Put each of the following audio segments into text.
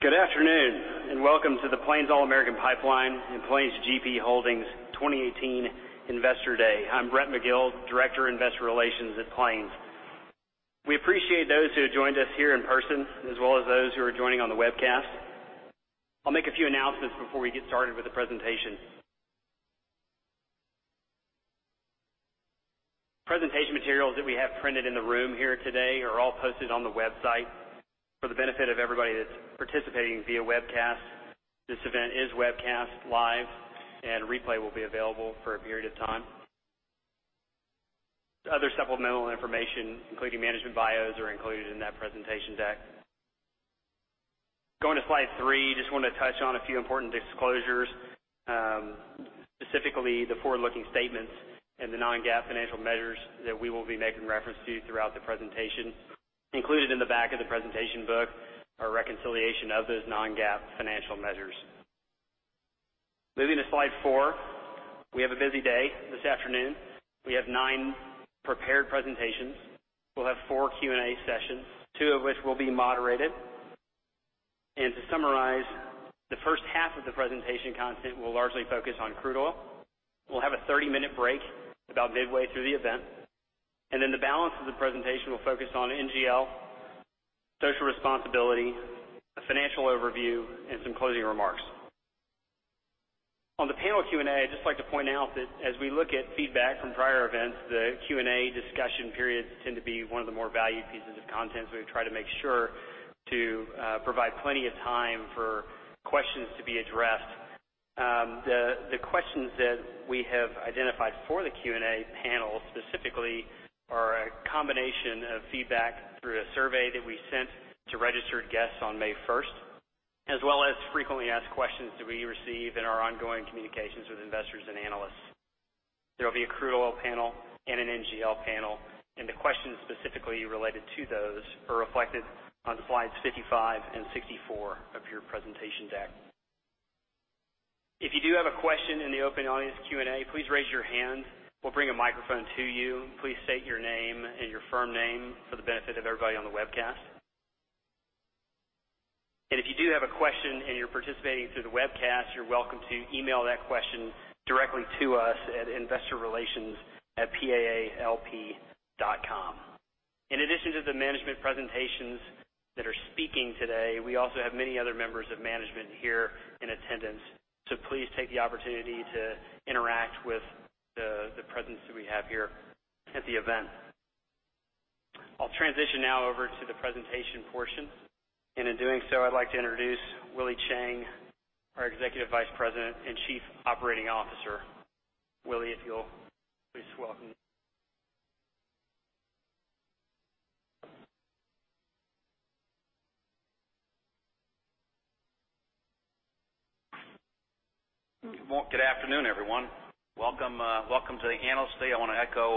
Good afternoon, and welcome to the Plains All American Pipeline and Plains GP Holdings 2018 Investor Day. I'm Brett Magellan, Director, Investor Relations at Plains. We appreciate those who have joined us here in person, as well as those who are joining on the webcast. I'll make a few announcements before we get started with the presentation. Presentation materials that we have printed in the room here today are all posted on the website. For the benefit of everybody that's participating via webcast, this event is webcast live, and replay will be available for a period of time. Other supplemental information, including management bios, are included in that presentation deck. Going to slide three, just want to touch on a few important disclosures, specifically the forward-looking statements and the non-GAAP financial measures that we will be making reference to throughout the presentation. Included in the back of the presentation book are reconciliation of those non-GAAP financial measures. Moving to slide four. We have a busy day this afternoon. We have nine prepared presentations. We'll have four Q&A sessions, two of which will be moderated. To summarize, the first half of the presentation content will largely focus on crude oil. We'll have a 30-minute break about midway through the event, the balance of the presentation will focus on NGL, social responsibility, a financial overview, and some closing remarks. On the panel Q&A, I'd just like to point out that as we look at feedback from prior events, the Q&A discussion periods tend to be one of the more valued pieces of content, we try to make sure to provide plenty of time for questions to be addressed. The questions that we have identified for the Q&A panel specifically are a combination of feedback through a survey that we sent to registered guests on May 1st, as well as frequently asked questions that we receive in our ongoing communications with investors and analysts. There will be a crude oil panel and an NGL panel, the questions specifically related to those are reflected on slides 55 and 64 of your presentation deck. If you do have a question in the open audience Q&A, please raise your hand. We'll bring a microphone to you. Please state your name and your firm name for the benefit of everybody on the webcast. If you do have a question and you're participating through the webcast, you're welcome to email that question directly to us at PlainsIR@plains.com. In addition to the management presentations that are speaking today, we also have many other members of management here in attendance, please take the opportunity to interact with the presence that we have here at the event. I'll transition now over to the presentation portion, in doing so, I'd like to introduce Willie Chiang, our Executive Vice President and Chief Operating Officer. Willie, if you'll please welcome. Good afternoon, everyone. Welcome to the Analyst Day. I want to echo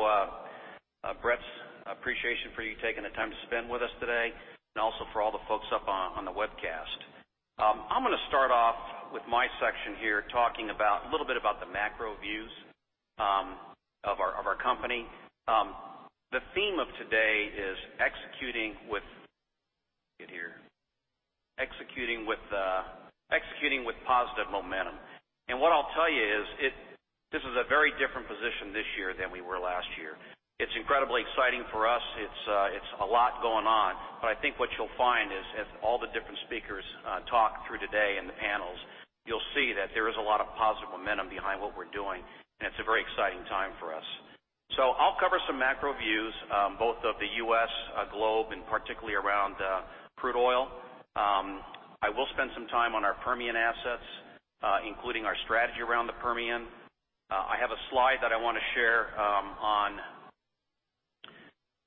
Brett's appreciation for you taking the time to spend with us today and also for all the folks up on the webcast. What I'll tell you is this is a very different position this year than we were last year. It's incredibly exciting for us. It's a lot going on. I think what you'll find is, as all the different speakers talk through today in the panels, you'll see that there is a lot of positive momentum behind what we're doing, and it's a very exciting time for us. I'll cover some macro views both of the U.S. globe and particularly around crude oil. I will spend some time on our Permian assets including our strategy around the Permian. I have a slide that I want to share on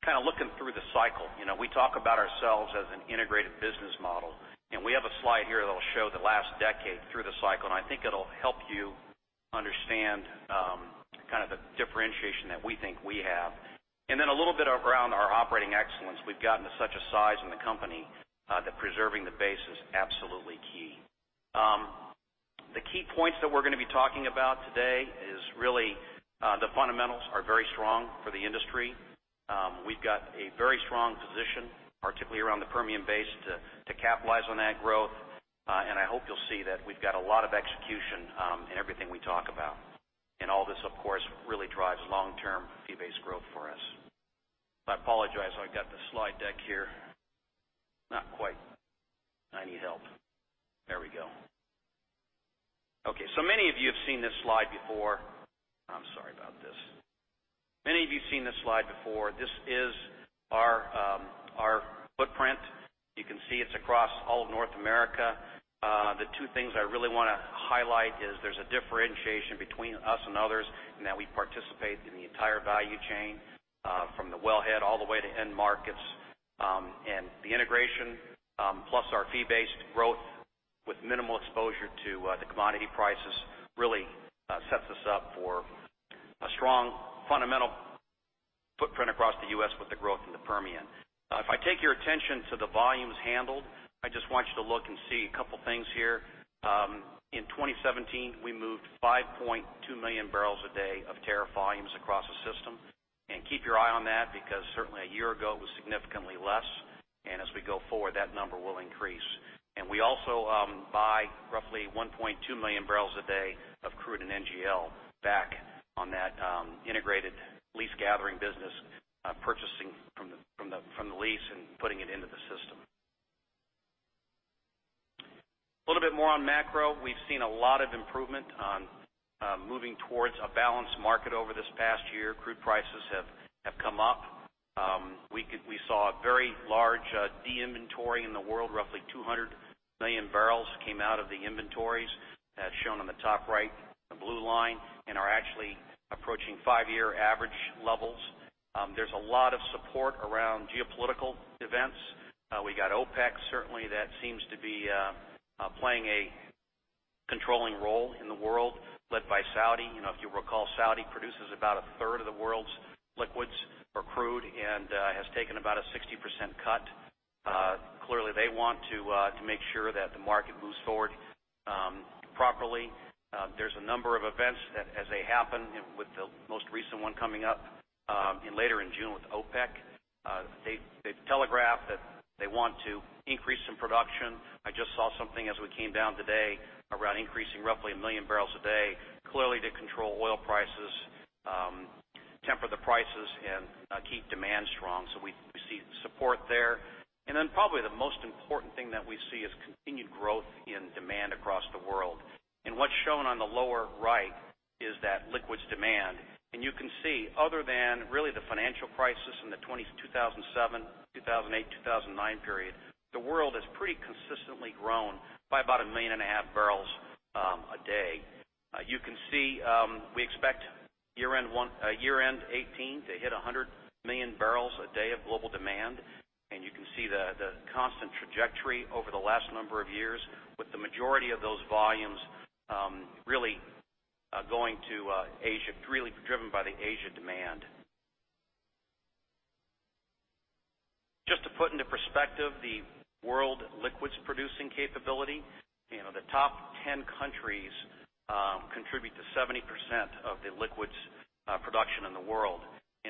kind of looking through the cycle. We talk about ourselves as an integrated business model, and we have a slide here that'll show the last decade through the cycle, and I think it'll help you understand the differentiation that we think we have. Then a little bit around our operating excellence. We've gotten to such a size in the company that preserving the base is absolutely key. The key points that we're going to be talking about today is really the fundamentals are very strong for the industry. We've got a very strong position, particularly around the Permian Basin, to capitalize on that growth. I hope you'll see that we've got a lot of execution in everything we talk about. All this, of course, really drives long-term fee-based growth for us. I apologize. I've got the slide deck here. Not quite. I need help. There we go. Okay. Many of you have seen this slide before. I'm sorry about this. Many of you have seen this slide before. This is our footprint. You can see it's across all of North America. The two things I really want to highlight is there's a differentiation between us and others in that we participate in the entire value chain from the wellhead all the way to end markets. The integration plus our fee-based growth with minimal exposure to the commodity prices really sets us up for a strong fundamental footprint across the U.S. with the growth in the Permian. If I take your attention to the volumes handled, I just want you to look and see a couple things here. In 2017, we moved 5.2 million barrels a day of tariff volumes across the system. Keep your eye on that, because certainly a year ago it was significantly less. As we go forward, that number will increase. We also buy roughly 1.2 million barrels a day of crude and NGL back on that integrated lease gathering business, purchasing from the lease and putting it into the system. A little bit more on macro. We've seen a lot of improvement on moving towards a balanced market over this past year. Crude prices have come up. We saw a very large de-inventory in the world. Roughly 200 million barrels came out of the inventories, as shown on the top right, the blue line, and are actually approaching five-year average levels. There's a lot of support around geopolitical events. We got OPEC, certainly, that seems to be playing a controlling role in the world, led by Saudi. If you will recall, Saudi produces about a third of the world's liquids or crude, and has taken about a 60% cut. Clearly, they want to make sure that the market moves forward properly. There is a number of events that as they happen, with the most recent one coming up later in June with OPEC. They have telegraphed that they want to increase some production. I just saw something as we came down today around increasing roughly 1 million barrels a day. Clearly to control oil prices, temper the prices, and keep demand strong. We see support there. Probably the most important thing that we see is continued growth in demand across the world. What is shown on the lower right is that liquids demand. You can see, other than really the financial crisis in the 2007, 2008, 2009 period, the world has pretty consistently grown by about 1.5 million barrels a day. You can see we expect year-end 2018 to hit 100 million barrels a day of global demand. You can see the constant trajectory over the last number of years with the majority of those volumes really going to Asia, really driven by the Asia demand. Just to put into perspective the world liquids producing capability. The top 10 countries contribute to 70% of the liquids production in the world.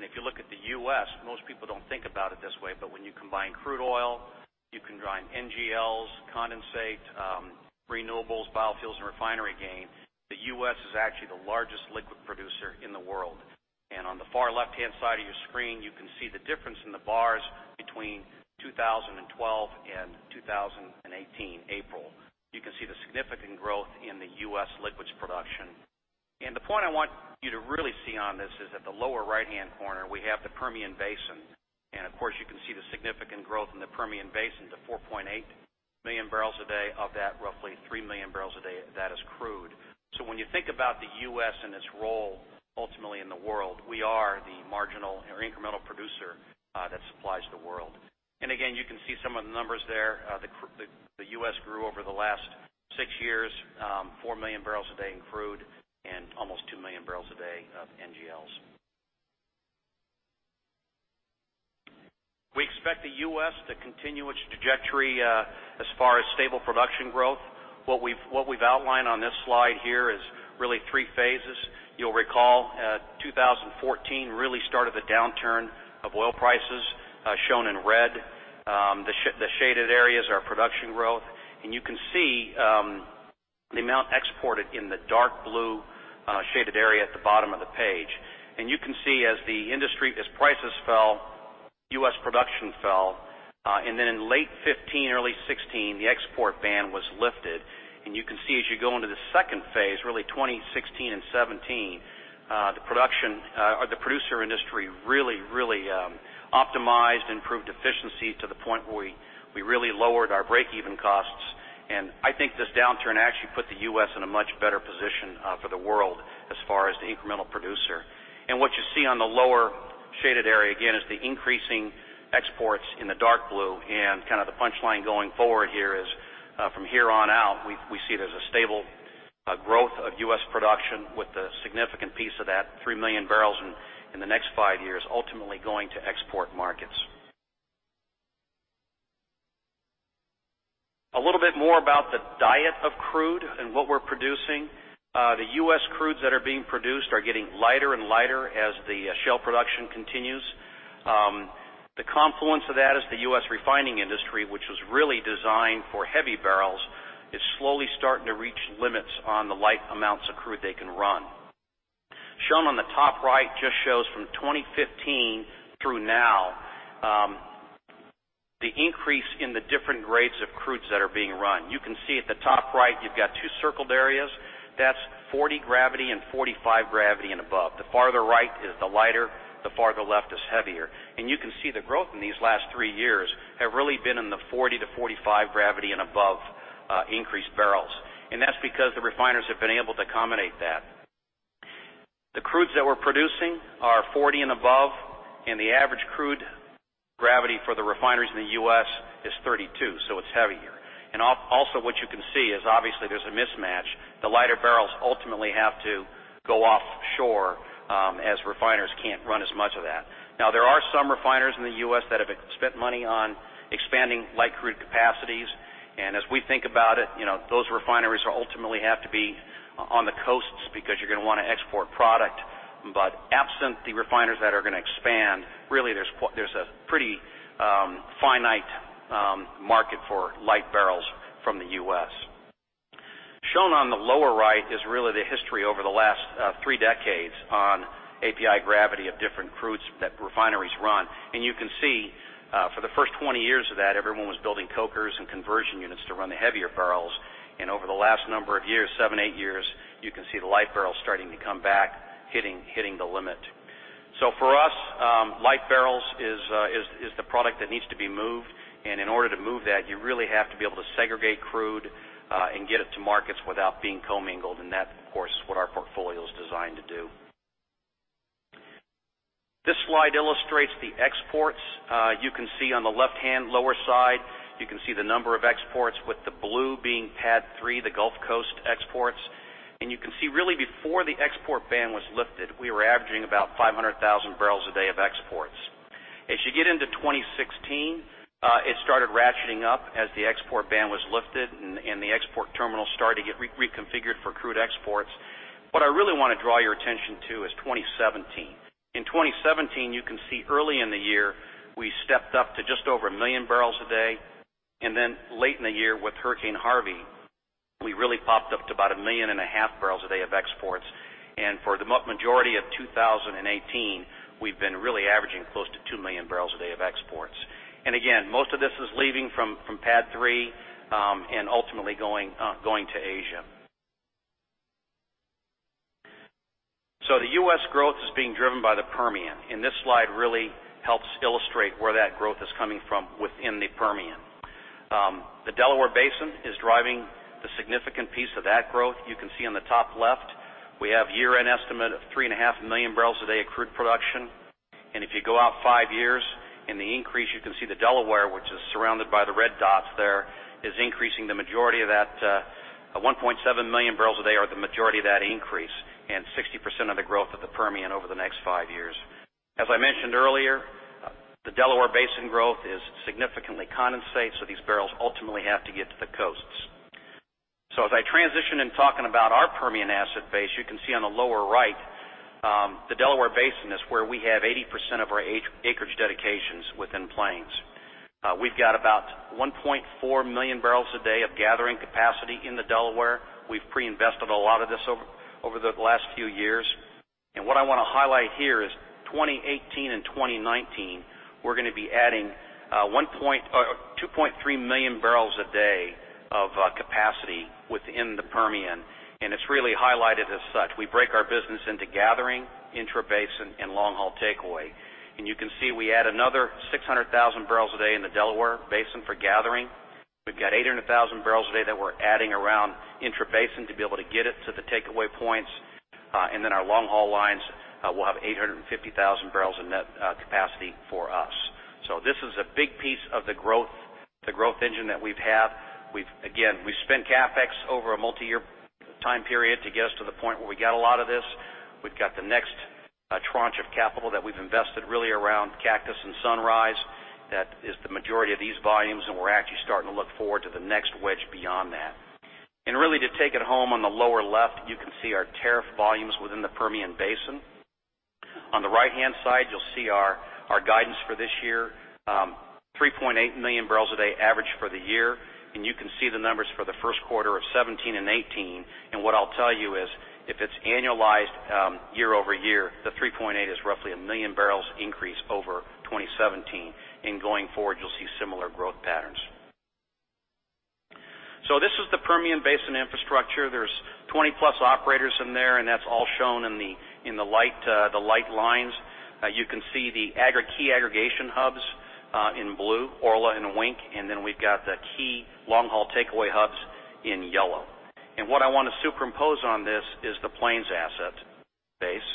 If you look at the U.S., most people do not think about it this way, but when you combine crude oil, you combine NGLs, condensate, renewables, biofuels, and refinery gain, the U.S. is actually the largest liquid producer in the world. On the far left-hand side of your screen, you can see the difference in the bars between 2012 and 2018, April. You can see the significant growth in the U.S. liquids production. The point I want you to really see on this is at the lower right-hand corner, we have the Permian Basin. Of course, you can see the significant growth in the Permian Basin to 4.8 million barrels a day. Of that, roughly 3 million barrels a day, that is crude. When you think about the U.S. and its role ultimately in the world, we are the marginal or incremental producer that supplies the world. Again, you can see some of the numbers there. The U.S. grew over the last six years, 4 million barrels a day in crude and almost 2 million barrels a day of NGLs. We expect the U.S. to continue its trajectory as far as stable production growth. What we have outlined on this slide here is really three phases. You will recall 2014 really started the downturn of oil prices, shown in red. The shaded areas are production growth. You can see the amount exported in the dark blue shaded area at the bottom of the page. You can see as prices fell, U.S. production fell. In late 2015, early 2016, the export ban was lifted. You can see as you go into the second phase, really 2016 and 2017, the producer industry really optimized, improved efficiency to the point where we really lowered our break-even costs. I think this downturn actually put the U.S. in a much better position for the world as far as the incremental producer. What you see on the lower shaded area again is the increasing exports in the dark blue, the punchline going forward here is from here on out, we see there's a stable growth of U.S. production with a significant piece of that 3 million barrels in the next 5 years ultimately going to export markets. A little bit more about the diet of crude and what we're producing. The U.S. crudes that are being produced are getting lighter and lighter as the shale production continues. The confluence of that is the U.S. refining industry, which was really designed for heavy barrels. It's slowly starting to reach limits on the light amounts of crude they can run. Shown on the top right just shows from 2015 through now, the increase in the different grades of crudes that are being run. You can see at the top right, you've got two circled areas. That's 40 gravity and 45 gravity and above. The farther right is the lighter, the farther left is heavier. You can see the growth in these last 3 years have really been in the 40-45 gravity and above increased barrels. That's because the refiners have been able to accommodate that. The crudes that we're producing are 40 and above, the average crude gravity for the refineries in the U.S. is 32, so it's heavier. Also what you can see is obviously there's a mismatch. The lighter barrels ultimately have to go offshore as refiners can't run as much of that. Now, there are some refiners in the U.S. that have spent money on expanding light crude capacities. As we think about it, those refineries will ultimately have to be on the coasts because you're going to want to export product. But absent the refiners that are going to expand, really there's a pretty finite market for light barrels from the U.S. Shown on the lower right is really the history over the last 3 decades on API gravity of different crudes that refineries run. You can see, for the first 20 years of that, everyone was building cokers and conversion units to run the heavier barrels. Over the last number of years, seven, eight years, you can see the light barrels starting to come back, hitting the limit. For us, light barrels is the product that needs to be moved. In order to move that, you really have to be able to segregate crude and get it to markets without being commingled. That, of course, is what our portfolio is designed to do. This slide illustrates the exports. You can see on the left-hand lower side, you can see the number of exports, with the blue being PADD 3, the Gulf Coast exports. You can see really before the export ban was lifted, we were averaging about 500,000 barrels a day of exports. As you get into 2016, it started ratcheting up as the export ban was lifted and the export terminal started to get reconfigured for crude exports. What I really want to draw your attention to is 2017. In 2017, you can see early in the year, we stepped up to just over 1 million barrels a day, late in the year with Hurricane Harvey, we really popped up to about 1.5 million barrels a day of exports. For the majority of 2018, we've been really averaging close to 2 million barrels a day of exports. Again, most of this is leaving from PADD 3 and ultimately going to Asia. The U.S. growth is being driven by the Permian, and this slide really helps illustrate where that growth is coming from within the Permian. The Delaware Basin is driving the significant piece of that growth. You can see on the top left, we have year-end estimate of 3.5 million barrels a day of crude production. If you go out five years, in the increase, you can see the Delaware, which is surrounded by the red dots there, is increasing the majority of that. 1.7 million barrels a day are the majority of that increase and 60% of the growth of the Permian over the next five years. As I mentioned earlier, the Delaware Basin growth is significantly condensate, these barrels ultimately have to get to the coasts. As I transition in talking about our Permian asset base, you can see on the lower right the Delaware Basin is where we have 80% of our acreage dedications within Plains. We've got about 1.4 million barrels a day of gathering capacity in the Delaware. We've pre-invested a lot of this over the last few years. What I want to highlight here is 2018 and 2019, we're going to be adding 2.3 million barrels a day of capacity within the Permian, and it's really highlighted as such. We break our business into gathering, intrabasin, and long-haul takeaway. You can see we add another 600,000 barrels a day in the Delaware Basin for gathering. We've got 800,000 barrels a day that we're adding around intrabasin to be able to get it to the takeaway points. Then our long-haul lines will have 850,000 barrels in net capacity for us. This is a big piece of the growth engine that we've had. Again, we've spent CapEx over a multi-year time period to get us to the point where we got a lot of this. We've got the next tranche of capital that we've invested really around Cactus and Sunrise. That is the majority of these volumes, and we're actually starting to look forward to the next wedge beyond that. Really to take it home, on the lower left, you can see our tariff volumes within the Permian Basin. On the right-hand side, you'll see our guidance for this year, 3.8 million barrels a day average for the year. You can see the numbers for the first quarter of 2017 and 2018. What I'll tell you is if it's annualized year-over-year, the 3.8 is roughly 1 million barrels increase over 2017, and going forward, you'll see similar growth patterns. This is the Permian Basin infrastructure. There's 20-plus operators in there, and that's all shown in the light lines. You can see the key aggregation hubs in blue, Orla and Wink, and then we've got the key long-haul takeaway hubs in yellow. What I want to superimpose on this is the Plains asset base.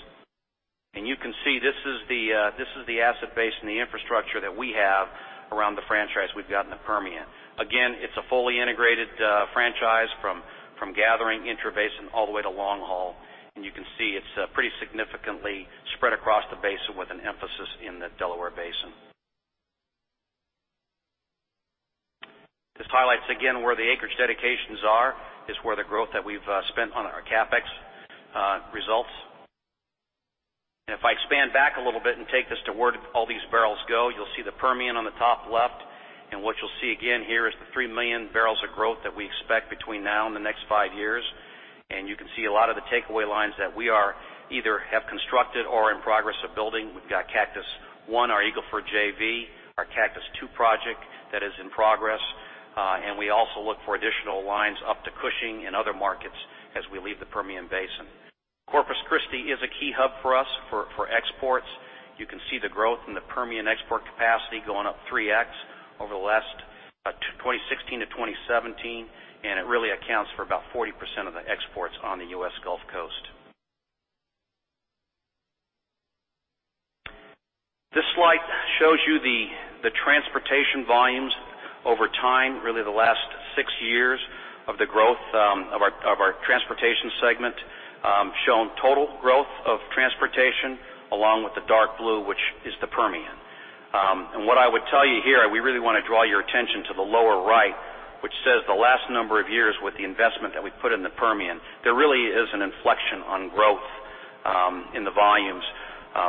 You can see this is the asset base and the infrastructure that we have around the franchise we've got in the Permian. Again, it's a fully integrated franchise from gathering intrabasin all the way to long haul. You can see it's pretty significantly spread across the basin with an emphasis in the Delaware Basin. This highlights again where the acreage dedications are, is where the growth that we've spent on our CapEx results. If I expand back a little bit and take this to where all these barrels go, you'll see the Permian on the top left. What you'll see again here is the 3 million barrels of growth that we expect between now and the next 5 years. You can see a lot of the takeaway lines that we are either have constructed or in progress of building. We've got Cactus I, our Eagle Ford JV, our Cactus II project that is in progress. We also look for additional lines up to Cushing and other markets as we leave the Permian Basin. Corpus Christi is a key hub for us for exports. You can see the growth in the Permian export capacity going up 3x over the last 2016-2017, it really accounts for about 40% of the exports on the U.S. Gulf Coast. This slide shows you the transportation volumes over time, really the last 6 years of the growth of our Transportation segment shown total growth of Transportation along with the dark blue, which is the Permian. What I would tell you here, we really want to draw your attention to the lower right, which says the last number of years with the investment that we put in the Permian. There really is an inflection on growth in the volumes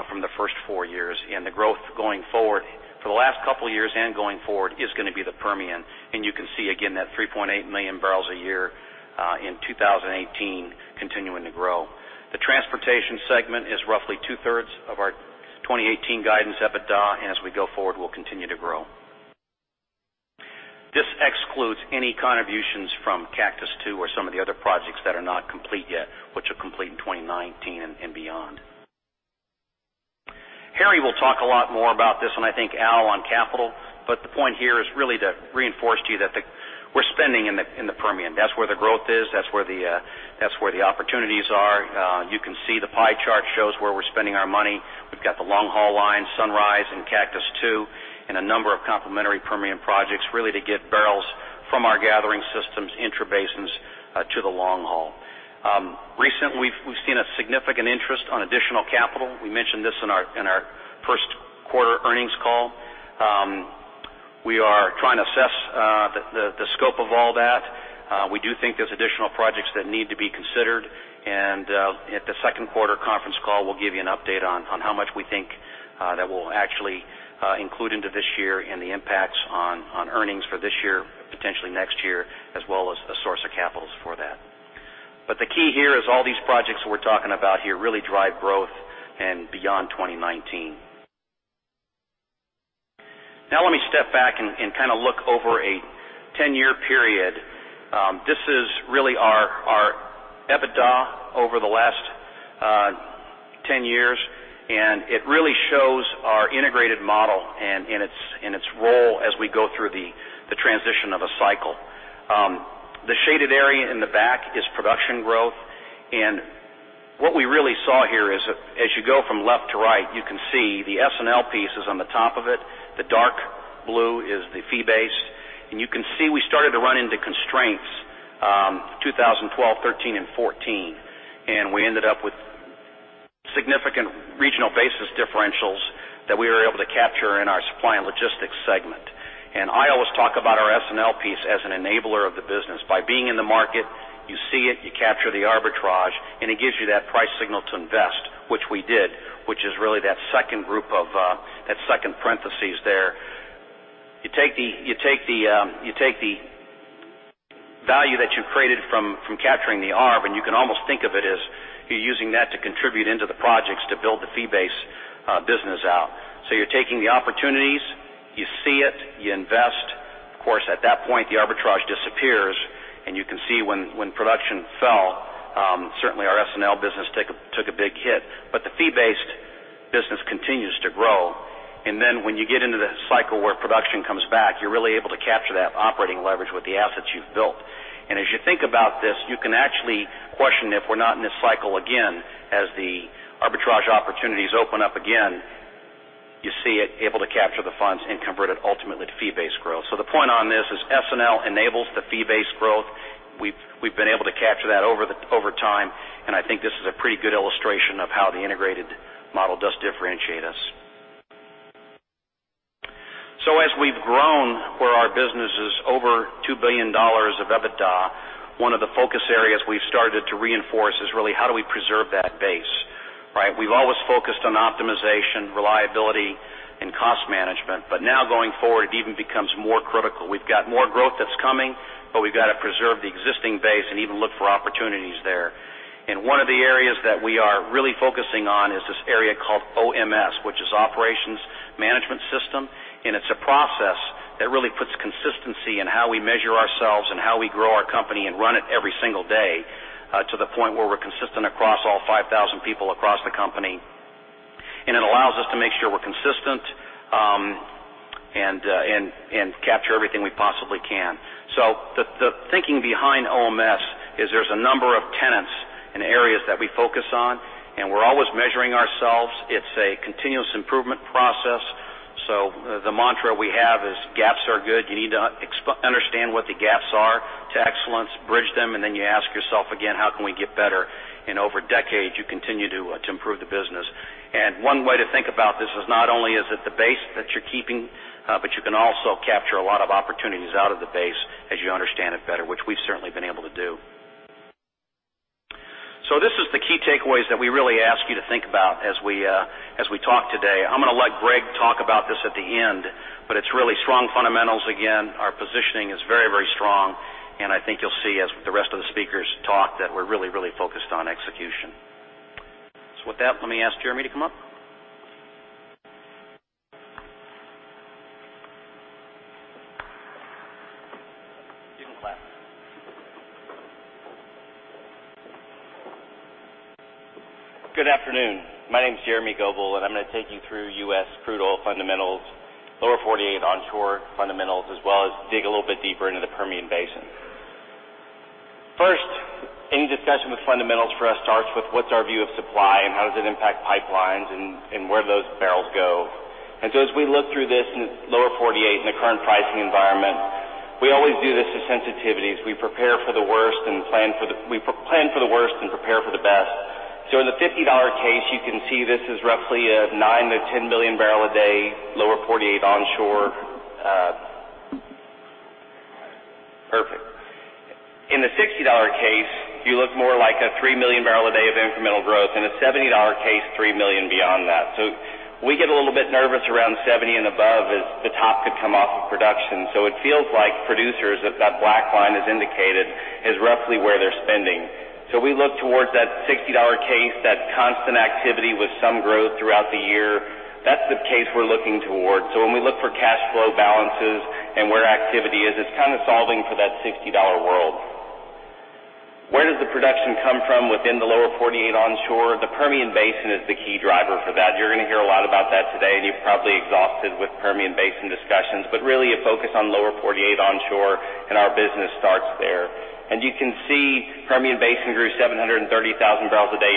from the first 4 years, the growth going forward for the last couple of years and going forward is going to be the Permian. You can see again that 3.8 million barrels a year in 2018 continuing to grow. The Transportation segment is roughly two-thirds of our 2018 guidance EBITDA, as we go forward, we'll continue to grow. This excludes any contributions from Cactus II or some of the other projects that are not complete yet, which will complete in 2019 and beyond. Harry will talk a lot more about this, I think Al on capital. The point here is really to reinforce to you that we're spending in the Permian. That's where the growth is, that's where the opportunities are. You can see the pie chart shows where we're spending our money. We've got the long-haul line, Sunrise, Cactus II, and a number of complementary Permian projects really to get barrels from our gathering systems intra-basin to the long haul. Recently, we've seen a significant interest on additional capital. We mentioned this in our first quarter earnings call. We are trying to assess the scope of all that. We do think there's additional projects that need to be considered. At the second quarter conference call, we'll give you an update on how much we think that we'll actually include into this year and the impacts on earnings for this year, potentially next year, as well as the source of capitals for that. The key here is all these projects we're talking about here really drive growth and beyond 2019. Now let me step back and look over a 10-year period. This is really our EBITDA over the last 10 years, it really shows our integrated model and its role as we go through the transition of a cycle. The shaded area in the back is production growth. What we really saw here is as you go from left to right, you can see the S&L piece is on the top of it. The dark blue is the fee-based. You can see we started to run into constraints 2012, 2013, and 2014. We ended up with significant regional basis differentials that we were able to capture in our Supply and Logistics segment. I always talk about our S&L piece as an enabler of the business. By being in the market, you see it, you capture the arbitrage, and it gives you that price signal to invest, which we did, which is really that second parentheses there. You take the value that you created from capturing the arb, and you can almost think of it as you're using that to contribute into the projects to build the fee-based business out. You're taking the opportunities, you see it, you invest. Of course, at that point, the arbitrage disappears, and you can see when production fell. Certainly our S&L business took a big hit. The fee-based business continues to grow. When you get into the cycle where production comes back, you're really able to capture that operating leverage with the assets you've built. As you think about this, you can actually question if we're not in this cycle again. As the arbitrage opportunities open up again, you see it able to capture the funds and convert it ultimately to fee-based growth. The point on this is S&L enables the fee-based growth. We've been able to capture that over time, and I think this is a pretty good illustration of how the integrated model does differentiate us. As we've grown where our business is over $2 billion of EBITDA, one of the focus areas we've started to reinforce is really how do we preserve that base. We've always focused on optimization, reliability, and cost management. Now going forward, it even becomes more critical. We've got more growth that's coming, but we've got to preserve the existing base and even look for opportunities there. One of the areas that we are really focusing on is this area called OMS, which is Operations Management System, and it's a process that really puts consistency in how we measure ourselves and how we grow our company and run it every single day to the point where we're consistent across all 5,000 people across the company. It allows us to make sure we're consistent and capture everything we possibly can. The thinking behind OMS is there's a number of tenets and areas that we focus on, and we're always measuring ourselves. It's a continuous improvement process. The mantra we have is gaps are good. You need to understand what the gaps are to excellence, bridge them, and then you ask yourself again, how can we get better? Over decades, you continue to improve the business. One way to think about this is not only is it the base that you're keeping, but you can also capture a lot of opportunities out of the base as you understand it better, which we've certainly been able to do. This is the key takeaways that we really ask you to think about as we talk today. I'm going to let Greg talk about this at the end, but it's really strong fundamentals. Our positioning is very, very strong. I think you'll see as the rest of the speakers talk that we're really, really focused on execution. With that, let me ask Jeremy to come up. You can clap. Good afternoon. My name's Jeremy Goebel. I'm going to take you through U.S. crude oil fundamentals, Lower 48 onshore fundamentals, as well as dig a little bit deeper into the Permian Basin. First, any discussion with fundamentals for us starts with what's our view of supply and how does it impact pipelines and where those barrels go. As we look through this in the Lower 48 in the current pricing environment, we always do this to sensitivities. We plan for the worst and prepare for the best. In the $50 case, you can see this is roughly a 9-10 million barrels a day Lower 48 onshore. Perfect. In the $60 case, you look more like a three million barrels a day of incremental growth. In a $70 case, three million beyond that. We get a little bit nervous around 70 and above as the top could come off of production. It feels like producers, that black line has indicated, is roughly where they're spending. We look towards that $60 case, that constant activity with some growth throughout the year. That's the case we're looking towards. When we look for cash flow balances and where activity is, it's kind of solving for that $60 world. Where does the production come from within the Lower 48 onshore? The Permian Basin is the key driver for that. You're going to hear a lot about that today, and you're probably exhausted with Permian Basin discussions. Really, a focus on Lower 48 onshore and our business starts there. You can see Permian Basin grew 730,000 barrels a day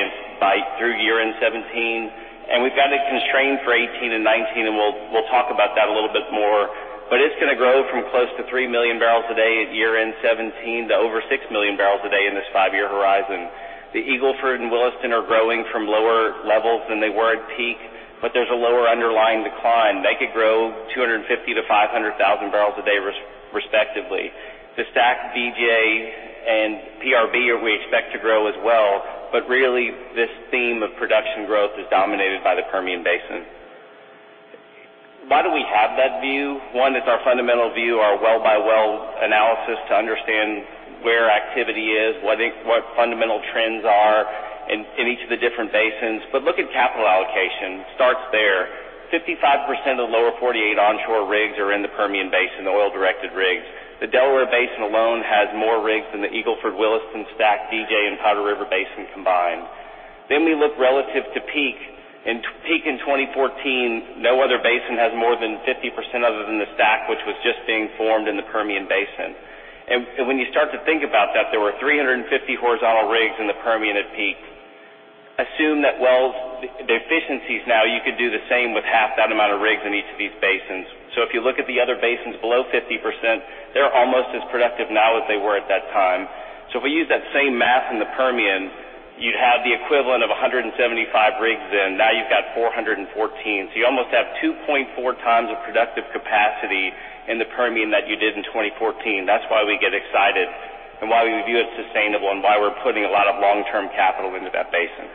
through year-end 2017, and we've got it constrained for 2018 and 2019, and we'll talk about that a little bit more. It's going to grow from close to 3 million barrels a day at year-end 2017 to over 6 million barrels a day in this five-year horizon. The Eagle Ford and Williston are growing from lower levels than they were at peak, there's a lower underlying decline. They could grow 250,000 to 500,000 barrels a day respectively. The STACK, DJ, and PRB we expect to grow as well. Really this theme of production growth is dominated by the Permian Basin. Why do we have that view? One is our fundamental view, our well-by-well analysis to understand where activity is, what fundamental trends are in each of the different basins. Look at capital allocation. Starts there. 55% of the Lower 48 onshore rigs are in the Permian Basin, oil-directed rigs. The Delaware Basin alone has more rigs than the Eagle Ford, Williston, STACK, DJ, and Powder River Basin combined. We look relative to peak. In peak in 2014, no other basin has more than 50% other than the STACK, which was just being formed in the Permian Basin. When you start to think about that, there were 350 horizontal rigs in the Permian at peak. Assume that wells, the efficiencies now, you could do the same with half that amount of rigs in each of these basins. If you look at the other basins below 50%, they're almost as productive now as they were at that time. If we use that same math in the Permian, you'd have the equivalent of 175 rigs in. Now you've got 414. You almost have 2.4 times the productive capacity in the Permian that you did in 2014. That's why we get excited and why we view it sustainable and why we're putting a lot of long-term capital into that basin.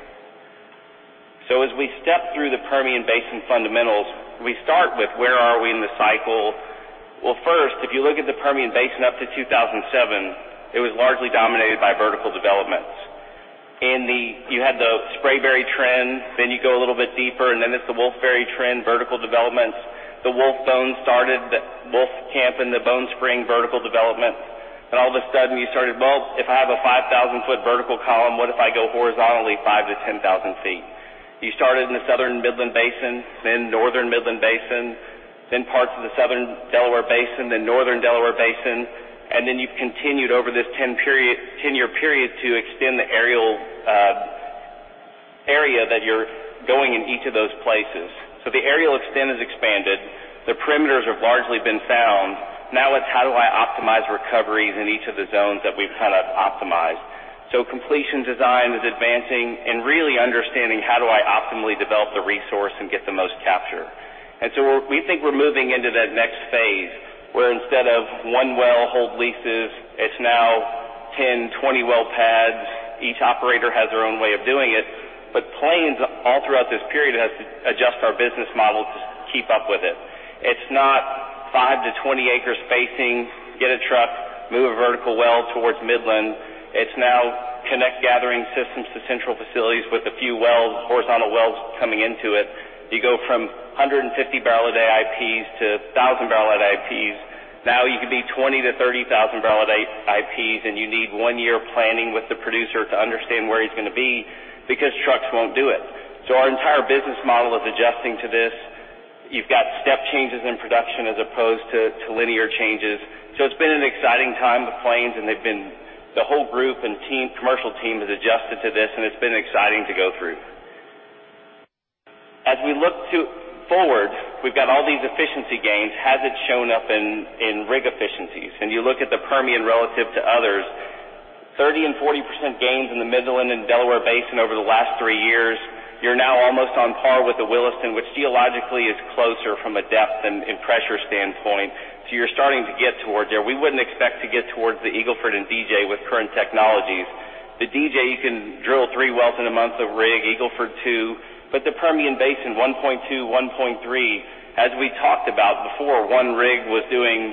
As we step through the Permian Basin fundamentals, we start with where are we in the cycle. First, if you look at the Permian Basin up to 2007, it was largely dominated by vertical developments. You had the Spraberry trend, you go a little bit deeper, it's the Wolfberry trend, vertical developments. The Wolfcamp and the Bone Spring vertical developments. All of a sudden, you started, "Well, if I have a 5,000-foot vertical column, what if I go horizontally 5,000-10,000 feet?" You started in the Southern Midland Basin, then Northern Midland Basin, then parts of the Southern Delaware Basin, then Northern Delaware Basin, and then you've continued over this 10-year period to extend the area that you're going in each of those places. The areal extent has expanded. The perimeters have largely been found. Now, it's how do I optimize recoveries in each of the zones that we've optimized? Completion design is advancing and really understanding how do I optimally develop the resource and get the most capture. We think we're moving into that next phase, where instead of one well hold leases, it's now 10, 20 well pads. Each operator has their own way of doing it. Plains, all throughout this period, has to adjust our business model to keep up with it. It's not 5-20 acres spacing, get a truck, move a vertical well towards Midland. It's now connect gathering systems to central facilities with a few wells, horizontal wells coming into it. You go from 150-barrel-a-day IPs to 1,000-barrel-a-day IPs. Now you can be 20,000-30,000-barrel-a-day IPs, and you need one year planning with the producer to understand where he's going to be because trucks won't do it. Our entire business model is adjusting to this. You've got step changes in production as opposed to linear changes. It's been an exciting time with Plains, and the whole group and commercial team has adjusted to this, and it's been exciting to go through. As we look forward, we've got all these efficiency gains. Has it shown up in rig efficiencies? You look at the Permian relative to others, 30%-40% gains in the Midland and Delaware Basin over the last three years. You're now almost on par with the Williston, which geologically is closer from a depth and pressure standpoint. You're starting to get towards there. We wouldn't expect to get towards the Eagle Ford and DJ with current technologies. The DJ, you can drill three wells in a month of rig, Eagle Ford two. The Permian Basin, 1.2, 1.3. As we talked about before, one rig was doing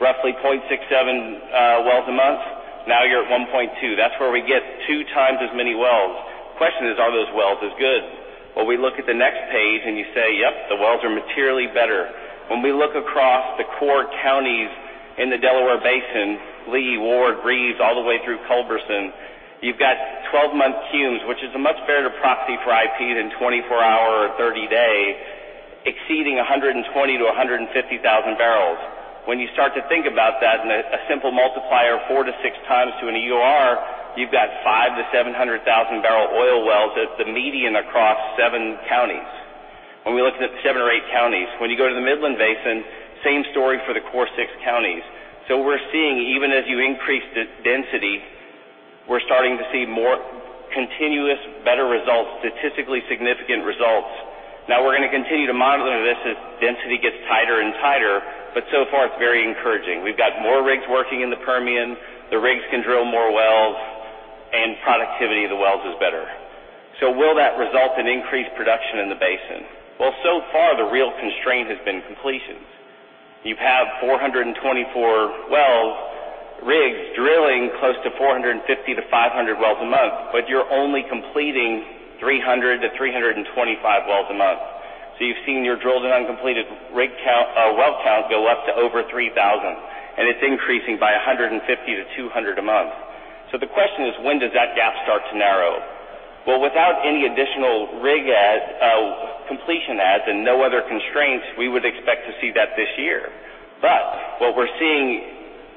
roughly 0.67 wells a month. Now you're at 1.2. That's where we get two times as many wells. Question is, are those wells as good? We look at the next page and you say, "Yep, the wells are materially better." When we look across the core counties in the Delaware Basin, Lea, Ward, Reeves, all the way through Culberson, you've got 12-month CUMs, which is a much better proxy for IP than 24-hour or 30-day. Exceeding 120,000-150,000 barrels. When you start to think about that and a simple multiplier of four to six times to an EUR, you've got 500,000-700,000 barrel oil wells as the median across seven counties. When we looked at the seven or eight counties. When you go to the Midland Basin, same story for the core six counties. We're seeing even as you increase the density, we're starting to see more continuous, better results, statistically significant results. We're going to continue to monitor this as density gets tighter and tighter, but so far it's very encouraging. We've got more rigs working in the Permian. The rigs can drill more wells, and productivity of the wells is better. Will that result in increased production in the basin? So far the real constraint has been completions. You have 424 wells, rigs drilling close to 450 to 500 wells a month, but you're only completing 300 to 325 wells a month. You've seen your drilled and uncompleted well count go up to over 3,000, and it's increasing by 150 to 200 a month. The question is, when does that gap start to narrow? Without any additional rig adds, completion adds, and no other constraints, we would expect to see that this year. What we're seeing,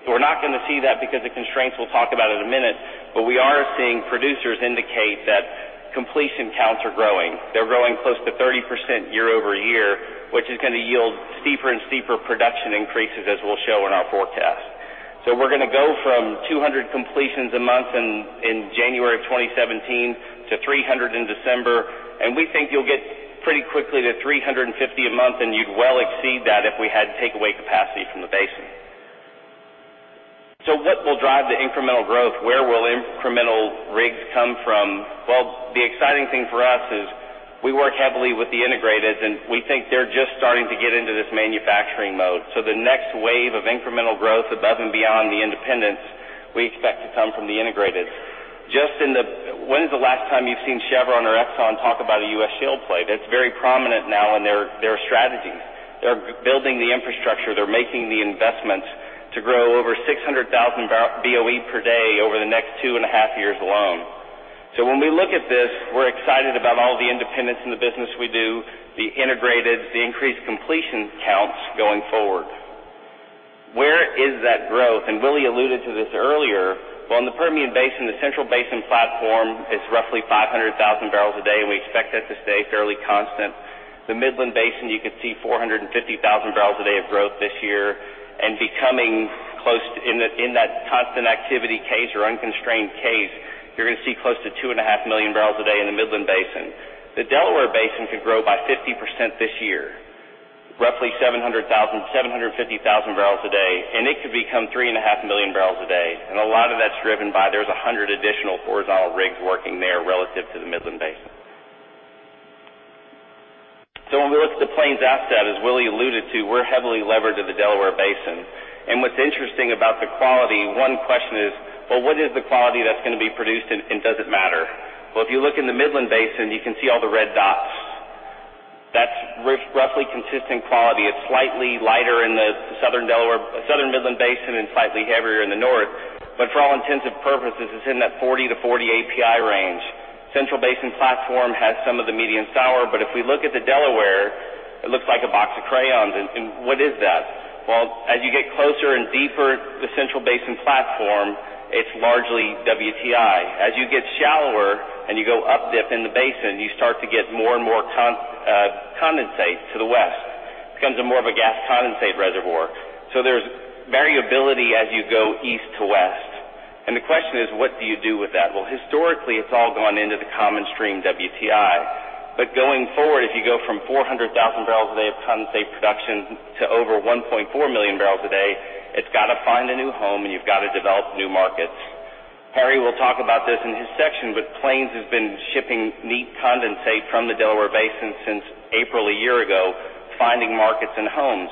we're not going to see that because the constraints we'll talk about in a minute, but we are seeing producers indicate that completion counts are growing. They're growing close to 30% year-over-year, which is going to yield steeper and steeper production increases as we'll show in our forecast. We're going to go from 200 completions a month in January 2017 to 300 in December, and we think you'll get pretty quickly to 350 a month, and you'd well exceed that if we had to take away capacity from the basin. What will drive the incremental growth? Where will incremental rigs come from? The exciting thing for us is we work heavily with the integrated, and we think they're just starting to get into this manufacturing mode. The next wave of incremental growth above and beyond the independents, we expect to come from the integrated. When is the last time you've seen Chevron or Exxon talk about a U.S. shale play? That's very prominent now in their strategies. They're building the infrastructure, they're making the investments to grow over 600,000 Boe per day over the next 2.5 years alone. When we look at this, we're excited about all the independents in the business we do, the integrated, the increased completion counts going forward. Where is that growth? Willie alluded to this earlier. In the Permian Basin, the Central Basin Platform is roughly 500,000 barrels a day, and we expect that to stay fairly constant. The Midland Basin, you could see 450,000 barrels a day of growth this year and becoming close in that constant activity case or unconstrained case, you're going to see close to 2.5 million barrels a day in the Midland Basin. The Delaware Basin could grow by 50% this year, roughly 750,000 barrels a day, and it could become 3.5 million barrels a day. A lot of that's driven by there's 100 additional horizontal rigs working there relative to the Midland Basin. When we look at the Plains asset, as Willie alluded to, we're heavily levered to the Delaware Basin. What's interesting about the quality, one question is, what is the quality that's going to be produced and does it matter? If you look in the Midland Basin, you can see all the red dots. That's roughly consistent quality. It is slightly lighter in the Southern Midland Basin and slightly heavier in the north. For all intents and purposes, it is in that 40-40 API range. Central Basin Platform has some of the medium sour, but if we look at the Delaware, it looks like a box of crayons. What is that? Well, as you get closer and deeper into the Central Basin Platform, it is largely WTI. As you get shallower and you go up-dip in the basin, you start to get more and more condensate to the west. Becomes a more of a gas condensate reservoir. There is variability as you go east to west. The question is, what do you do with that? Well, historically, it has all gone into the common stream WTI. Going forward, if you go from 400,000 barrels a day of condensate production to over 1.4 million barrels a day, it has got to find a new home and you have got to develop new markets. Harry will talk about this in his section, but Plains has been shipping neat condensate from the Delaware Basin since April a year ago, finding markets and homes.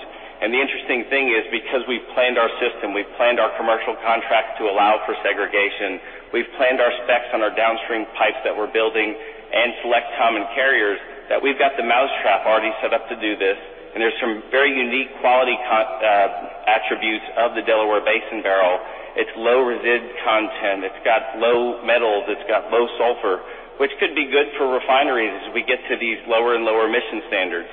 The interesting thing is because we have planned our system, we have planned our commercial contracts to allow for segregation, we have planned our specs on our downstream pipes that we are building and select common carriers, that we have got the mousetrap already set up to do this. There are some very unique quality attributes of the Delaware Basin barrel. It is low resid content. It has got low metals. It has got low sulfur, which could be good for refineries as we get to these lower and lower emission standards.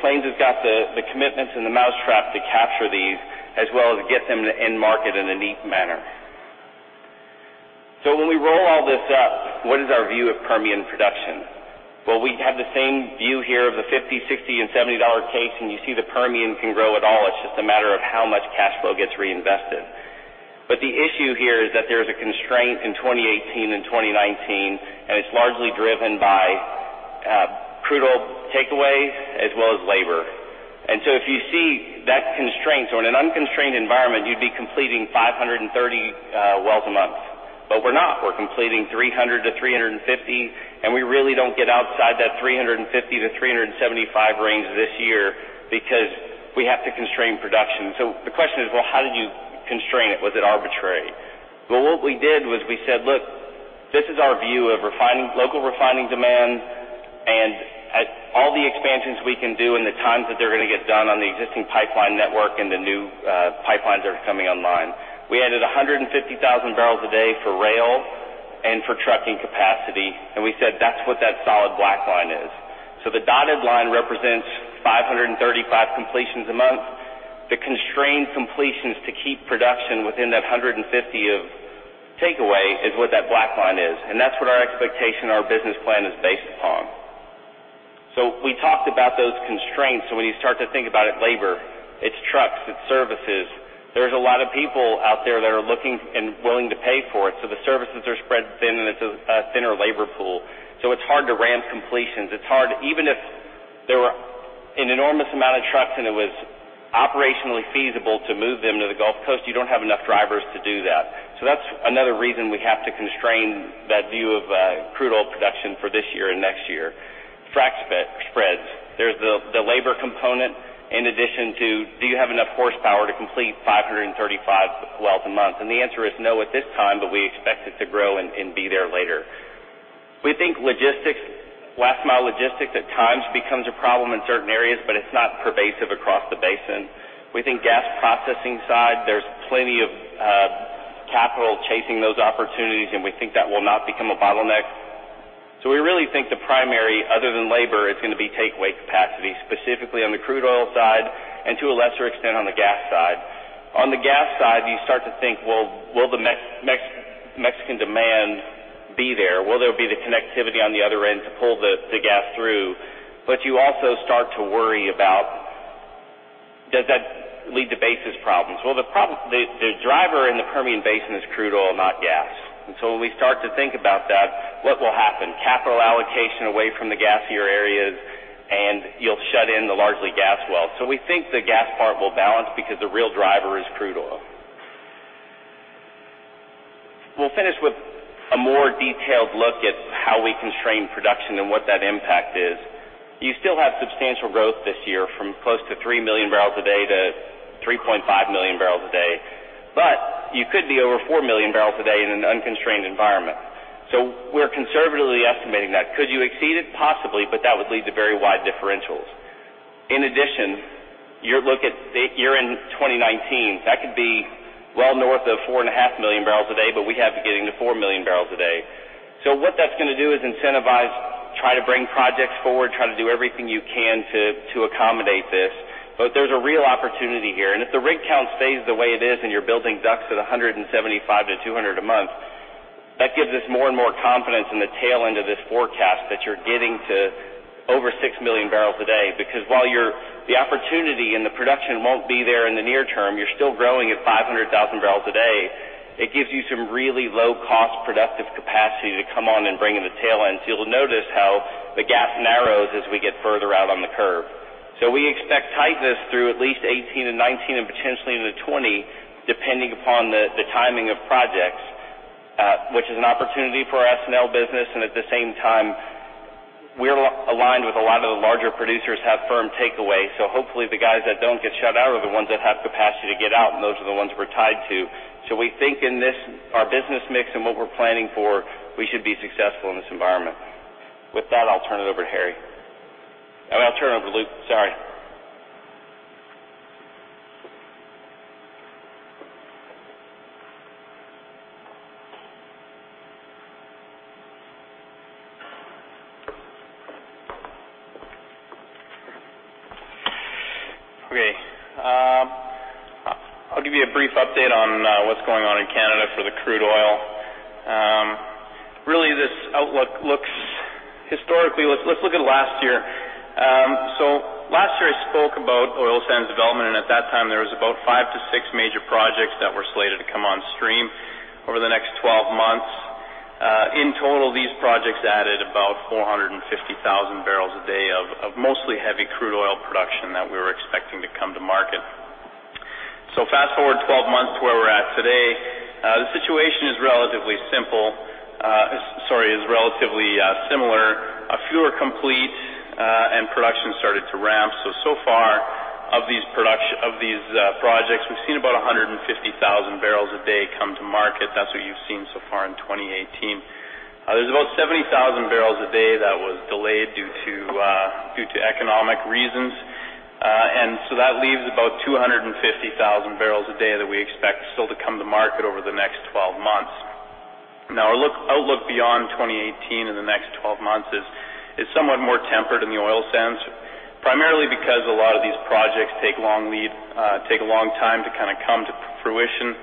Plains has got the commitments and the mousetrap to capture these as well as get them to end market in a neat manner. When we roll all this up, what is our view of Permian production? Well, we have the same view here of the $50, $60, and $70 case, and you see the Permian can grow at all. It is just a matter of how much cash flow gets reinvested. The issue here is that there is a constraint in 2018 and 2019, and it is largely driven by crude oil takeaway as well as labor. If you see that constraint, so in an unconstrained environment, you would be completing 530 wells a month. We are not. We are completing 300-350, and we really do not get outside that 350-375 range this year because we have to constrain production. The question is, well, how did you constrain it? Was it arbitrary? Well, what we did was we said, "Look, this is our view of local refining demand and all the expansions we can do and the times that they are going to get done on the existing pipeline network and the new pipelines that are coming online." We added 150,000 barrels a day for rail and for trucking capacity. We said that is what that solid black line is. The dotted line represents 535 completions a month. The constrained completions to keep production within that 150 of takeaway is what that black line is, and that is what our expectation, our business plan is based upon. We talked about those constraints. When you start to think about it, labor, it is trucks, it is services. There's a lot of people out there that are looking and willing to pay for it. The services are spread thin, and it's a thinner labor pool. It's hard to ramp completions. Even if there were an enormous amount of trucks and it was operationally feasible to move them to the Gulf Coast, you don't have enough drivers to do that. That's another reason we have to constrain that view of crude oil production for this year and next year. Frac spreads. There's the labor component in addition to, do you have enough horsepower to complete 535 wells a month? The answer is no at this time, but we expect it to grow and be there later. We think last mile logistics at times becomes a problem in certain areas, but it's not pervasive across the basin. We think gas processing side, there's plenty of capital chasing those opportunities, we think that will not become a bottleneck. We really think the primary, other than labor, is going to be takeaway capacity, specifically on the crude oil side and to a lesser extent, on the gas side. On the gas side, you start to think, well, will the Mexican demand be there? Will there be the connectivity on the other end to pull the gas through? You also start to worry about, does that lead to basis problems? Well, the driver in the Permian Basin is crude oil, not gas. When we start to think about that, what will happen? Capital allocation away from the gassier areas, and you'll shut in the largely gas wells. We think the gas part will balance because the real driver is crude oil. We'll finish with a more detailed look at how we constrain production and what that impact is. You still have substantial growth this year from close to 3 million barrels a day to 3.5 million barrels a day, you could be over 4 million barrels a day in an unconstrained environment. We're conservatively estimating that. Could you exceed it? Possibly, that would lead to very wide differentials. In addition, year-end 2019, that could be well north of 4.5 million barrels a day, but we have it getting to 4 million barrels a day. What that's going to do is incentivize, try to bring projects forward, try to do everything you can to accommodate this. There's a real opportunity here. If the rig count stays the way it is and you're building DUCs at 175-200 a month, that gives us more and more confidence in the tail end of this forecast that you're getting to over 6 million barrels a day. Because while the opportunity and the production won't be there in the near term, you're still growing at 500,000 barrels a day. It gives you some really low-cost, productive capacity to come on and bring in the tail end. You'll notice how the gap narrows as we get further out on the curve. We expect tightness through at least 2018 and 2019, and potentially into 2020, depending upon the timing of projects, which is an opportunity for our S&L business. At the same time, we're aligned with a lot of the larger producers have firm takeaway. Hopefully, the guys that don't get shut out are the ones that have capacity to get out, and those are the ones we're tied to. We think in our business mix and what we're planning for, we should be successful in this environment. With that, I'll turn it over to Harry. I'll turn it over to Luke. Sorry. Okay. I'll give you a brief update on what's going on in Canada for the crude oil. Let's look at last year. Last year, I spoke about oil sands development, and at that time, there was about five to six major projects that were slated to come on stream over the next 12 months. In total, these projects added about 450,000 barrels a day of mostly heavy crude oil production that we were expecting to come to market. Fast-forward 12 months to where we're at today, the situation is relatively similar. A few are complete, and production started to ramp. So far of these projects, we've seen about 150,000 barrels a day come to market. That's what you've seen so far in 2018. There's about 70,000 barrels a day that was delayed due to economic reasons. That leaves about 250,000 barrels a day that we expect still to come to market over the next 12 months. Now, our outlook beyond 2018 in the next 12 months is somewhat more tempered in the oil sands, primarily because a lot of these projects take a long time to come to fruition.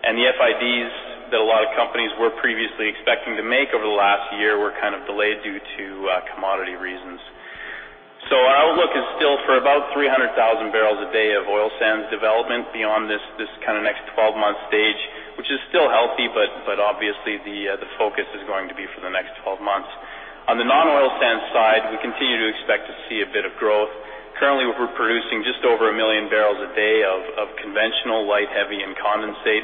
The FIDs that a lot of companies were previously expecting to make over the last year were delayed due to commodity reasons. Our outlook is still for about 300,000 barrels a day of oil sands development beyond this next 12-month stage, which is still healthy, but obviously, the focus is going to be for the next 12 months. On the non-oil sands side, we continue to expect to see a bit of growth. Currently, we're producing just over 1 million barrels a day of conventional light, heavy, and condensate.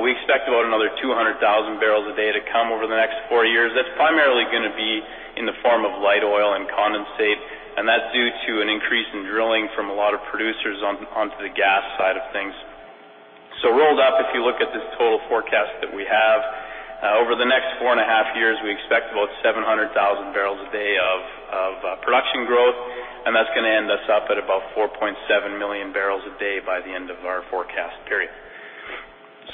We expect about another 200,000 barrels a day to come over the next four years. That's primarily going to be in the form of light oil and condensate, and that's due to an increase in drilling from a lot of producers onto the gas side of things. Rolled up, if you look at this total forecast that we have, over the next four and a half years, we expect about 700,000 barrels a day of production growth, and that's going to end us up at about 4.7 million barrels a day by the end of our forecast period.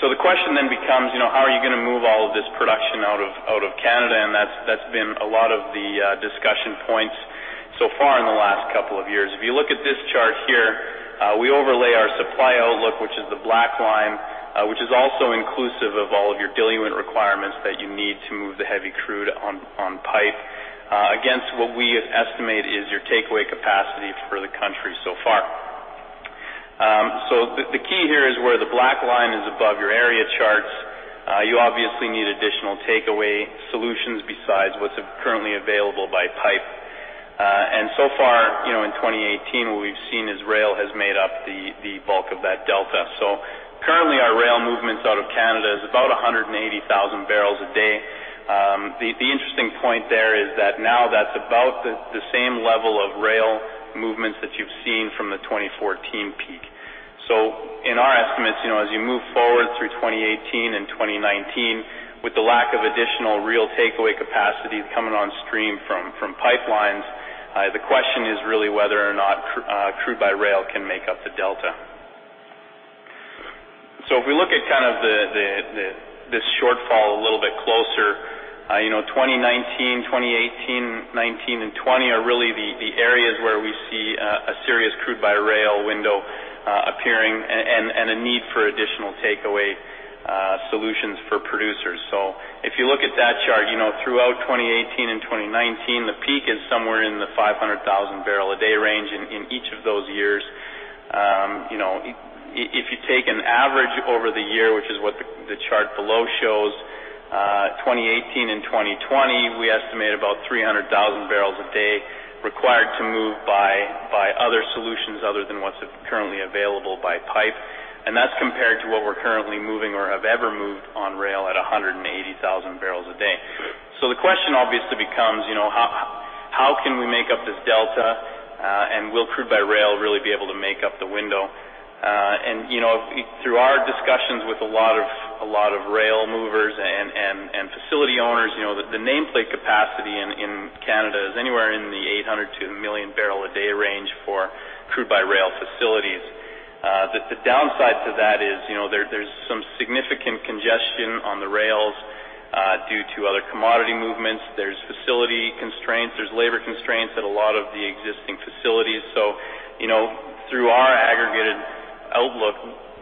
The question then becomes, how are you going to move all of this production out of Canada? That's been a lot of the discussion points so far in the last couple of years. If you look at this chart here, we overlay our supply outlook, which is the black line, which is also inclusive of all of your diluent requirements that you need to move the heavy crude on pipe against what we estimate is your takeaway capacity for the country so far. The key here is where the black line is above your area charts. You obviously need additional takeaway solutions besides what's currently available by pipe. So far, in 2018, what we've seen is rail has made up the bulk of that delta. Currently, our rail movements out of Canada is about 180,000 barrels a day. The interesting point there is that now that's about the same level of rail movements that you've seen from the 2014 peak. In our estimates, as you move forward through 2018 and 2019, with the lack of additional real takeaway capacity coming on stream from pipelines, the question is really whether or not crude by rail can make up the delta. If we look at this shortfall a little bit closer, 2018, 2019, and 2020 are really the areas where we see a serious crude by rail window appearing and a need for additional takeaway solutions for producers. If you look at that chart, throughout 2018 and 2019, the peak is somewhere in the 500,000 barrel a day range in each of those years. If you take an average over the year, which is what the chart below shows, 2018 and 2020, we estimate about 300,000 barrels a day required to move by other solutions other than what's currently available by pipe. That's compared to what we're currently moving or have ever moved on rail at 180,000 barrels a day. The question obviously becomes, how can we make up this delta? Will crude by rail really be able to make up the window? Through our discussions with a lot of rail movers and facility owners, the nameplate capacity in Canada is anywhere in the 800 to 1 million barrel a day range for crude by rail facilities. The downside to that is there's some significant congestion on the rails due to other commodity movements. There's facility constraints, there's labor constraints at a lot of the existing facilities. Through our aggregated outlook,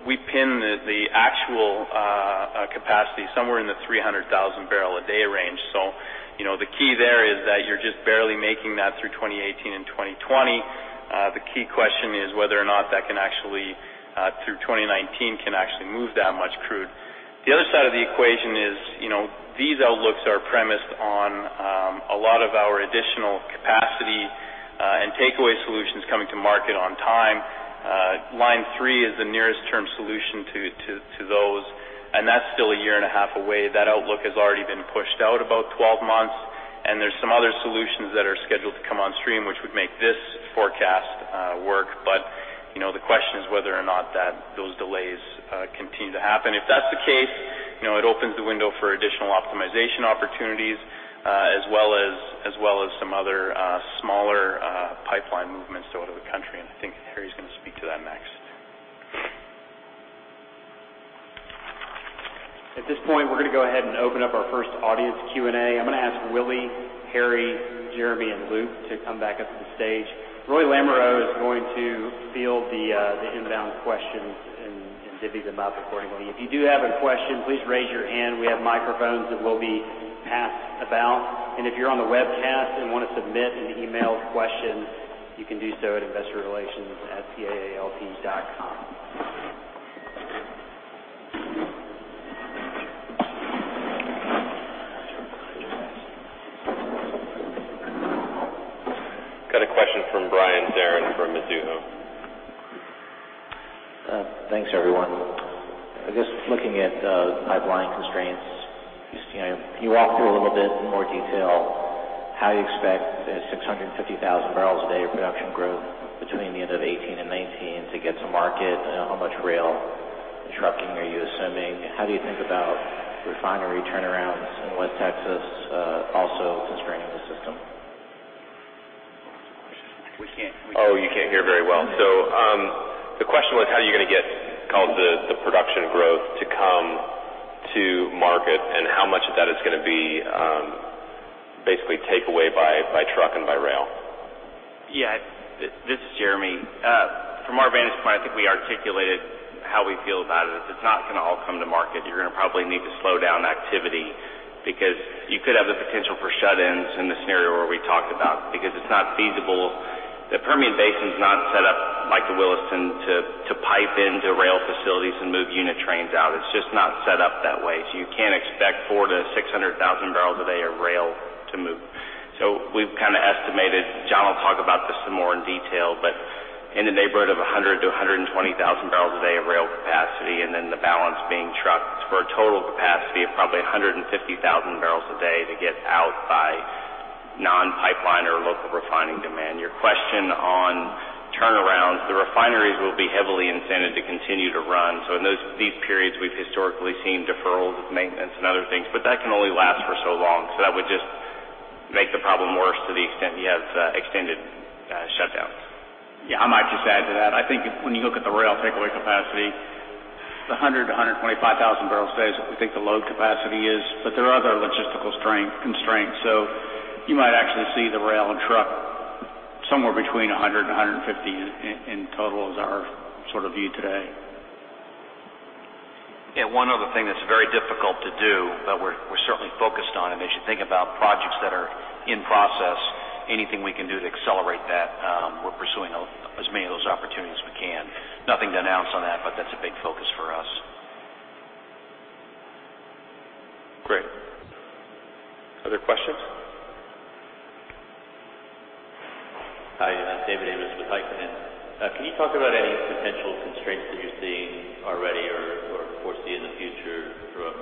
we pin the actual capacity somewhere in the 300,000 barrel a day range. The key there is that you're just barely making that through 2018 and 2020. The key question is whether or not that can actually, through 2019, can actually move that much crude. The other side of the equation is these outlooks are premised on a lot of our additional capacity and takeaway solutions coming to market on time. Line 3 is the nearest term solution to those, and that's still a year and a half away. That outlook has already been pushed out about 12 months, and there's some other solutions that are scheduled to come on stream, which would make this forecast work. The question is whether or not those delays continue to happen. If that's the case, it opens the window for additional optimization opportunities as well as some other smaller pipeline movements out of the country. I think Harry's going to speak to that next. At this point, we're going to go ahead and open up our first audience Q&A. I'm going to ask Willie, Harry, Jeremy, and Luke to come back up to the stage. Ryan Lamothe is going to field the inbound questions and divvy them up accordingly. If you do have a question, please raise your hand. We have microphones that will be passed about, and if you're on the webcast and want to submit an emailed question, you can do so at PlainsIR@plains.com. Got a question from Brian Zarahn from Mizuho. Thanks, everyone. I guess looking at pipeline constraints, can you walk through a little bit more detail how you expect the 650,000 barrels a day of production growth between the end of 2018 and 2019 to get to market? How much rail and trucking are you assuming? How do you think about refinery turnarounds in West Texas also constraining the system? You can't hear very well. The question was how are you going to get the production growth to come to market and how much of that is going to be basically takeaway by truck and by rail? Yeah. This is Jeremy. From our vantage point, I think we articulated how we feel about it is it's not going to all come to market. You're going to probably need to slow down activity because you could have the potential for shut-ins in the scenario where we talked about because it's not feasible. The Permian Basin is not set up like the Williston to pipe into rail facilities and move unit trains out. It's just not set up that way. You can't expect 400,000-600,000 barrels a day of rail to move. We've kind of estimated, John will talk about this some more in detail, but in the neighborhood of 100,000-120,000 barrels a day of rail capacity, and then the balance being trucked for a total capacity of probably 150,000 barrels a day to get out by non-pipeline or local refining demand. Your question on turnaround, the refineries will be heavily incented to continue to run. In these periods, we've historically seen deferrals of maintenance and other things, but that can only last for so long. That would just make the problem worse to the extent you have extended shutdowns. Yeah. I might just add to that. I think when you look at the rail takeaway capacity, it's 100,000-125,000 barrels a day is what we think the load capacity is, but there are other logistical constraints. You might actually see the rail and truck somewhere between 100,000 and 150,000 in total is our view today. One other thing that's very difficult to do, we're certainly focused on, as you think about projects that are in process, anything we can do to accelerate that, we're pursuing as many of those opportunities as we can. Nothing to announce on that's a big focus for us. Great. Other questions? Hi, David Amos with Piper Sandler. Can you talk about any potential constraints that you're seeing already or foresee in the future from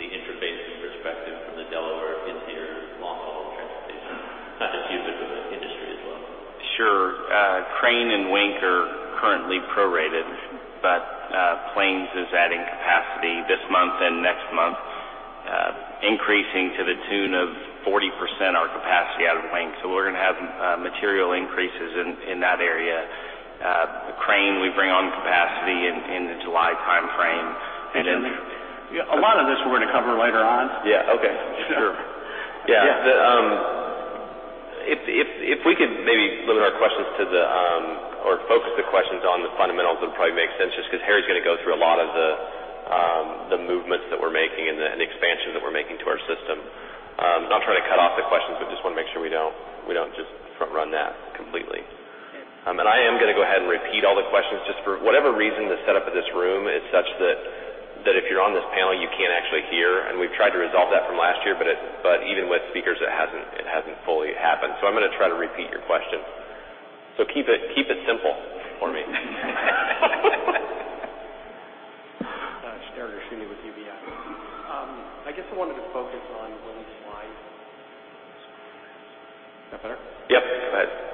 the interbasin perspective from the Delaware into your long-haul transportation, not just you, but the industry as well? Sure. Crane and Wink are currently prorated, Plains is adding capacity this month and next month, increasing to the tune of 40% our capacity out of Plains. We're going to have material increases in that area. Crane, we bring on capacity in the July timeframe. A lot of this we're going to cover later on. Yeah. Okay. Sure. Yeah. If we could maybe limit our questions or focus the questions on the fundamentals, it would probably make sense, just because Harry's going to go through a lot of the movements that we're making and the expansion that we're making to our system. Not trying to cut off the questions, but just want to make sure we don't just front-run that completely. I am going to go ahead and repeat all the questions. Just for whatever reason, the setup of this room is such that if you're on this panel, you can't actually hear. We've tried to resolve that from last year, but even with speakers, it hasn't fully happened. I'm going to try to repeat your question. Keep it simple for me. Shneur Gershuni with UBS. I guess I wanted to focus on Willie's slide. Is that better? Yep. Go ahead.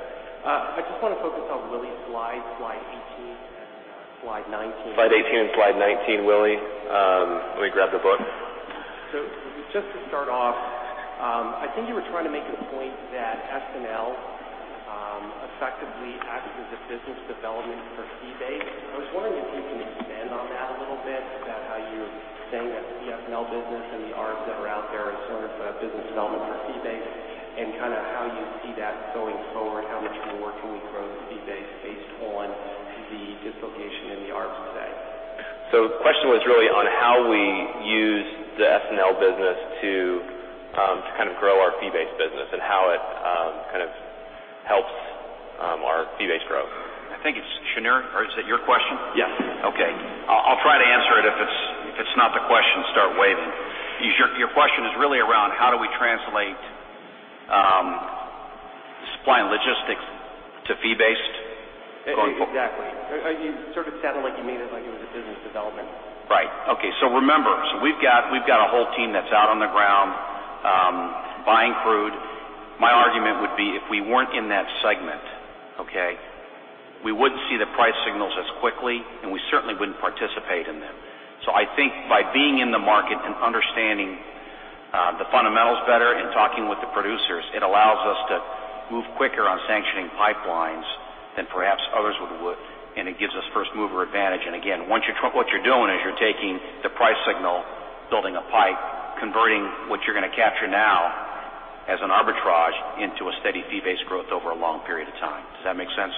I just want to focus on Willie's slide 18 and slide 19. Slide 18 and slide 19, Willie. Let me grab the book. Just to start off, I think you were trying to make the point that S&L effectively acts as a business development for fee-based. I was wondering if you can expand on that a little bit, about how you're saying that the S&L business and the arbs that are out there is sort of a business development for fee-based, and how you see that going forward. How much more can we grow fee-based based on the dislocation in the arbs today? The question was really on how we use the S&L business to grow our fee-based business and how it helps our fee-based growth. I think it's Shneur. Is that your question? Yes. Okay. I'll try to answer it. If it's not the question, start waving. Your question is really around how do we translate supply and logistics to fee-based. Exactly. You sort of sounded like you made it like it was a business development. Right. Okay. Remember, we've got a whole team that's out on the ground buying crude. My argument would be, if we weren't in that segment, okay, we wouldn't see the price signals as quickly, and we certainly wouldn't participate in them. I think by being in the market and understanding the fundamentals better and talking with the producers, it allows us to move quicker on sanctioning pipelines than perhaps others would, and it gives us first-mover advantage. Again, what you're doing is you're taking the price signal, building a pipe, converting what you're going to capture now as an arbitrage into a steady fee-based growth over a long period of time. Does that make sense?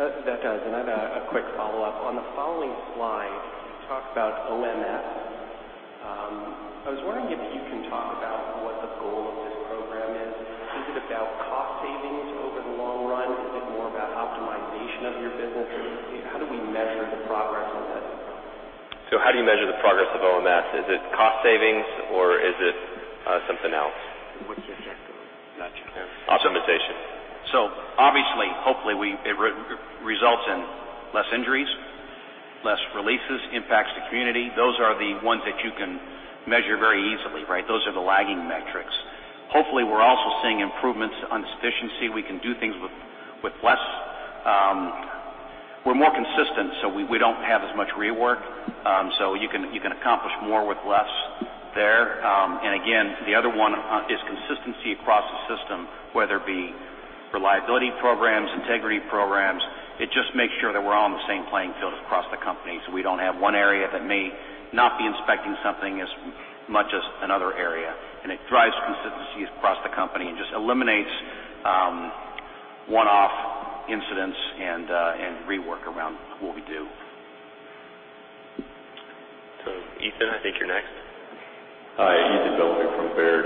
That does. I have a quick follow-up. On the following slide, you talk about OMS. I was wondering if you can talk about what the goal of this program is. Is it about cost savings over the long run? Is it more about optimization of your business? Or how do we measure the progress on that? How do you measure the progress of OMS? Is it cost savings, or is it something else? What's the S stand for? Gotcha. Optimization. Obviously, hopefully, it results in less injuries, less releases, impacts to community. Those are the ones that you can measure very easily, right? Those are the lagging metrics. Hopefully, we're also seeing improvements on efficiency. We can do things with less. We're more consistent, so we don't have as much rework. You can accomplish more with less there. Again, the other one is consistency across the system, whether it be reliability programs, integrity programs. It just makes sure that we're all on the same playing field across the company. We don't have one area that may not be inspecting something as much as another area. It drives consistency across the company and just eliminates one-off incidents and rework around what we do. Ethan, I think you're next. Hi, Ethan Bellamy from Baird.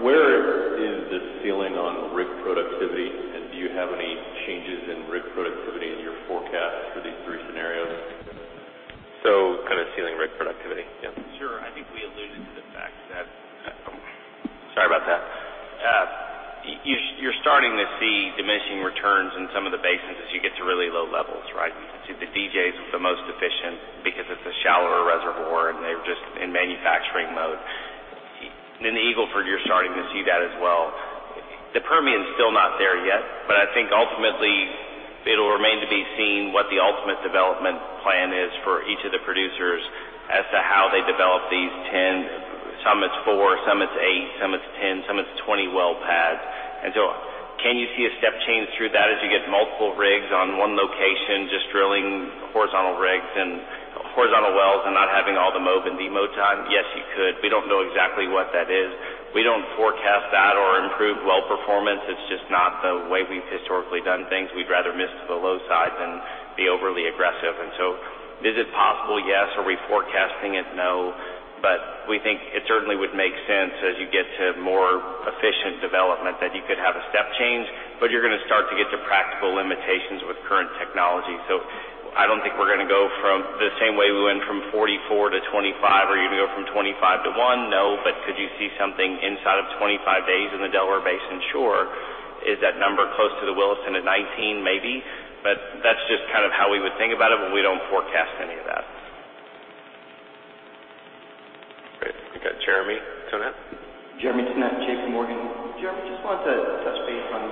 Where is the ceiling on rig productivity, and do you have any changes in rig productivity in your forecast for these three scenarios? Ceiling rig productivity. Yeah. Sure. I think we alluded to the fact. Sorry about that. You're starting to see diminishing returns in some of the basins as you get to really low levels, right? You can see the DJ's the most efficient because it's a shallower reservoir, and they're just in manufacturing mode. In the Eagle Ford, you're starting to see that as well. The Permian's still not there yet, but I think ultimately it'll remain to be seen what the ultimate development plan is for each of the producers as to how they develop these 10, some it's four, some it's eight, some it's 10, some it's 20 well pads. Can you see a step change through that as you get multiple rigs on one location, just drilling horizontal wells, and not having all the mobe and demobe time? Yes, you could. We don't know exactly what that is. We don't forecast that or improve well performance. It's just not the way we've historically done things. We'd rather miss to the low side than be overly aggressive. Is it possible? Yes. Are we forecasting it? No. We think it certainly would make sense, as you get to more efficient development, that you could have a step change, but you're going to start to get to practical limitations with current technology. I don't think we're going to go from the same way we went from 44 to 25. Are you going to go from 25 to one? No. Could you see something inside of 25 days in the Delaware Basin? Sure. Is that number close to the Williston at 19? Maybe. That's just how we would think about it. We don't forecast any of that. Great. We got Jeremy Tonet. Jeremy Tonet, JPMorgan. Jeremy, just wanted to touch base on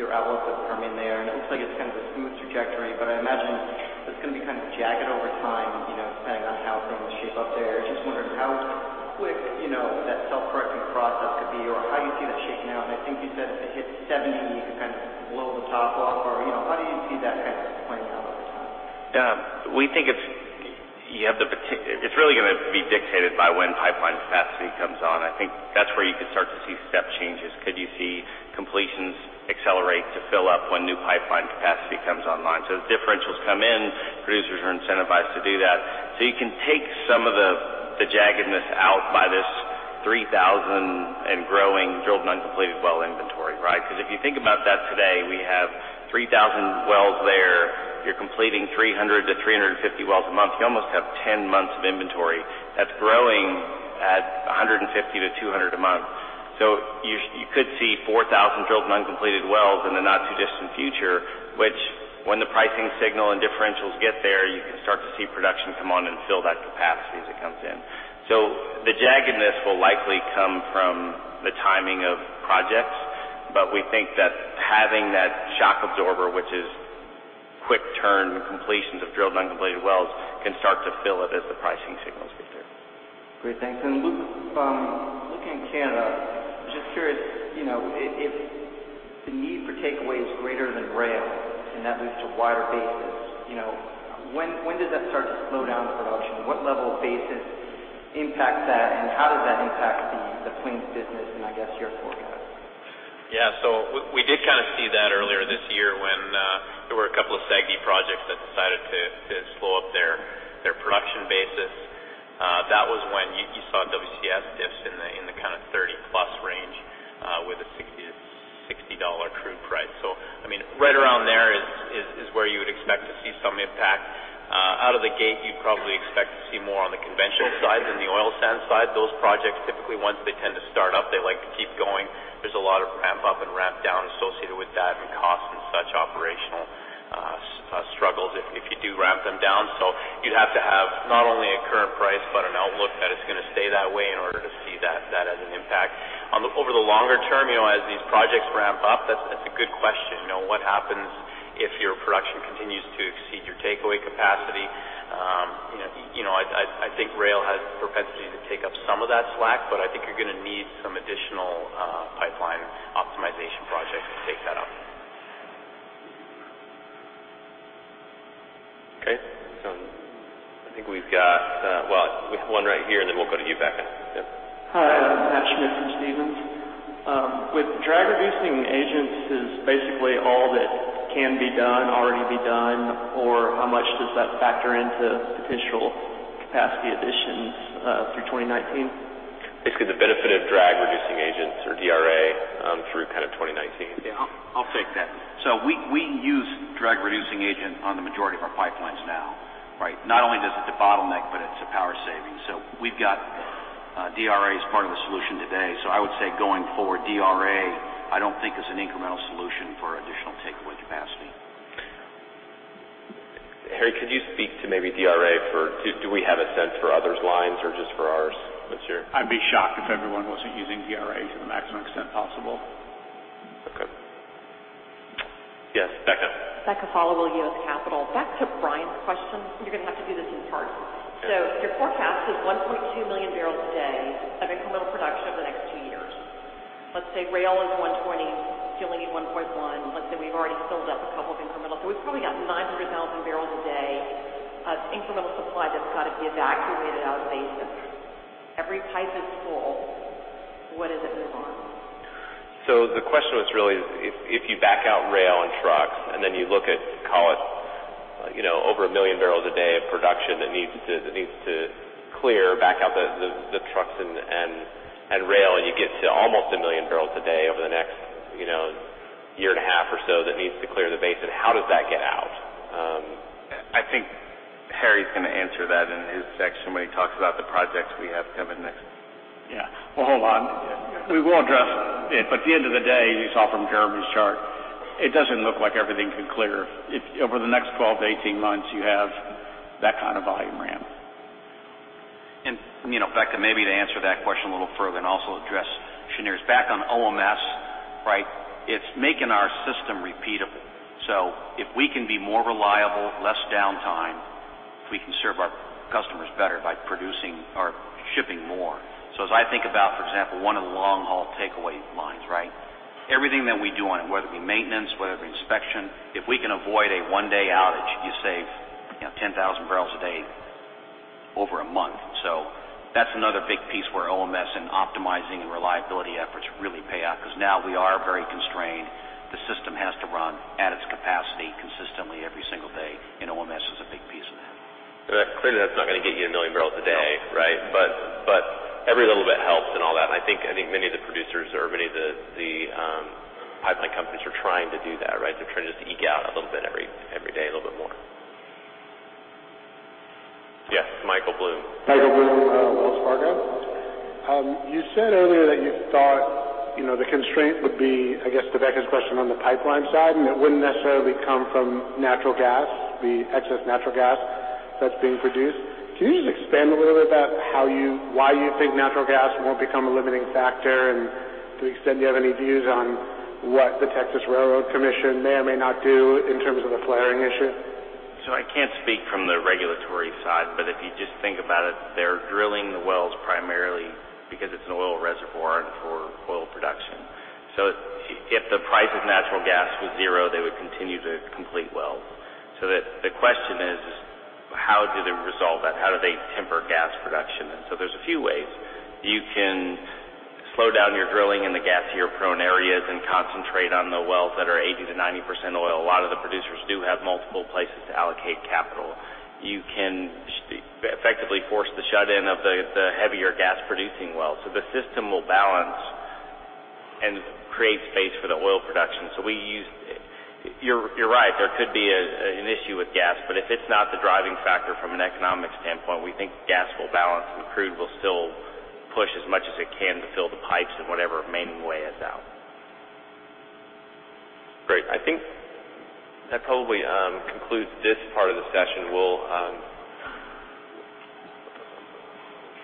your outlook for Permian there. It looks like it's a smooth trajectory, but I imagine it's going to be jagged over time, depending on how things shape up there. I was just wondering how quick that self-correcting process could be or how you see that shaking out. I think you said if it hits 70, you could blow the top off, or how do you see that playing out over time? It's really going to be dictated by when pipeline capacity comes on. I think that's where you could start to see step changes. Could you see completions accelerate to fill up when new pipeline capacity comes online? As differentials come in, producers are incentivized to do that. You can take some of the jaggedness out by this 3,000 and growing Drilled but Uncompleted well inventory, right? Because if you think about that today, we have 3,000 wells there. You're completing 300 to 350 wells a month. You almost have 10 months of inventory. That's growing at 150 to 200 a month. You could see 4,000 Drilled but Uncompleted wells in the not-too-distant future, which when the pricing signal and differentials get there, you can start to see production come on and fill that capacity as it comes in. The jaggedness will likely come from the timing of projects. We think that having that shock absorber, which is quick turn completions of Drilled but Uncompleted wells, can start to fill it as the pricing signals get there. Great. Thanks. Luke, looking at Canada, just curious, if the need for takeaway is greater than rail and that leads to wider basis, when does that start to slow down the production? What level of basis impacts that, and how does that impact the Plains business and I guess your forecast? Yeah. We did see that earlier this year when there were a couple of SAGD projects that decided to slow up their production basis. That was when you saw WCS dips in the 30-plus range, with a $60 crude price. Right around there is where you would expect to see some impact. Out of the gate, you'd probably expect to see more on the conventional side than the oil sand side. Those projects, typically, once they tend to start up, they like to keep going. There's a lot of ramp up and ramp down associated with that and cost and such operational struggles if you do ramp them down. You'd have to have not only a current price, but an outlook that it's going to stay that way in order to see that as an impact. Over the longer term, as these projects ramp up, that's a good question. What happens if your production continues to exceed your takeaway capacity? I think rail has a propensity to take up some of that slack, but I think you're going to need some additional pipeline optimization projects to take that up. Okay. I think we have one right here, and then we'll go to you, Becca. Yeah. Hi, Pat Schmidt from Stephens. With drag reducing agents, is basically all that can be done already be done? How much does that factor into potential capacity additions through 2019? The benefit of drag reducing agents or DRA through 2019. I'll take that. We use drag reducing agent on the majority of our pipelines now. Right? Not only does it debottleneck, but it's a power saving. We've got DRA as part of the solution today. I would say going forward, DRA, I don't think is an incremental solution for additional takeaway capacity. Harry, could you speak to maybe DRA? Do we have a sense for others' lines or just for ours this year? I'd be shocked if everyone wasn't using DRA to the maximum extent possible. Okay. Yes, Becca. Becca Followill, U.S. Capital. Back to Brian's question, you're going to have to do this in parts. Okay. Your forecast is 1.2 million barrels a day of incremental production over the next two years. Let's say rail is 120, so you only need 1.1. Let's say we've already filled up a couple of incremental, so we've probably got 900,000 barrels a day of incremental supply that's got to be evacuated out of basin. Every pipe is full. What does it move on? The question was really, if you back out rail and trucks, and then you look at, call it, over 1 million barrels a day of production that needs to clear back out the trucks and rail, and you get to almost 1 million barrels a day over the next year and a half or so that needs to clear the basin. How does that get out? I think Harry's going to answer that in his section when he talks about the projects we have coming next. Yeah. Well, hold on. We will address it. At the end of the day, as you saw from Jeremy's chart, it doesn't look like everything can clear if over the next 12 to 18 months you have that kind of volume ramp. Becca, maybe to answer that question a little further and also address Shneur's. Back on OMS, it's making our system repeatable. If we can be more reliable, less downtime, we can serve our customers better by producing or shipping more. As I think about, for example, one of the long-haul takeaway lines. Everything that we do on it, whether it be maintenance, whether it be inspection, if we can avoid a one-day outage, you save 10,000 barrels a day over a month. That's another big piece where OMS and optimizing and reliability efforts really pay off because now we are very constrained. The system has to run at its capacity consistently every single day, and OMS is a big piece of that. Clearly that's not going to get you 1 million barrels a day. No. Every little bit helps and all that, and I think many of the producers or many of the pipeline companies are trying to do that. They're trying just to eke out a little bit every day, a little bit more. Yes, Michael Blum. Michael Blum, Wells Fargo. You said earlier that you thought the constraint would be, I guess to Becca's question on the pipeline side, and it wouldn't necessarily come from natural gas, the excess natural gas that's being produced. Can you just expand a little bit about why you think natural gas won't become a limiting factor? To the extent you have any views on what the Texas Railroad Commission may or may not do in terms of the flaring issue? I can't speak from the regulatory side, but if you just think about it, they're drilling the wells primarily because it's an oil reservoir and for oil production. If the price of natural gas was 0, they would continue to complete wells. The question is: how do they resolve that? How do they temper gas production? There's a few ways. You can slow down your drilling in the gasier prone areas and concentrate on the wells that are 80%-90% oil. A lot of the producers do have multiple places to allocate capital. You can effectively force the shut-in of the heavier gas-producing wells. The system will balance and create space for the oil production. You're right. There could be an issue with gas, but if it's not the driving factor from an economic standpoint, we think gas will balance and crude will still push as much as it can to fill the pipes in whatever remaining way is out. Great. I think that probably concludes this part of the session.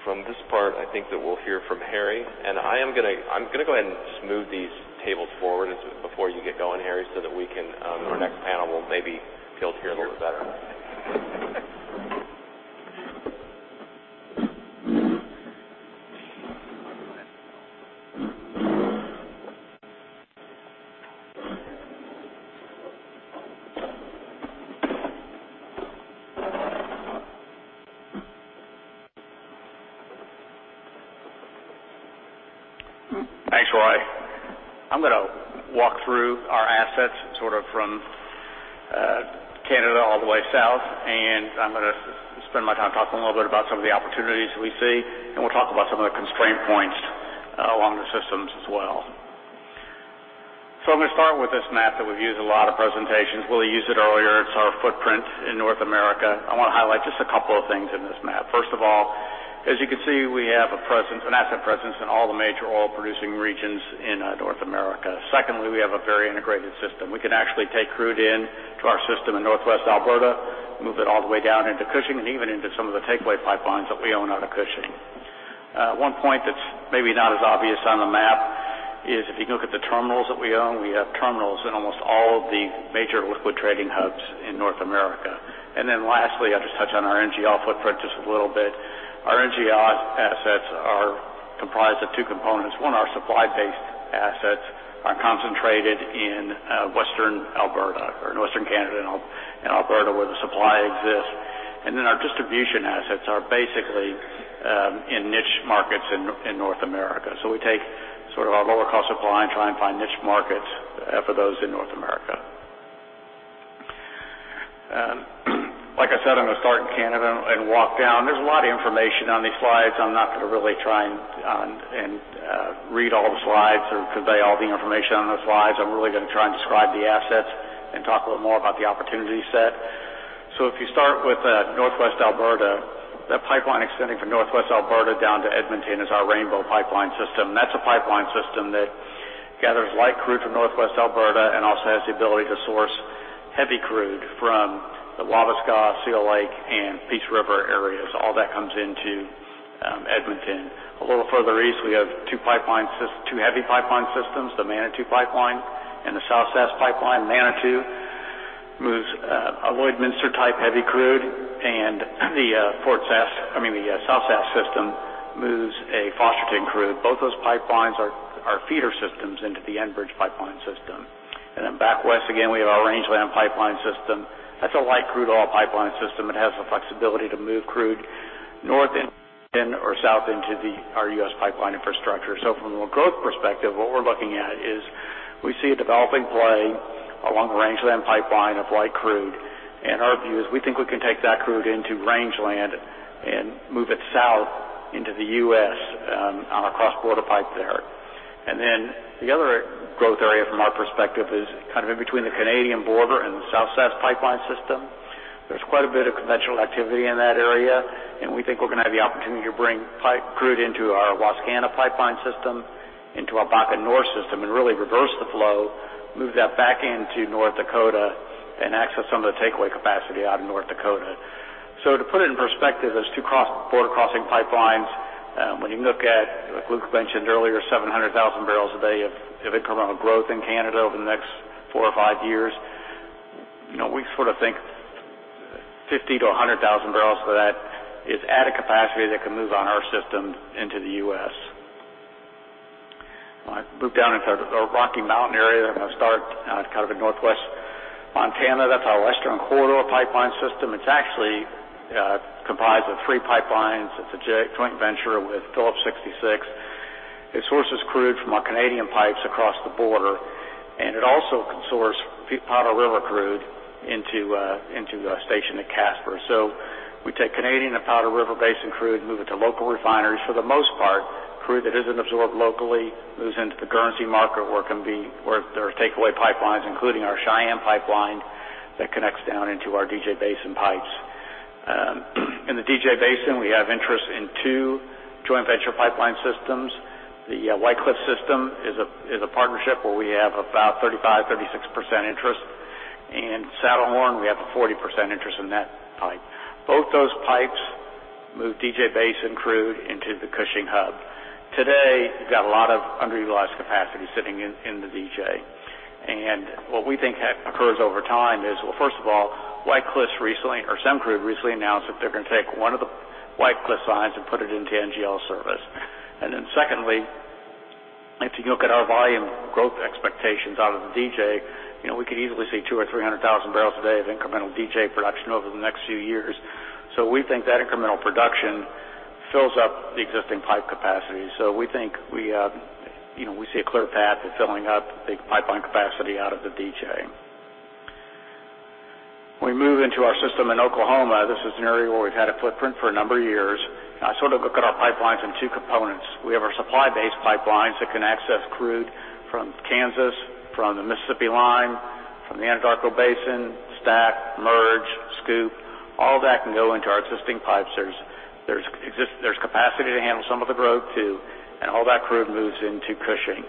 From this part, I think that we'll hear from Harry. I'm going to go ahead and just move these tables forward before you get going, Harry, so that our next panel will maybe be able to hear a little bit better. Thanks, Ryan. I'm going to walk through our assets from Canada all the way south, and I'm going to spend my time talking a little bit about some of the opportunities we see, and we'll talk about some of the constraint points along the systems as well. I'm going to start with this map that we've used in a lot of presentations. Willie used it earlier. It's our footprint in North America. I want to highlight just a couple of things in this map. First of all, as you can see, we have an asset presence in all the major oil-producing regions in North America. Secondly, we have a very integrated system. We can actually take crude into our system in Northwest Alberta, move it all the way down into Cushing, and even into some of the takeaway pipelines that we own out of Cushing. One point that's maybe not as obvious on the map is if you look at the terminals that we own, we have terminals in almost all of the major liquid trading hubs in North America. Lastly, I'll just touch on our NGL footprint just a little bit. Our NGL assets are comprised of two components. One, our supply-based assets are concentrated in Western Alberta or northern Canada and Alberta where the supply exists. Our distribution assets are basically in niche markets in North America. We take our lower cost supply and try and find niche markets for those in North America. Like I said, I'm going to start in Canada and walk down. There's a lot of information on these slides. I'm not going to really try and read all the slides or convey all the information on those slides. I'm really going to try and describe the assets and talk a little more about the opportunity set. If you start with Northwest Alberta, that pipeline extending from Northwest Alberta down to Edmonton is our Rainbow Pipeline system. That's a pipeline system that gathers light crude from Northwest Alberta and also has the ability to source heavy crude from the Wabasca, Seal Lake, and Peace River areas. All that comes into Edmonton. A little further east, we have two heavy pipeline systems, the Manitou Pipeline and the South Sask Pipeline. Manitou moves a Lloydminster-type heavy crude, and the South Sask system moves a Fosterton crude. Both those pipelines are feeder systems into the Enbridge pipeline system. Back west again, we have our Rangeland Pipeline system. That's a light crude oil pipeline system. It has the flexibility to move crude north in or south into our U.S. pipeline infrastructure. From a growth perspective, what we're looking at is we see a developing play along the Rangeland Pipeline of light crude. Our view is we think we can take that crude into Rangeland and move it south into the U.S. on a cross-border pipe there. The other growth area from our perspective is in between the Canadian border and the South Sask Pipeline system. There's quite a bit of conventional activity in that area, and we think we're going to have the opportunity to bring pipe crude into our Wascana Pipeline system, into our Bakken North system, and really reverse the flow, move that back into North Dakota and access some of the takeaway capacity out of North Dakota. To put it in perspective, those two border crossing pipelines, when you look at, like Luke mentioned earlier, 700,000 barrels a day of incremental growth in Canada over the next four or five years, we sort of think 50,000 to 100,000 barrels of that is added capacity that can move on our system into the U.S. I move down into the Rocky Mountain area. I'm going to start kind of in northwest Montana. That's our Western Corridor pipeline system. It's actually comprised of three pipelines. It's a joint venture with Phillips 66. It sources crude from our Canadian pipes across the border, and it also can source Powder River crude into a station at Casper. We take Canadian and Powder River Basin crude and move it to local refineries. For the most part, crude that isn't absorbed locally moves into the Guernsey market, where there are takeaway pipelines, including our Cheyenne Pipeline that connects down into our DJ Basin pipes. In the DJ Basin, we have interest in two joint venture pipeline systems. The White Cliffs system is a partnership where we have about 35%-36% interest. In Saddlehorn, we have a 40% interest in that pipe. Both those pipes move DJ Basin crude into the Cushing Hub. Today, you've got a lot of underutilized capacity sitting in the DJ. What we think occurs over time is, well, first of all, SemGroup recently announced that they're going to take one of the White Cliffs lines and put it into NGL service. Secondly, if you look at our volume growth expectations out of the DJ, we could easily see 200,000 or 300,000 barrels a day of incremental DJ production over the next few years. We think that incremental production fills up the existing pipe capacity. We think we see a clear path to filling up the pipeline capacity out of the DJ. We move into our system in Oklahoma. This is an area where we've had a footprint for a number of years. I sort of look at our pipelines in two components. We have our supply-based pipelines that can access crude from Kansas, from the Mississippian Lime, from the Anadarko Basin, STACK, Merge, SCOOP. All that can go into our existing pipes. There's capacity to handle some of the growth, too, and all that crude moves into Cushing.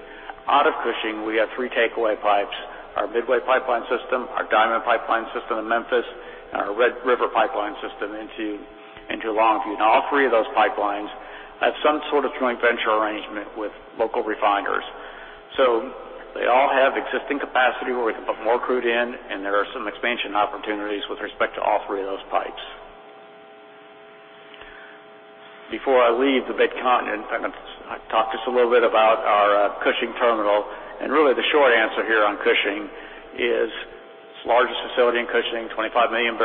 Out of Cushing, we have three takeaway pipes: our Midway Pipeline system, our Diamond Pipeline system in Memphis, and our Red River Pipeline system into Longview. All three of those pipelines have some sort of joint venture arrangement with local refiners. They all have existing capacity where we can put more crude in, and there are some expansion opportunities with respect to all three of those pipes. Before I leave the mid-continent, I'm going to talk just a little bit about our Cushing terminal. Really, the short answer here on Cushing is it's the largest facility in Cushing, 25 million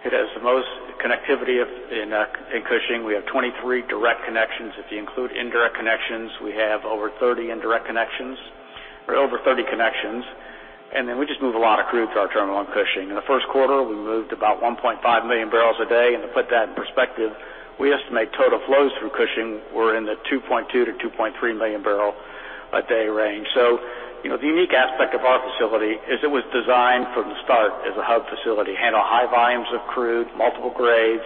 barrels. It has the most connectivity in Cushing. We have 23 direct connections. If you include indirect connections, we have over 30 indirect connections or over 30 connections. We just move a lot of crude through our terminal in Cushing. In the first quarter, we moved about 1.5 million barrels a day. To put that in perspective, we estimate total flows through Cushing were in the 2.2 million-2.3 million barrel a day range. The unique aspect of our facility is it was designed from the start as a hub facility, handle high volumes of crude, multiple grades,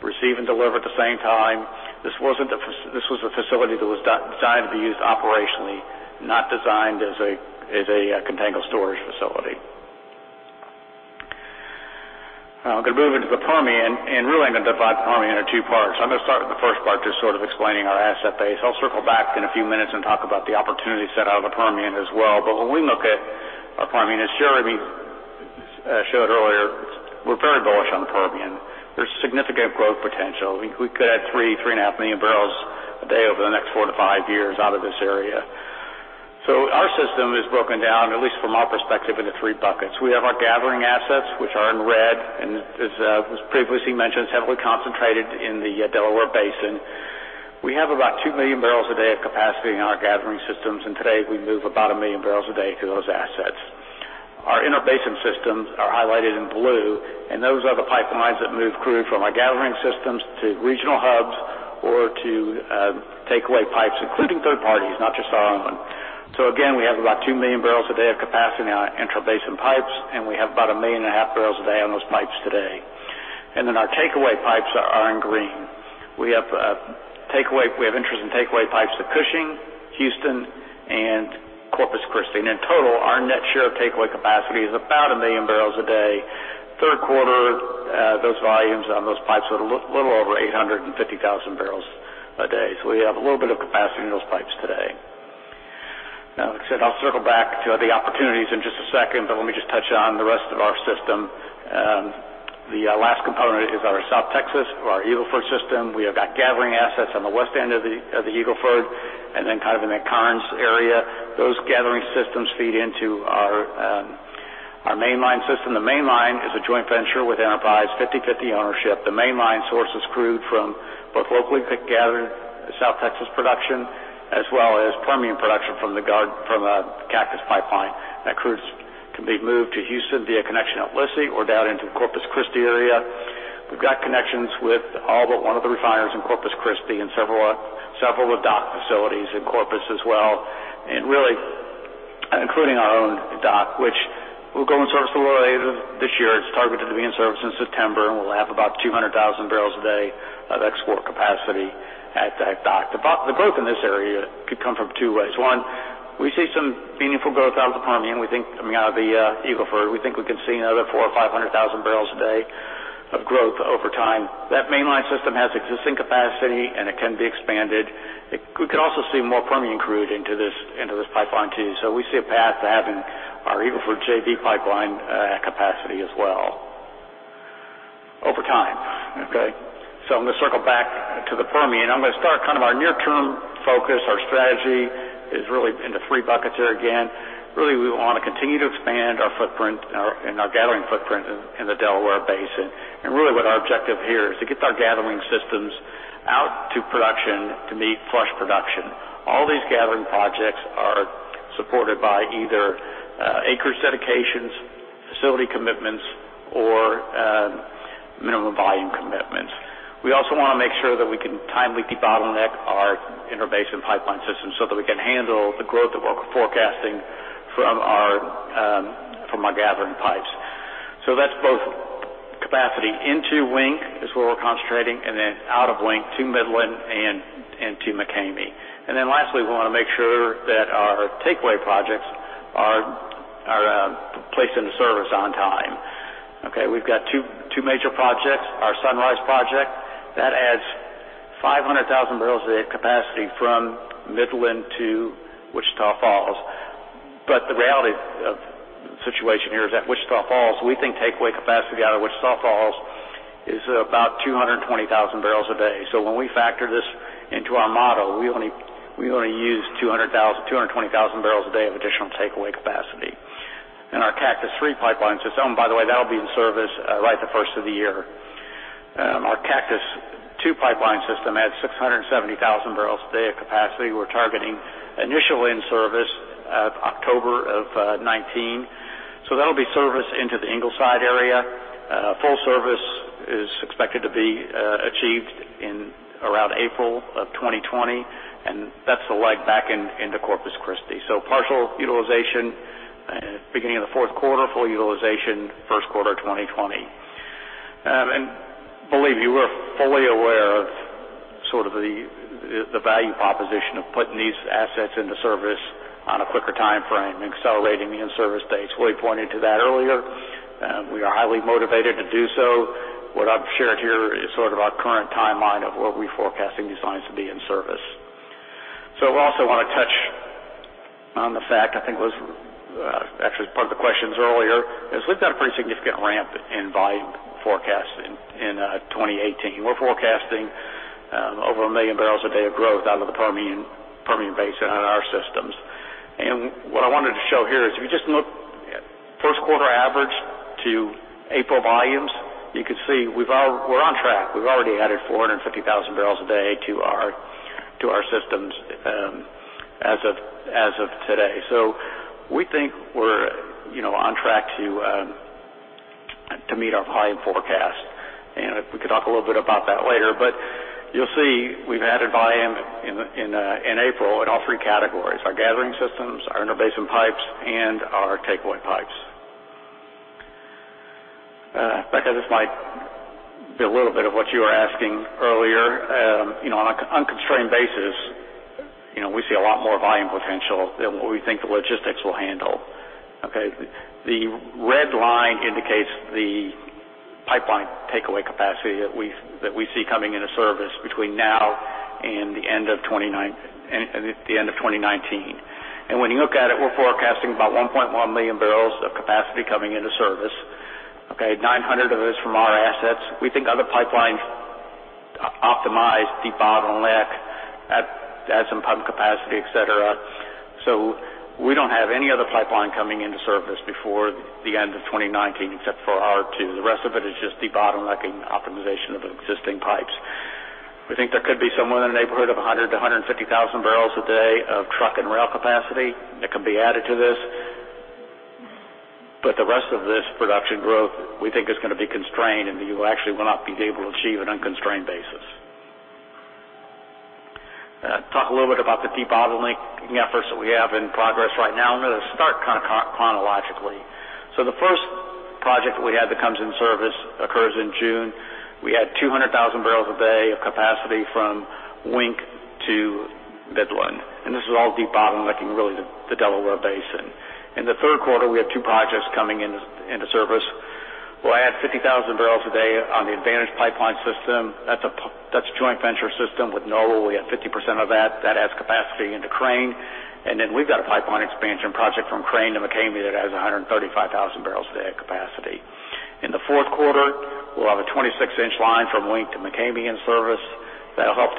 receive and deliver at the same time. This was a facility that was designed to be used operationally, not designed as a contango storage facility. I'm going to move into the Permian, really I'm going to divide the Permian into two parts. I'm going to start with the first part, just sort of explaining our asset base. I'll circle back in a few minutes and talk about the opportunity set out of the Permian as well. When we look at our Permian, as Jeremy showed earlier, we're very bullish on the Permian. There's significant growth potential. We could add 3 million, 3.5 million barrels a day over the next four to five years out of this area. Our system is broken down, at least from our perspective, into three buckets. We have our gathering assets, which are in red, as was previously mentioned, it's heavily concentrated in the Delaware Basin. We have about 2 million barrels a day of capacity in our gathering systems, today we move about 1 million barrels a day through those assets. Our intrabasin systems are highlighted in blue, those are the pipelines that move crude from our gathering systems to regional hubs or to takeaway pipes, including third parties, not just our own. Again, we have about 2 million barrels a day of capacity in our intrabasin pipes, we have about 1.5 million barrels a day on those pipes today. Our takeaway pipes are in green. We have interest in takeaway pipes to Cushing, Houston, and Corpus Christi. In total, our net share of takeaway capacity is about 1 million barrels a day. Third quarter, those volumes on those pipes are a little over 850,000 barrels a day. We have a little bit of capacity in those pipes today. Like I said, I'll circle back to the opportunities in just a second, let me just touch on the rest of our system. The last component is our South Texas or our Eagle Ford system. We've got gathering assets on the west end of the Eagle Ford and then kind of in the Karnes area. Those gathering systems feed into our mainline system. The mainline is a joint venture with Enterprise, 50/50 ownership. The mainline sources crude from both locally gathered South Texas production as well as Permian production from the Cactus Pipeline. That crude can be moved to Houston via connection at Lissie or down into the Corpus Christi area. We've got connections with all but one of the refiners in Corpus Christi and several dock facilities in Corpus as well, really including our own dock, which will go in service a little later this year. It's targeted to be in service in September, we'll have about 200,000 barrels a day of export capacity at that dock. The growth in this area could come from two ways. We see some meaningful growth out of the Permian, we think coming out of the Eagle Ford. We think we can see another 400,000 or 500,000 barrels a day of growth over time. That mainline system has existing capacity, and it can be expanded. We could also see more Permian crude into this pipeline too. We see a path to having our Eagle Ford JV pipeline capacity as well over time. Okay. I'm going to circle back to the Permian. I'm going to start our near-term focus. Our strategy is really into three buckets here again. We want to continue to expand our footprint and our gathering footprint in the Delaware Basin. What our objective here is to get our gathering systems out to production to meet flush production. All these gathering projects are supported by either acreage dedications, facility commitments, or Minimum Volume Commitments. We also want to make sure that we can timely debottleneck our intrabasin pipeline system so that we can handle the growth that we're forecasting from our gathering pipes. That's both capacity into Wink is where we're concentrating, and then out of Wink to Midland and to McCamey. Lastly, we want to make sure that our takeaway projects are placed into service on time. Okay. We've got two major projects. Our Sunrise project, that adds 500,000 barrels a day of capacity from Midland to Wichita Falls. The reality of the situation here is that Wichita Falls, we think takeaway capacity out of Wichita Falls is about 220,000 barrels a day. When we factor this into our model, we only use 220,000 barrels a day of additional takeaway capacity. Our Cactus III Pipeline system, by the way, that'll be in service right the first of the year. Our Cactus II Pipeline system adds 670,000 barrels a day of capacity. We're targeting initial in-service of October of 2019. That'll be service into the Ingleside area. Full service is expected to be achieved in around April of 2020, and that's the leg back into Corpus Christi. Partial utilization beginning of the fourth quarter. Full utilization, first quarter 2020. Believe you, we're fully aware of sort of the value proposition of putting these assets into service on a quicker timeframe, accelerating the in-service dates. Willie pointed to that earlier. We are highly motivated to do so. What I've shared here is sort of our current timeline of what we're forecasting these lines to be in service. We also want to touch on the fact, I think it was actually part of the questions earlier, is we've got a pretty significant ramp in volume forecast in 2018. We're forecasting over a million barrels a day of growth out of the Permian Basin out of our systems. What I wanted to show here is if you just look at first quarter average to April volumes, you can see we're on track. We've already added 450,000 barrels a day to our systems as of today. We think we're on track to meet our volume forecast. We can talk a little bit about that later. You'll see we've added volume in April in all three categories, our gathering systems, our intrabasin pipes, and our takeaway pipes. Becca, this might be a little bit of what you were asking earlier. On an unconstrained basis, we see a lot more volume potential than what we think the logistics will handle. The red line indicates the pipeline takeaway capacity that we see coming into service between now and the end of 2019. When you look at it, we're forecasting about 1.1 million barrels of capacity coming into service. 900 of those from our assets. We think other pipelines optimize debottleneck, add some pump capacity, et cetera. We don't have any other pipeline coming into service before the end of 2019 except for our two. The rest of it is just debottlenecking optimization of existing pipes. We think there could be somewhere in the neighborhood of 100,000 to 150,000 barrels a day of truck and rail capacity that could be added to this. The rest of this production growth, we think, is going to be constrained, and you actually will not be able to achieve an unconstrained basis. Talk a little bit about the debottlenecking efforts that we have in progress right now. I'm going to start chronologically. The first project that we had that comes in service occurs in June. We add 200,000 barrels a day of capacity from Wink to Midland. This is all debottlenecking really the Delaware Basin. In the third quarter, we have two projects coming into service. We'll add 50,000 barrels a day on the Advantage pipeline system. That's a joint venture system with Noble. We have 50% of that. That adds capacity into Crane. We've got a pipeline expansion project from Crane to McCamey that adds 135,000 barrels a day of capacity. In the fourth quarter, we'll have a 26-inch line from Wink to McCamey in service that'll help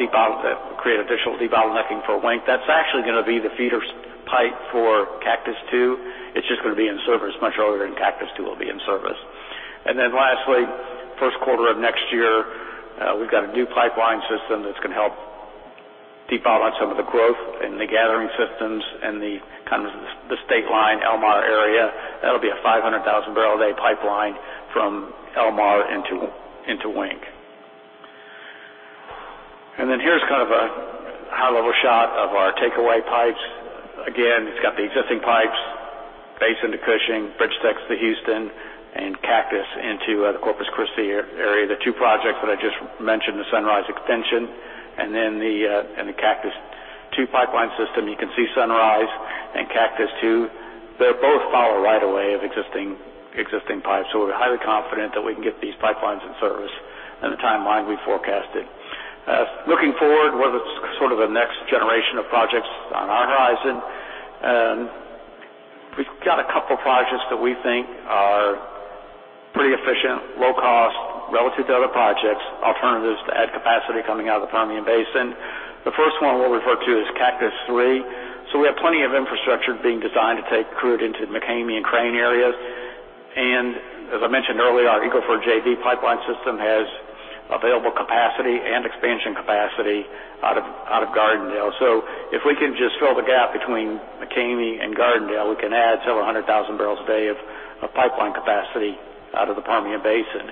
create additional debottlenecking for Wink. That's actually going to be the feeder pipe for Cactus II. It's just going to be in service much earlier than Cactus II will be in service. Lastly, first quarter of next year, we've got a new pipeline system that's going to help debottleneck some of the growth in the gathering systems and the state line El Mar area. That'll be a 500,000 barrel a day pipeline from El Mar into Wink. Here's a high-level shot of our takeaway pipes. Again, it's got the existing pipes basin to Cushing, BridgeTex to Houston, and Cactus into the Corpus Christi area. The two projects that I just mentioned, the Sunrise Expansion and the Cactus II pipeline system. You can see Sunrise and Cactus II, they both follow right away of existing pipes. We're highly confident that we can get these pipelines in service in the timeline we forecasted. Looking forward, what is sort of the next generation of projects on our horizon, we've got a couple projects that we think are pretty efficient, low cost relative to other projects, alternatives to add capacity coming out of the Permian Basin. The first one we'll refer to is Cactus III. We have plenty of infrastructure being designed to take crude into the McCamey and Crane areas. As I mentioned earlier, our Eagle Ford JV pipeline system has available capacity and expansion capacity out of Gardendale. If we can just fill the gap between McCamey and Gardendale, we can add several hundred thousand barrels a day of pipeline capacity out of the Permian Basin.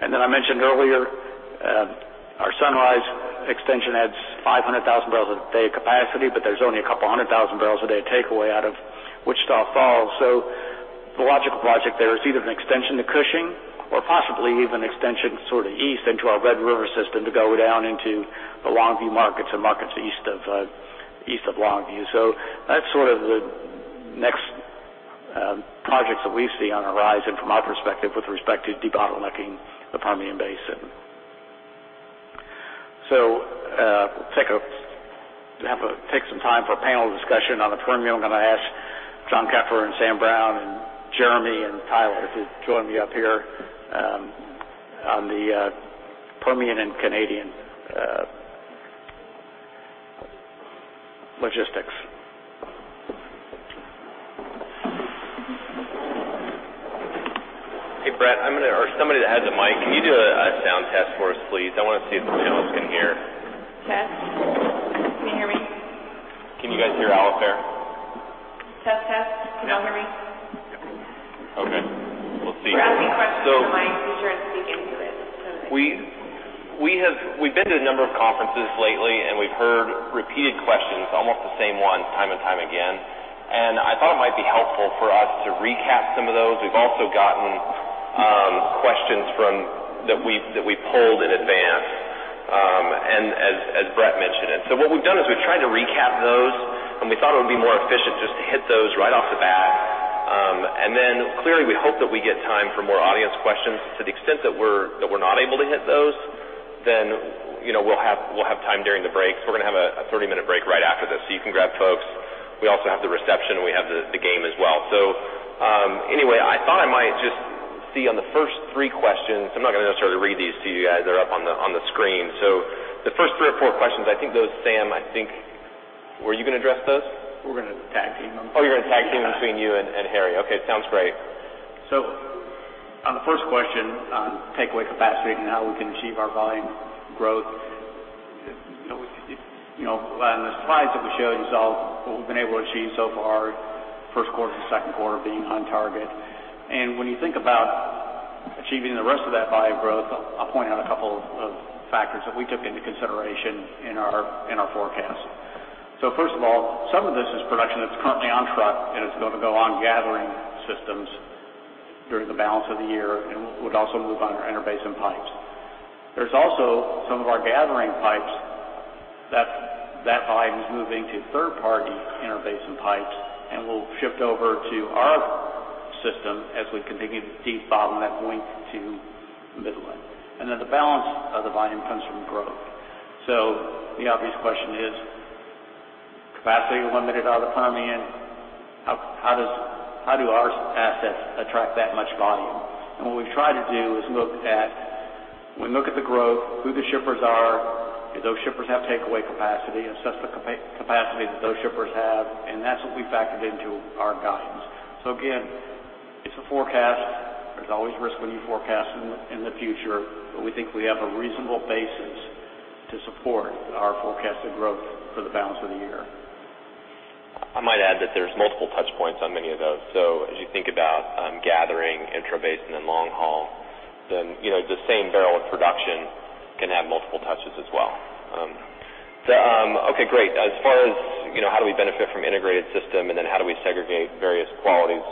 I mentioned earlier, our Sunrise Expansion adds 500,000 barrels a day of capacity, but there's only 200,000 barrels a day takeaway out of Wichita Falls. The logical project there is either an extension to Cushing or possibly even extension east into our Red River system to go down into the Longview markets and markets east of Longview. That's sort of the next projects that we see on the horizon from our perspective with respect to debottlenecking the Permian Basin. Take some time for a panel discussion on the Permian. I'm going to ask John Swearingen and Samuel N. Brown and Jeremy and Tyler to join me up here on the Permian and Canadian logistics. Hey, Brett, or somebody that has a mic, can you do a sound test for us, please? I want to see if the panelists can hear. Test. Can you hear me? Can you guys hear Alice there? Test, test. Can you all hear me? Okay. Let's see. For asking questions, you might be sure to speak into it so that- We've been to a number of conferences lately, we've heard repeated questions, almost the same ones time and time again. I thought it might be helpful for us to recap some of those. We've also gotten questions that we polled in advance as Brett mentioned it. What we've done is we've tried to recap those, and we thought it would be more efficient just to hit those right off the bat. Clearly, we hope that we get time for more audience questions. To the extent that we're not able to hit those, then we'll have time during the breaks. We're going to have a 30-minute break right after this, so you can grab folks. We also have the reception, and we have the game as well. Anyway, I thought I might just see on the first three questions. I'm not going to necessarily read these to you guys. They're up on the screen. The first three or four questions, I think those, Sam, were you going to address those? We're going to tag team them. You're going to tag team between you and Harry. Okay. Sounds great. On the first question on takeaway capacity and how we can achieve our volume growth, on the slides that we showed you is all what we've been able to achieve so far, first quarter, second quarter being on target. When you think about achieving the rest of that volume growth, I'll point out a couple of factors that we took into consideration in our forecast. First of all, some of this is production that's currently on truck, and it's going to go on gathering systems during the balance of the year and would also move on our interbasin pipes. There's also some of our gathering pipes that volume is moving to third-party interbasin pipes and will shift over to our system as we continue to debottle that point to Midland. The balance of the volume comes from growth. The obvious question is, capacity limited out of the Permian, how do our assets attract that much volume? What we've tried to do is look at the growth, who the shippers are. Do those shippers have takeaway capacity, assess the capacity that those shippers have, and that's what we factored into our guidance. Again, it's a forecast. There's always risk when you forecast in the future, but we think we have a reasonable basis to support our forecasted growth for the balance of the year. I might add that there's multiple touchpoints on many of those. As you think about gathering intrabasin and long haul, then the same barrel of production can have multiple touches as well. Okay, great. As far as how do we benefit from integrated system and then how do we segregate various qualities,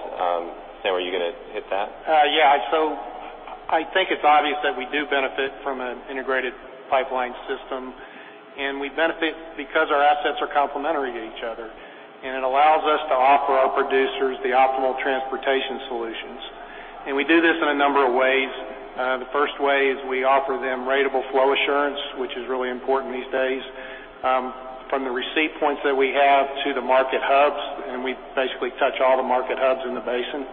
Sam, are you going to hit that? I think it's obvious that we do benefit from an integrated pipeline system. We benefit because our assets are complementary to each other, and it allows us to offer our producers the optimal transportation solutions. We do this in a number of ways. The first way is we offer them ratable flow assurance, which is really important these days, from the receipt points that we have to the market hubs. We basically touch all the market hubs in the basin.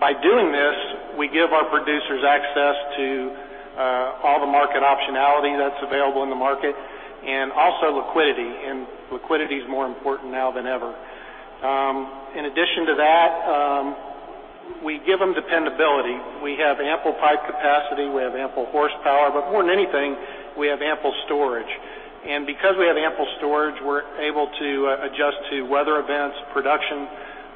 By doing this, we give our producers access to all the market optionality that's available in the market and also liquidity. Liquidity is more important now than ever. In addition to that, we give them dependability. We have ample pipe capacity, we have ample horsepower, but more than anything, we have ample storage. Because we have ample storage, we're able to adjust to weather events, production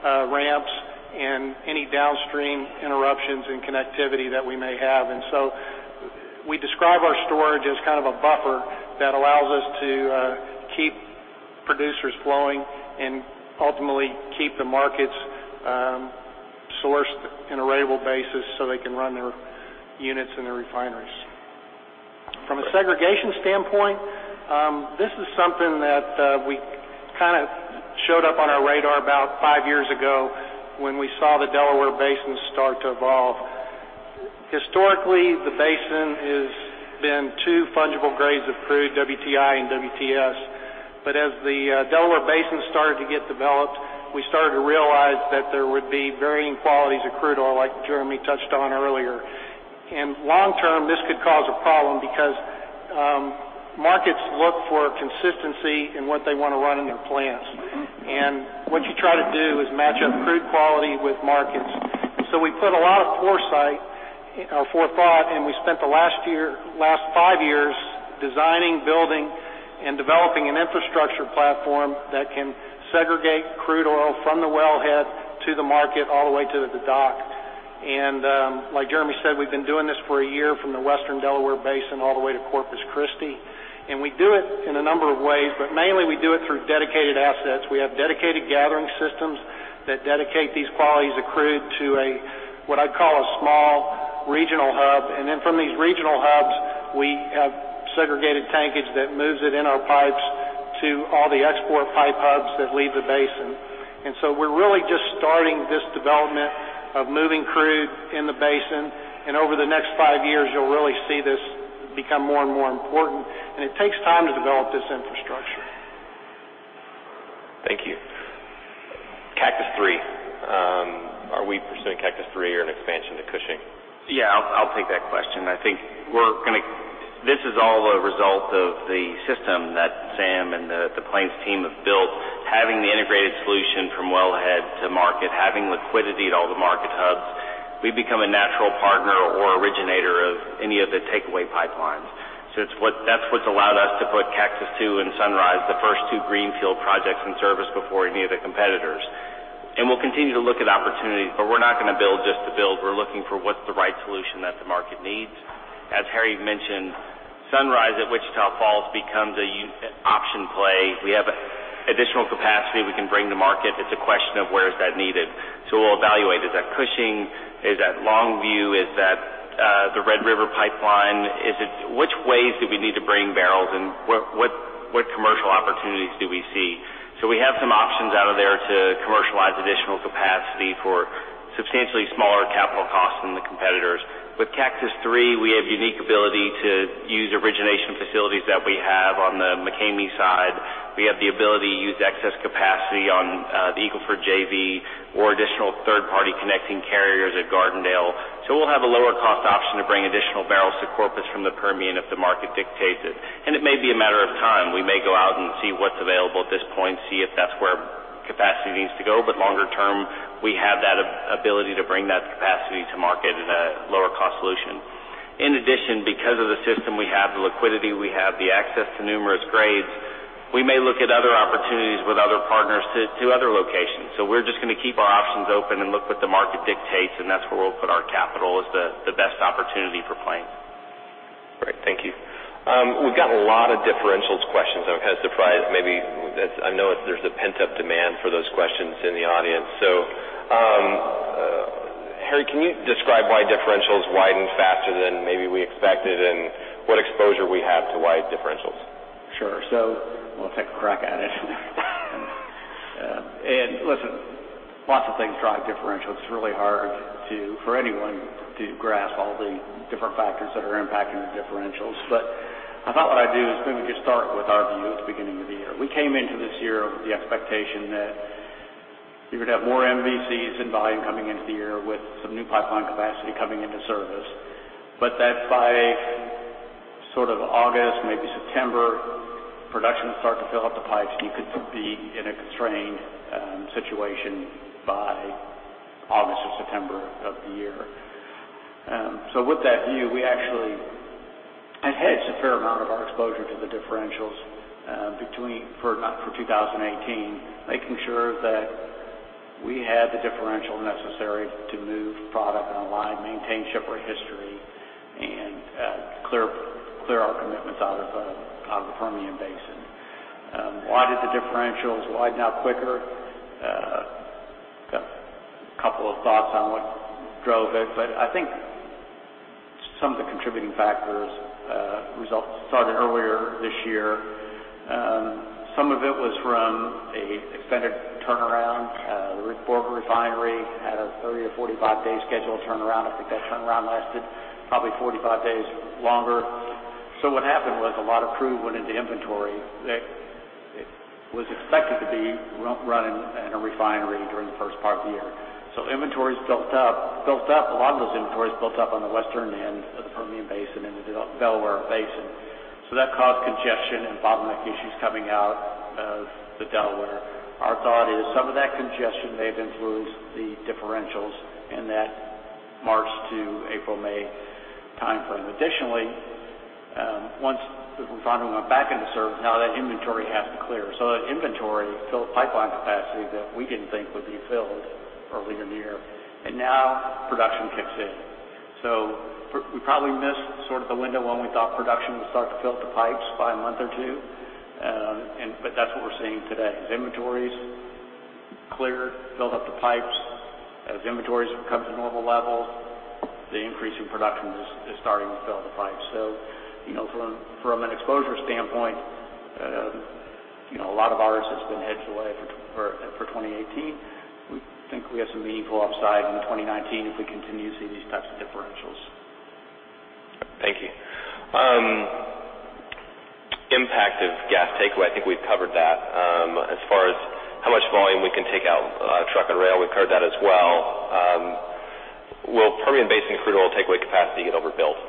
ramps, and any downstream interruptions in connectivity that we may have. We describe our storage as a buffer that allows us to keep producers flowing and ultimately keep the markets sourced in a reliable basis so they can run their units and their refineries. From a segregation standpoint, this is something that showed up on our radar about five years ago when we saw the Delaware Basin start to evolve. Historically, the basin has been two fungible grades of crude, WTI and WTS. As the Delaware Basin started to get developed, we started to realize that there would be varying qualities of crude oil, like Jeremy touched on earlier. Long term, this could cause a problem because markets look for consistency in what they want to run in their plants. What you try to do is match up crude quality with markets. We put a lot of forethought, and we spent the last five years designing, building, and developing an infrastructure platform that can segregate crude oil from the wellhead to the market all the way to the dock. Like Jeremy said, we've been doing this for a year from the Western Delaware Basin all the way to Corpus Christi. We do it in a number of ways, but mainly we do it through dedicated assets. We have dedicated gathering systems that dedicate these qualities of crude to a, what I'd call a small regional hub. Then from these regional hubs, we have segregated tankage that moves it in our pipes to all the export pipe hubs that leave the basin. We're really just starting this development of moving crude in the basin. Over the next five years, you'll really see this become more and more important, and it takes time to develop this infrastructure. Thank you. Cactus III. Are we pursuing Cactus III or an expansion to Cushing? Yeah, I'll take that question. I think this is all a result of the system that Sam and the Plains team have built, having the integrated solution from wellhead to market, having liquidity at all the market hubs. That's what's allowed us to put Cactus II and Sunrise, the first two greenfield projects in service before any of the competitors. We'll continue to look at opportunities, but we're not going to build just to build. We're looking for what's the right solution that the market needs. As Harry mentioned, Sunrise at Wichita Falls becomes an option play. We have additional capacity we can bring to market. It's a question of where is that needed. We'll evaluate, is that Cushing? Is that Longview? Is that the Red River Pipeline? Which ways do we need to bring barrels and what commercial opportunities do we see? We have some options out of there to commercialize additional capacity for substantially smaller capital costs than the competitors. With Cactus III, we have unique ability to use origination facilities that we have on the McCamey side. We have the ability to use excess capacity on the Eagle Ford JV or additional third-party connecting carriers at Gardendale. We'll have a lower cost option to bring additional barrels to Corpus from the Permian if the market dictates it. It may be a matter of time. We may go out and see what's available at this point, see if that's where capacity needs to go. Longer term, we have that ability to bring that capacity to market at a lower cost solution. In addition, because of the system we have, the liquidity we have, the access to numerous grades, we may look at other opportunities with other partners to other locations. We're just going to keep our options open and look what the market dictates, and that's where we'll put our capital as the best opportunity for Plains. Great. Thank you. We've got a lot of differentials questions. I'm kind of surprised, maybe. I know there's a pent-up demand for those questions in the audience. Harry, can you describe why differentials widened faster than maybe we expected and what exposure we have to wide differentials? Sure. We'll take a crack at it. Listen, lots of things drive differentials. It's really hard for anyone to grasp all the different factors that are impacting the differentials. I thought what I'd do is maybe just start with our view at the beginning of the year. We came into this year with the expectation that you would have more MVCs and volume coming into the year with some new pipeline capacity coming into service. That by sort of August, maybe September, production would start to fill up the pipes, and you could be in a constrained situation by August or September of the year. With that view, we actually had hedged a fair amount of our exposure to the differentials for 2018, making sure that we had the differential necessary to move product and align, maintain shipper history, and clear our commitments out of the Permian Basin. Why did the differentials widen out quicker? Got a couple of thoughts on what drove it, but I think some of the contributing factors started earlier this year. Some of it was from an extended turnaround. The Port Arthur refinery had a 30-45-day scheduled turnaround. I think that turnaround lasted probably 45 days longer. What happened was a lot of crude went into inventory that was expected to be running in a refinery during the first part of the year. Inventories built up. A lot of those inventories built up on the western end of the Permian Basin and the Delaware Basin. That caused congestion and bottleneck issues coming out of the Delaware. Our thought is some of that congestion may have influenced the differentials in that March to April-May timeframe. Additionally, once the refinery went back into service, now that inventory has to clear. That inventory filled pipeline capacity that we didn't think would be filled earlier in the year. Now production kicks in. We probably missed the window when we thought production would start to fill up the pipes by a month or two. That's what we're seeing today. As inventories cleared, filled up the pipes. As inventories have come to normal levels, the increase in production is starting to fill the pipes. From an exposure standpoint, a lot of ours has been hedged away for 2018. We think we have some meaningful upside in 2019 if we continue to see these types of differentials. Thank you. Impact of gas takeaway, I think we've covered that. As far as how much volume we can take out truck and rail, we've covered that as well. Will Permian Basin crude oil takeaway capacity get overbuilt?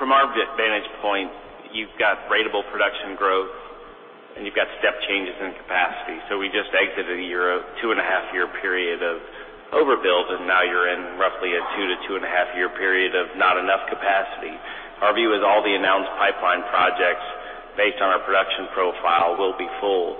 From our vantage point, you've got ratable production growth, and you've got step changes in capacity. We just exited a two-and-a-half-year period of overbuild, and now you're in roughly a two to two-and-a-half-year period of not enough capacity. Our view is all the announced pipeline projects based on our production profile will be full.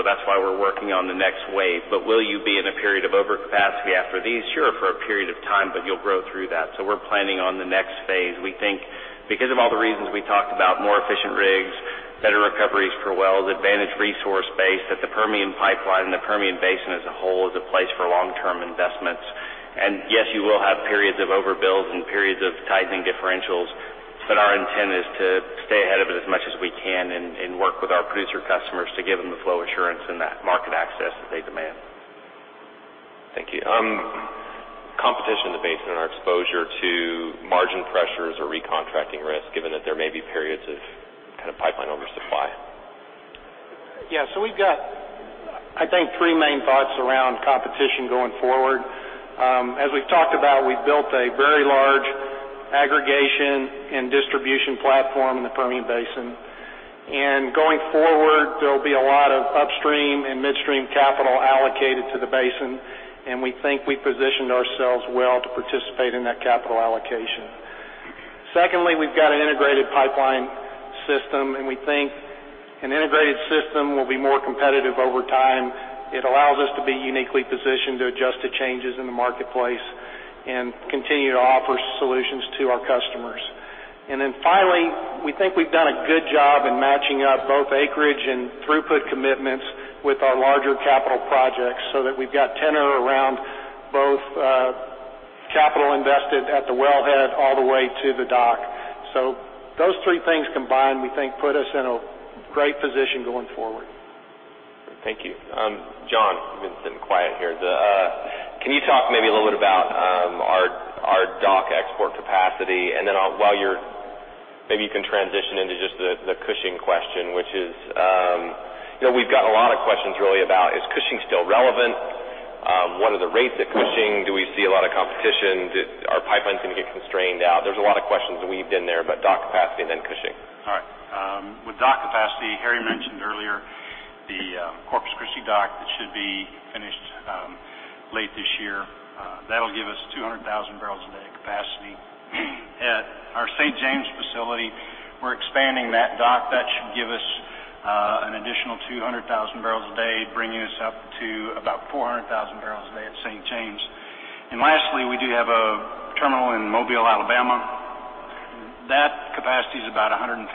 That's why we're working on the next wave. Will you be in a period of overcapacity after these? Sure, for a period of time, but you'll grow through that. We're planning on the next phase. We think because of all the reasons we talked about, more efficient rigs, better recoveries per well, the advantaged resource base, that the Permian pipeline and the Permian Basin as a whole is a place for long-term investments. Yes, you will have periods of overbuild and periods of tightening differentials, our intent is to stay ahead of it as much as we can and work with our producer customers to give them the flow assurance and that market access that they demand. Thank you. Competition in the Basin and our exposure to margin pressures or recontracting risk, given that there may be periods of pipeline oversupply. We've got, I think, three main thoughts around competition going forward. As we've talked about, we've built a very large aggregation and distribution platform in the Permian Basin. Going forward, there'll be a lot of upstream and midstream capital allocated to the Basin, we think we positioned ourselves well to participate in that capital allocation. Secondly, we've got an integrated pipeline system, we think an integrated system will be more competitive over time. It allows us to be uniquely positioned to adjust to changes in the marketplace and continue to offer solutions to our customers. Finally, we think we've done a good job in matching up both acreage and throughput commitments with our larger capital projects so that we've got tenure around both capital invested at the wellhead all the way to the dock. Those three things combined we think put us in a great position going forward. Thank you. John, you've been sitting quiet here. Can you talk maybe a little bit about our dock export capacity? Then maybe you can transition into just the Cushing question, which is we've got a lot of questions really about is Cushing still relevant? What are the rates at Cushing? Do we see a lot of competition? Are pipelines going to get constrained out? There's a lot of questions weaved in there, but dock capacity and then Cushing. All right. With dock capacity, Harry mentioned earlier the Corpus Christi dock that should be finished late this year. That'll give us 200,000 barrels a day capacity. At our St. James facility, we're expanding that dock. That should give us an additional 200,000 barrels a day, bringing us up to about 400,000 barrels a day at St. James. Lastly, we do have a terminal in Mobile, Alabama. That capacity is about 150,000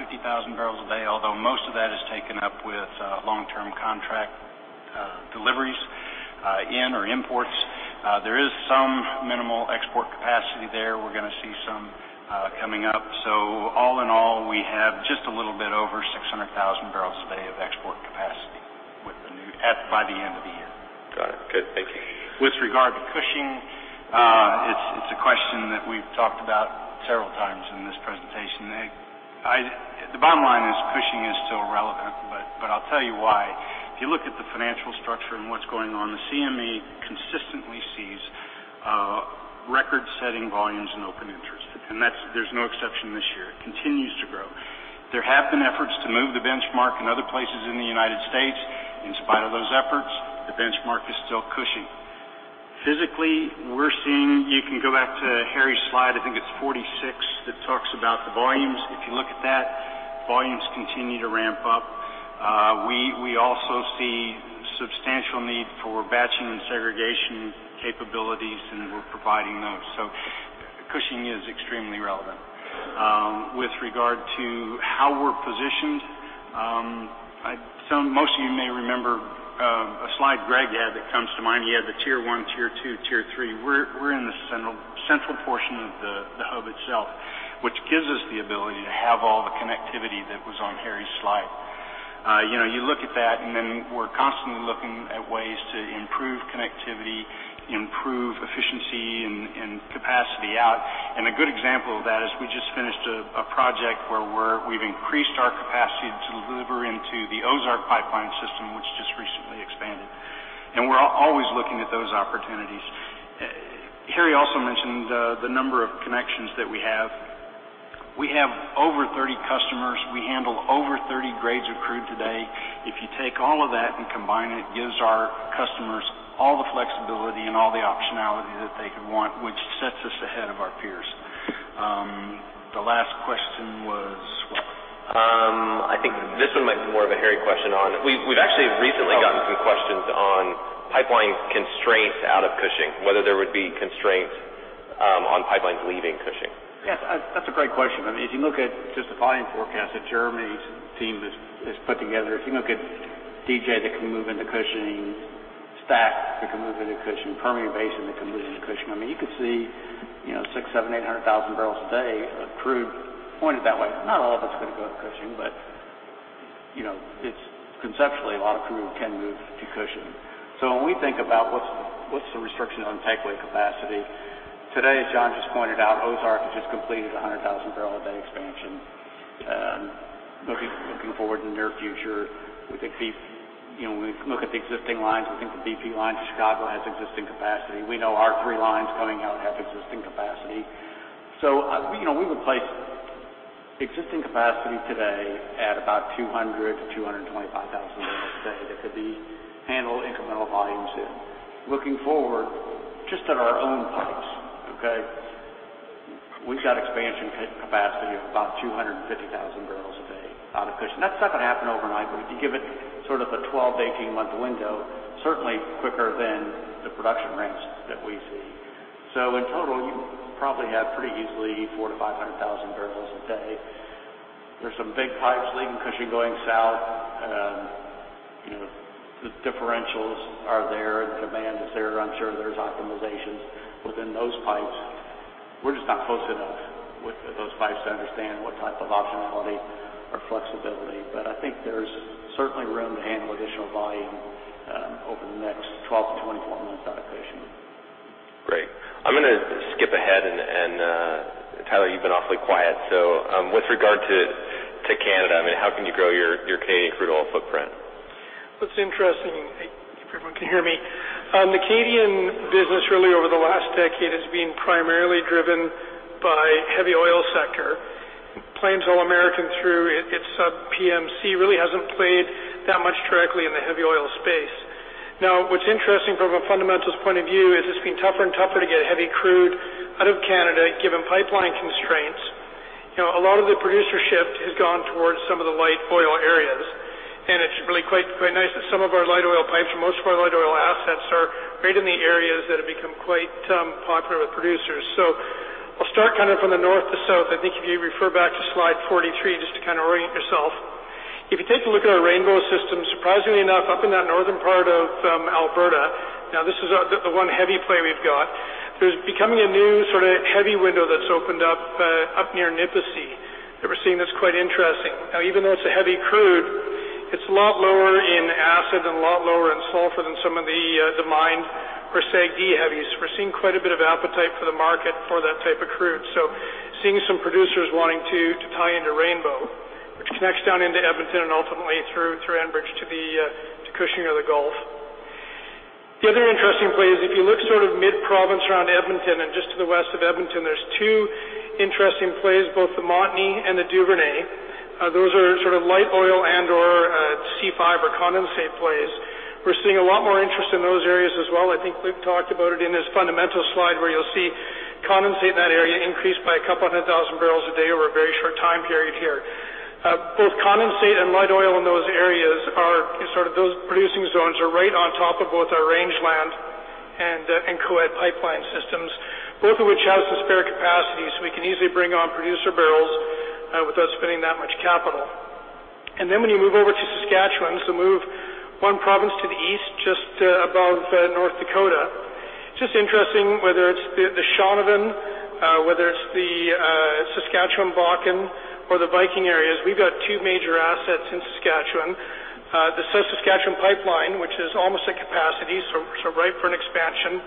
barrels a day, although most of that is taken up with long-term contract deliveries in or imports. There is some minimal export capacity there. We're going to see some coming up. All in all, we have just a little bit over 600,000 barrels a day of export capacity by the end of the year. Got it. Good. Thank you. With regard to Cushing, it's a question that we've talked about several times in this presentation. The bottom line is Cushing is still relevant, but I'll tell you why. If you look at the financial structure and what's going on, the CME consistently sees record-setting volumes in open interest. There's no exception this year. It continues to grow. There have been efforts to move the benchmark in other places in the U.S. In spite of those efforts, the benchmark is still Cushing. Physically, we're seeing. You can go back to Harry's slide, I think it's 46, that talks about the volumes. If you look at that, volumes continue to ramp up. We also see substantial need for batching and segregation capabilities, and we're providing those. Cushing is extremely relevant. With regard to how we're positioned, most of you may remember a slide Greg had that comes to mind. He had the tier 1, tier 2, tier 3. We're in the central portion of the hub itself, which gives us the ability to have all the connectivity that was on Harry's slide. You look at that, we're constantly looking at ways to improve connectivity, improve efficiency, and capacity out. A good example of that is we just finished a project where we've increased our capacity to deliver into the Ozark pipeline system which just- We're always looking at those opportunities. Harry also mentioned the number of connections that we have. We have over 30 customers. We handle over 30 grades of crude today. If you take all of that and combine it gives our customers all the flexibility and all the optionality that they could want, which sets us ahead of our peers. The last question was what? I think this one might be more of a Harry question. We've actually recently gotten some questions on pipeline constraints out of Cushing, whether there would be constraints on pipelines leaving Cushing. Yes, that's a great question. If you look at just the volume forecast that Jeremy's team has put together, if you look at DJ that can move into Cushing, STACK that can move into Cushing, Permian Basin that can move into Cushing, you could see 600,000, 700,000, 800,000 barrels a day of crude pointed that way. Not all of it's going to go to Cushing, conceptually, a lot of crude can move to Cushing. When we think about what's the restriction on takeaway capacity, today, as John just pointed out, Ozark has just completed 100,000 barrels a day expansion. Looking forward in the near future, when we look at the existing lines, we think the BP line to Chicago has existing capacity. We know our three lines coming out have existing capacity. We would place existing capacity today at about 200,000-225,000 barrels a day that could be handled incremental volumes in. Looking forward just at our own pipes, okay, we've got expansion capacity of about 250,000 barrels a day out of Cushing. That's not going to happen overnight, if you give it sort of a 12-18 month window, certainly quicker than the production ramps that we see. In total, you probably have pretty easily 400,000-500,000 barrels a day. There's some big pipes leaving Cushing going south. The differentials are there. The demand is there. I'm sure there's optimizations within those pipes. We're just not close enough with those pipes to understand what type of optionality or flexibility. I think there's certainly room to handle additional volume over the next 12-24 months out of Cushing. Great. I'm going to skip ahead and Tyler, you've been awfully quiet. With regard to Canada, how can you grow your Canadian crude oil footprint? Well, it's interesting. I hope everyone can hear me. The Canadian business really over the last decade has been primarily driven by heavy oil sector. Plains All American through its sub PMC really hasn't played that much directly in the heavy oil space. What's interesting from a fundamentals point of view is it's been tougher and tougher to get heavy crude out of Canada, given pipeline constraints. A lot of the producer shift has gone towards some of the light oil areas, it's really quite nice that some of our light oil pipes or most of our light oil assets are right in the areas that have become quite popular with producers. I'll start from the north to south. I think if you refer back to slide 43, just to orient yourself. If you take a look at our Rainbow Pipeline system, surprisingly enough, up in that northern part of Alberta, now this is the one heavy play we've got. There's becoming a new sort of heavy window that's opened up near Nipisi that we're seeing that's quite interesting. Now, even though it's a heavy crude, it's a lot lower in acid and a lot lower in sulfur than some of the mined or SAGD heavies. We're seeing quite a bit of appetite for the market for that type of crude. Seeing some producers wanting to tie into Rainbow Pipeline, which connects down into Edmonton and ultimately through Enbridge to Cushing or the Gulf. The other interesting play is if you look mid-province around Edmonton and just to the west of Edmonton, there's two interesting plays, both the Montney and the Duvernay. Those are sort of light oil and/or C5 or condensate plays. We're seeing a lot more interest in those areas as well. I think we've talked about it in this fundamentals slide where you'll see condensate in that area increased by a couple of hundred thousand barrels a day over a very short time period here. Both condensate and light oil in those areas are sort of those producing zones are right on top of both our Rangeland Pipeline and Co-Ed Pipeline systems, both of which have some spare capacity, so we can easily bring on producer barrels without spending that much capital. When you move over to Saskatchewan, move one province to the east just above North Dakota. It's just interesting whether it's the Shaunavon, whether it's the Saskatchewan Bakken, or the Viking areas. We've got two major assets in Saskatchewan. The South Saskatchewan Pipeline, which is almost at capacity, ripe for an expansion.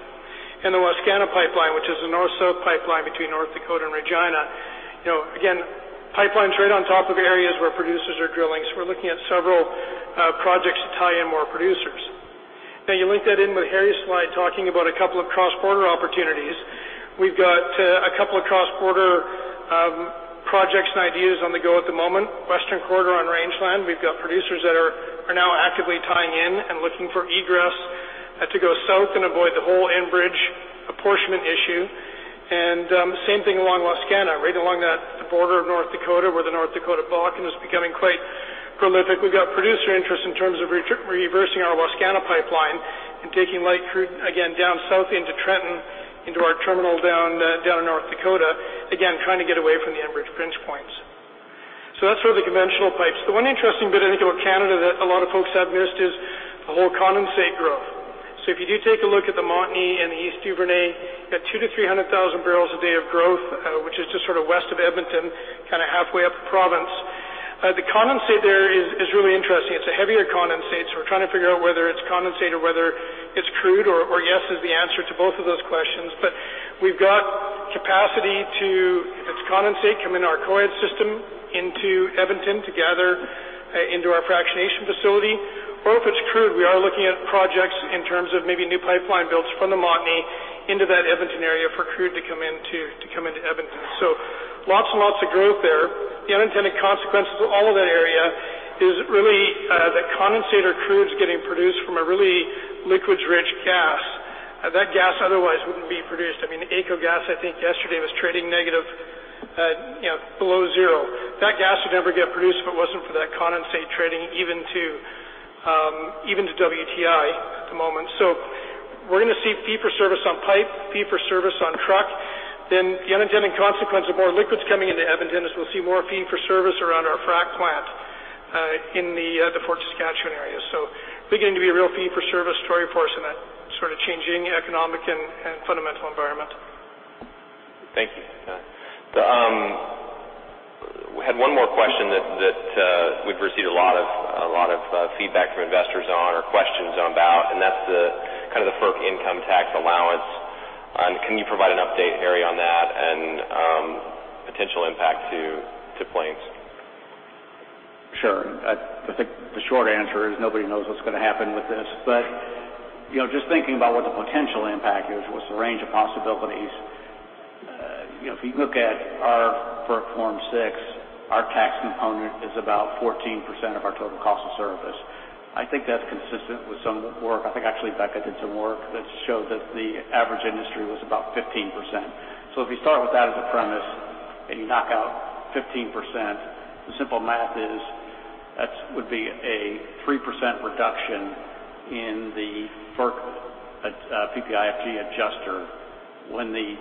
The Wascana Pipeline, which is the north-south pipeline between North Dakota and Regina. Again, pipelines right on top of areas where producers are drilling. We're looking at several projects to tie in more producers. Now you link that in with Harry's slide talking about a couple of cross-border opportunities. We've got a couple of cross-border projects and ideas on the go at the moment. Western Corridor on Rangeland Pipeline. We've got producers that are now actively tying in and looking for egress to go south and avoid the whole Enbridge apportionment issue. Same thing along Wascana Pipeline, right along the border of North Dakota, where the North Dakota Bakken is becoming quite prolific. We've got producer interest in terms of reversing our Wascana Pipeline and taking light crude again down south into Trenton, into our terminal down in North Dakota. Again, trying to get away from the Enbridge pinch points. That's sort of the conventional pipes. The one interesting bit I think about Canada that a lot of folks have missed is the whole condensate growth. If you do take a look at the Montney and the East Duvernay, you've got 200,000 to 300,000 barrels a day of growth, which is just sort of west of Edmonton, halfway up the province. The condensate there is really interesting. It's a heavier condensate, we're trying to figure out whether it's condensate or whether it's crude or yes is the answer to both of those questions. We've got capacity to, if it's condensate, come in our Co-Ed Pipeline system into Edmonton to gather into our fractionation facility. If it's crude, we are looking at projects in terms of maybe new pipeline builds from the Montney into that Edmonton area for crude to come into Edmonton. Lots and lots of growth there. The unintended consequences of all of that area is really that condensate or crude's getting produced from a really liquids-rich gas. That gas otherwise wouldn't be produced. AECO Gas, I think yesterday was trading below zero. That gas would never get produced if it wasn't for that condensate trading even to WTI at the moment. We're going to see fee for service on pipe, fee for service on truck. The unintended consequence of more liquids coming into Edmonton is we'll see more fee for service around our frack plant in the Fort Saskatchewan area. Beginning to be a real fee for service story for us in that sort of changing economic and fundamental environment. Thank you. We had one more question that we've received a lot of feedback from investors on or questions about. That's the FERC income tax allowance. Can you provide an update, Harry, on that and potential impact to Plains? Sure. I think the short answer is nobody knows what's going to happen with this, but just thinking about what the potential impact is, what's the range of possibilities. If you look at our FERC Form 6, our tax component is about 14% of our total cost of service. I think that's consistent with some work. I think actually Becca did some work that showed that the average industry was about 15%. If you start with that as a premise and you knock out 15%, the simple math is that would be a 3% reduction in the FERC PPI-FG adjuster when the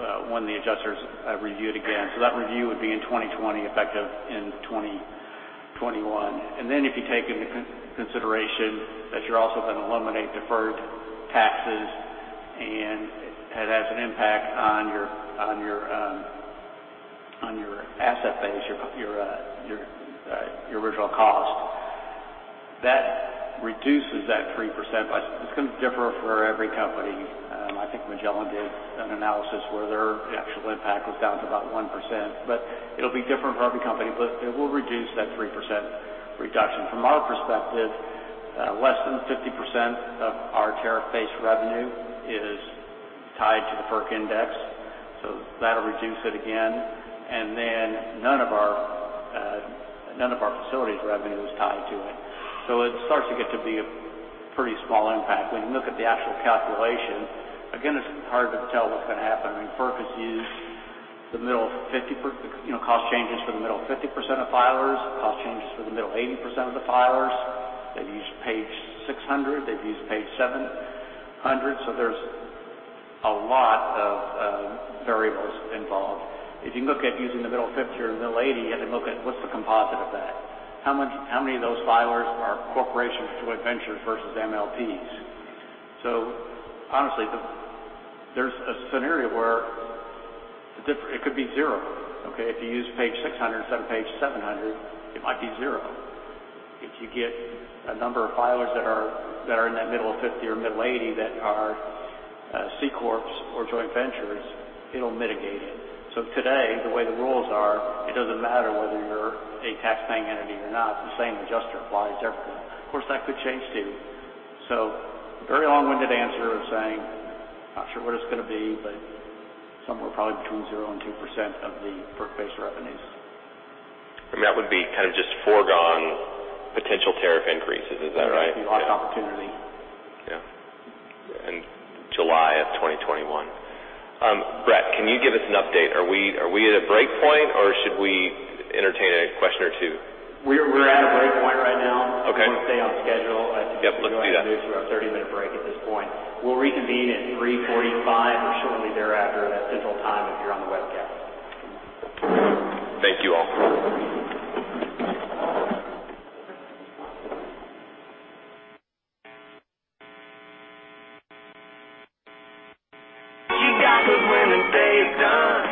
adjusters review it again. That review would be in 2020, effective in 2021. If you take into consideration that you're also going to eliminate deferred taxes and it has an impact on your asset base, your original cost. That reduces that 3%. It's going to differ for every company. I think Magellan did an analysis where their actual impact was down to about 1%, but it'll be different for every company. It will reduce that 3% reduction. From our perspective, less than 50% of our tariff-based revenue is tied to the FERC index, so that'll reduce it again. None of our facilities revenue is tied to it. It starts to get to be a pretty small impact. When you look at the actual calculation, again, it's hard to tell what's going to happen. FERC has used cost changes for the middle 50% of filers, cost changes for the middle 80% of the filers. They've used page 600, they've used page 700. There's a lot of variables involved. If you look at using the middle 50 or the middle 80 and then look at what's the composite of that, how many of those filers are corporations, joint ventures versus MLPs? Honestly, there's a scenario where it could be zero. Okay. If you use page 600 instead of page 700, it might be zero. If you get a number of filers that are in that middle 50 or middle 80 that are C corps or joint ventures, it'll mitigate it. Today, the way the rules are, it doesn't matter whether you're a taxpaying entity or not. The same adjuster applies to everyone. Of course, that could change, too. Very long-winded answer of saying, not sure what it's going to be, but somewhere probably between 0 and 2% of the FERC-based revenues. That would be just foregone potential tariff increases. Is that right? It would be lost opportunity. Yeah. In July of 2021. Brett, can you give us an update? Are we at a break point or should we entertain a question or two? We're at a break point right now. Okay. If we want to stay on schedule. Yep, let's do that. I suggest we introduce our 30-minute break at this point. We'll reconvene at 3:45 or shortly thereafter at Central Time if you're on the webcast. Thank you all. I'm going to let everybody take their seats.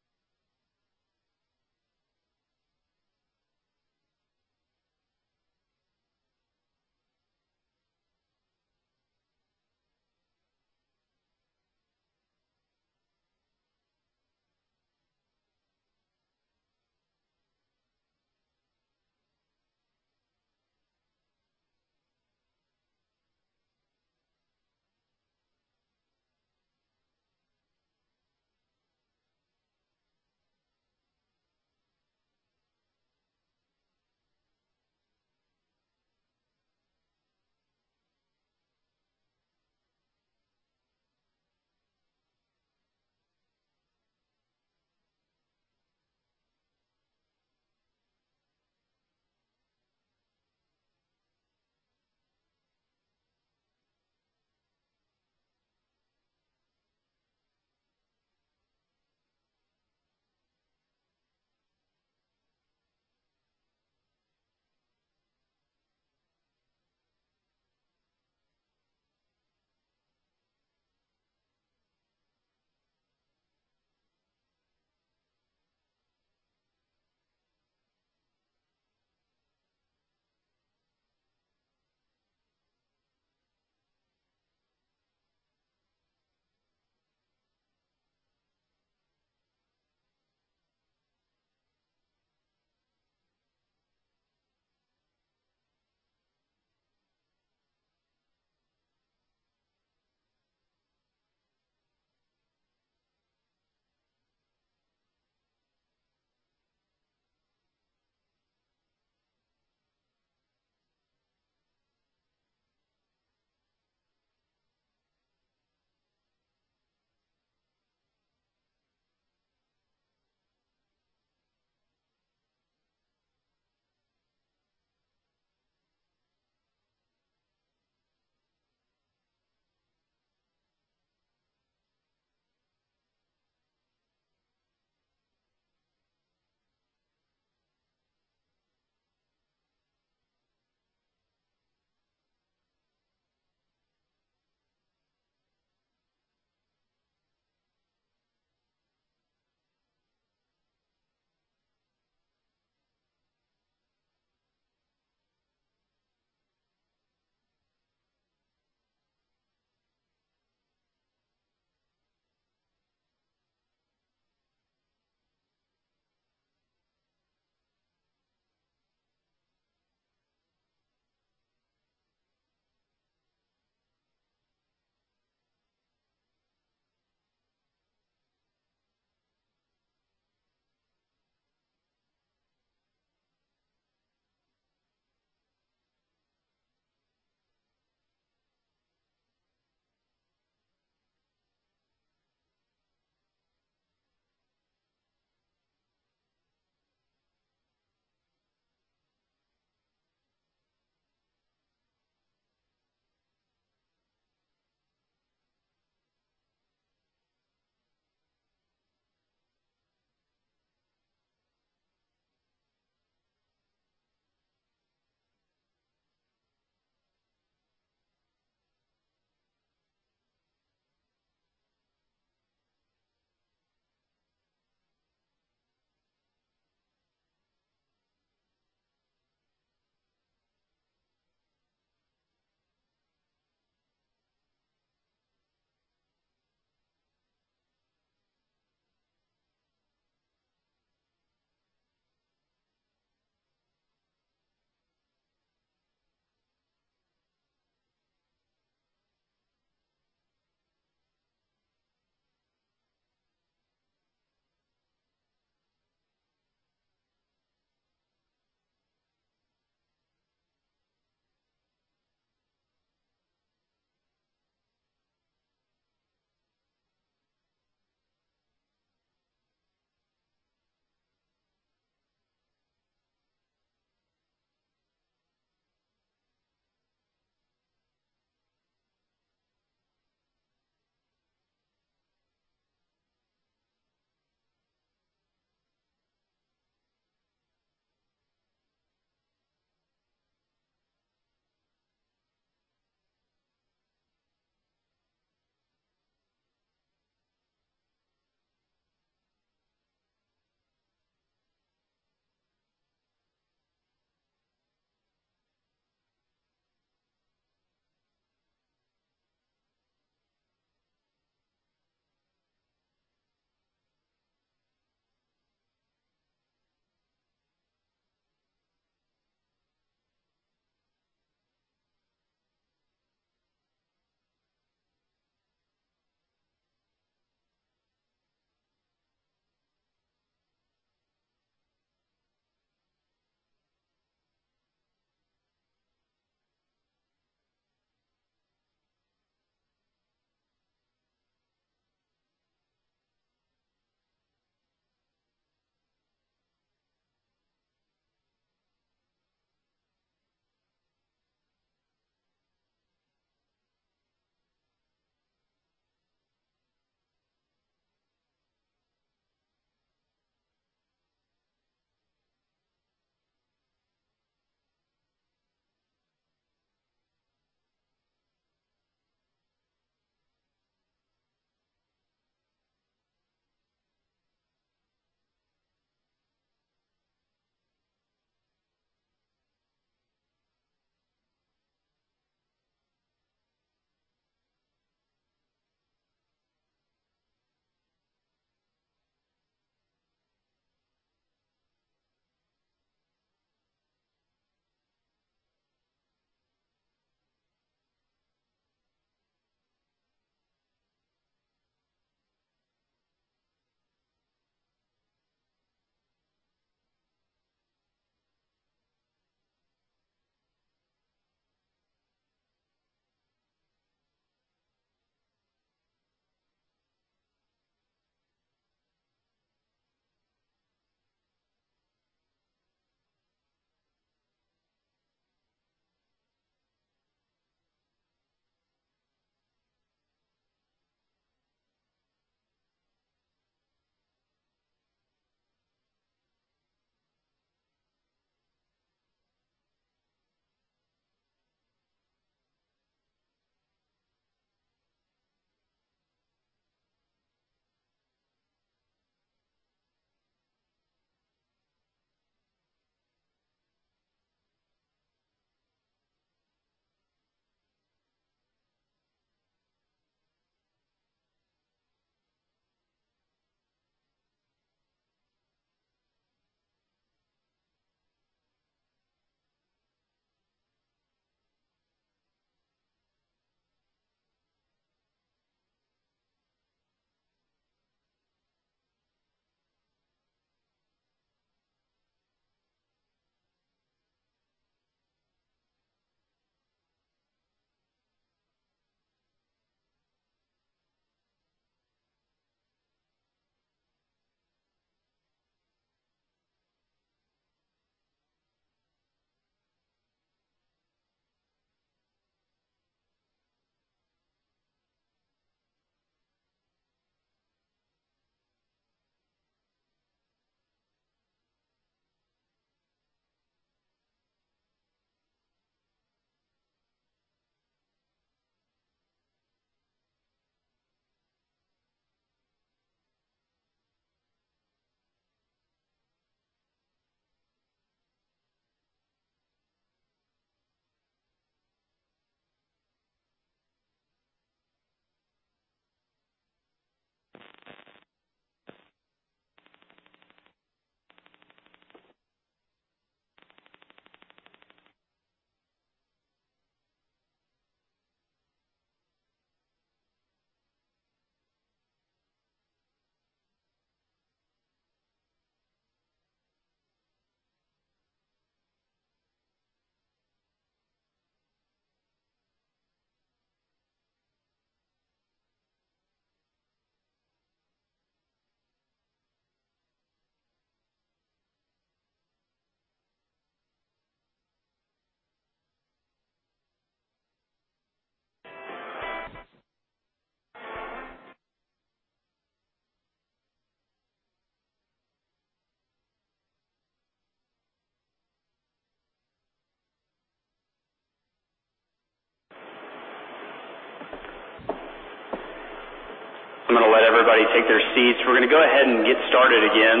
We're going to go ahead and get started again.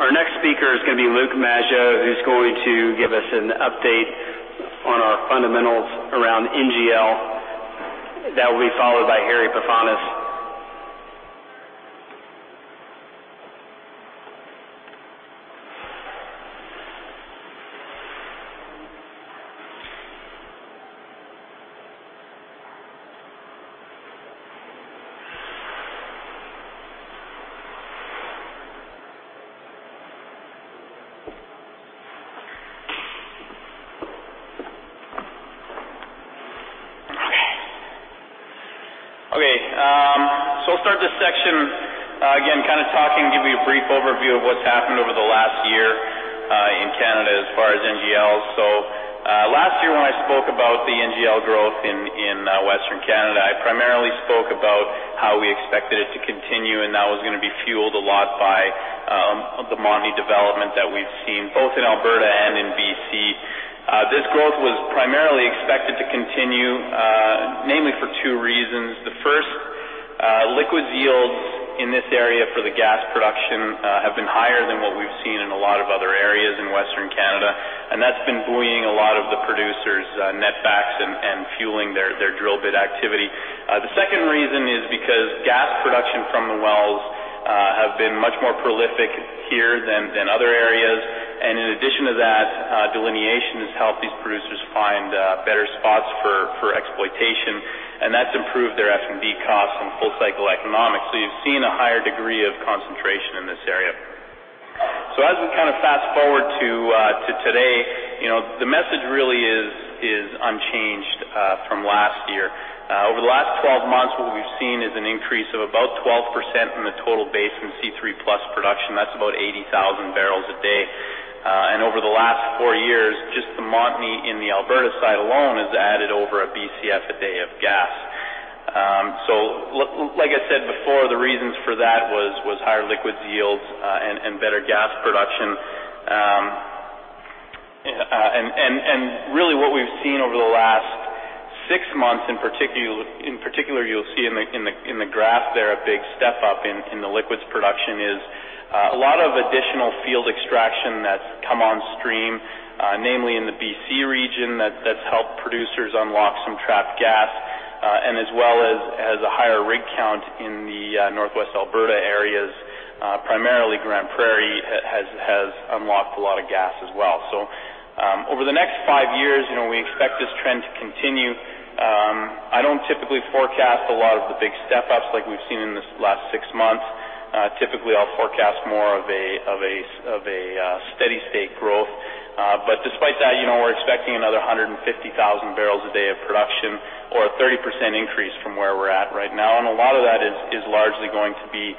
Our next speaker is going to be Luke Magellan, who's going to give us an update on our fundamentals around NGL. That will be followed by Harry Pefanis. Okay. Start this section, again, kind of talking to give you a brief overview of what's happened over the last year in Canada as far as NGLs. Last year when I spoke about the NGL growth in Western Canada, I primarily spoke about how we expected it to continue, and that was going to be fueled a lot by the Montney development that we've seen both in Alberta and in BC. This growth was primarily expected to continue, namely for two reasons. The first, liquids yields in this area for the gas production have been higher than what we've seen in a lot of other areas in Western Canada, and that's been buoying a lot of the producers' netbacks and fueling their drill bit activity. The second reason is because gas production from the wells have been much more prolific here than other areas. In addition to that, delineation has helped these producers find better spots for exploitation, and that's improved their F&D costs and full cycle economics. You've seen a higher degree of concentration in this area. As we kind of fast-forward to today, the message really is unchanged from last year. Over the last 12 months, what we've seen is an increase of about 12% in the total basin C3+ production. That's about 80,000 barrels a day. Over the last four years, just the Montney in the Alberta side alone has added over a Bcf a day of gas. Like I said before, the reasons for that was higher liquids yields and better gas production. Really what we've seen over the last six months, in particular, you'll see in the graph there a big step up in the liquids production, is a lot of additional field extraction that's come on stream, namely in the BC region that's helped producers unlock some trapped gas, as well as a higher rig count in the Northwest Alberta areas. Primarily Grande Prairie has unlocked a lot of gas as well. Over the next five years, we expect this trend to continue. I don't typically forecast a lot of the big step-ups like we've seen in this last six months. Typically, I'll forecast more of a steady state growth. But despite that, we're expecting another 150,000 barrels a day of production or a 30% increase from where we're at right now. A lot of that is largely going to be,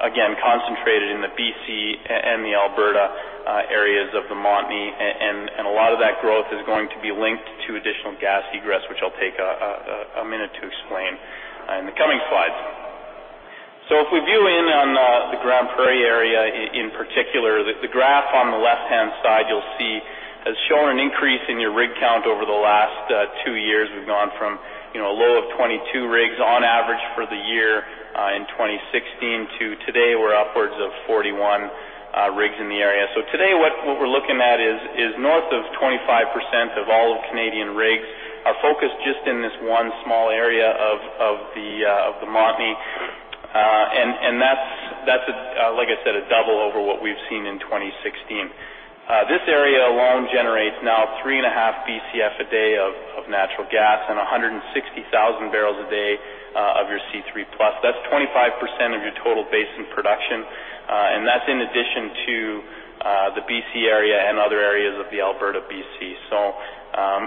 again, concentrated in the BC and the Alberta areas of the Montney. A lot of that growth is going to be linked to additional gas egress, which I'll take a minute to explain in the coming slides. If we view in on the Grande Prairie area in particular, the graph on the left-hand side you'll see has shown an increase in your rig count over the last two years. We've gone from a low of 22 rigs on average for the year in 2016 to today, we're upwards of 41 rigs in the area. Today, what we're looking at is north of 25% of all Canadian rigs are focused just in this one small area of the Montney. That's, like I said, a double over what we've seen in 2016. This area alone generates now 3.5 Bcf a day of natural gas and 160,000 barrels a day of your C3+. That's 25% of your total basin production, and that's in addition to the BC area and other areas of the Alberta BC.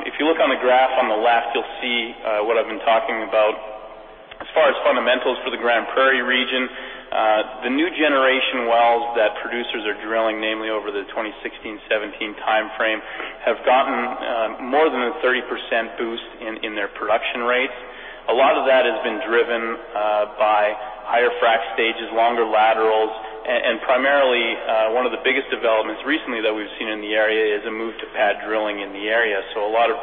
If you look on the graph on the left, you'll see what I've been talking about as far as fundamentals for the Grande Prairie region. The new generation wells that producers are drilling, namely over the 2016-2017 timeframe, have gotten more than a 30% boost in their production rates. A lot of that has been driven by higher frack stages, longer laterals, and primarily one of the biggest developments recently that we've seen in the area is a move to pad drilling in the area. A lot of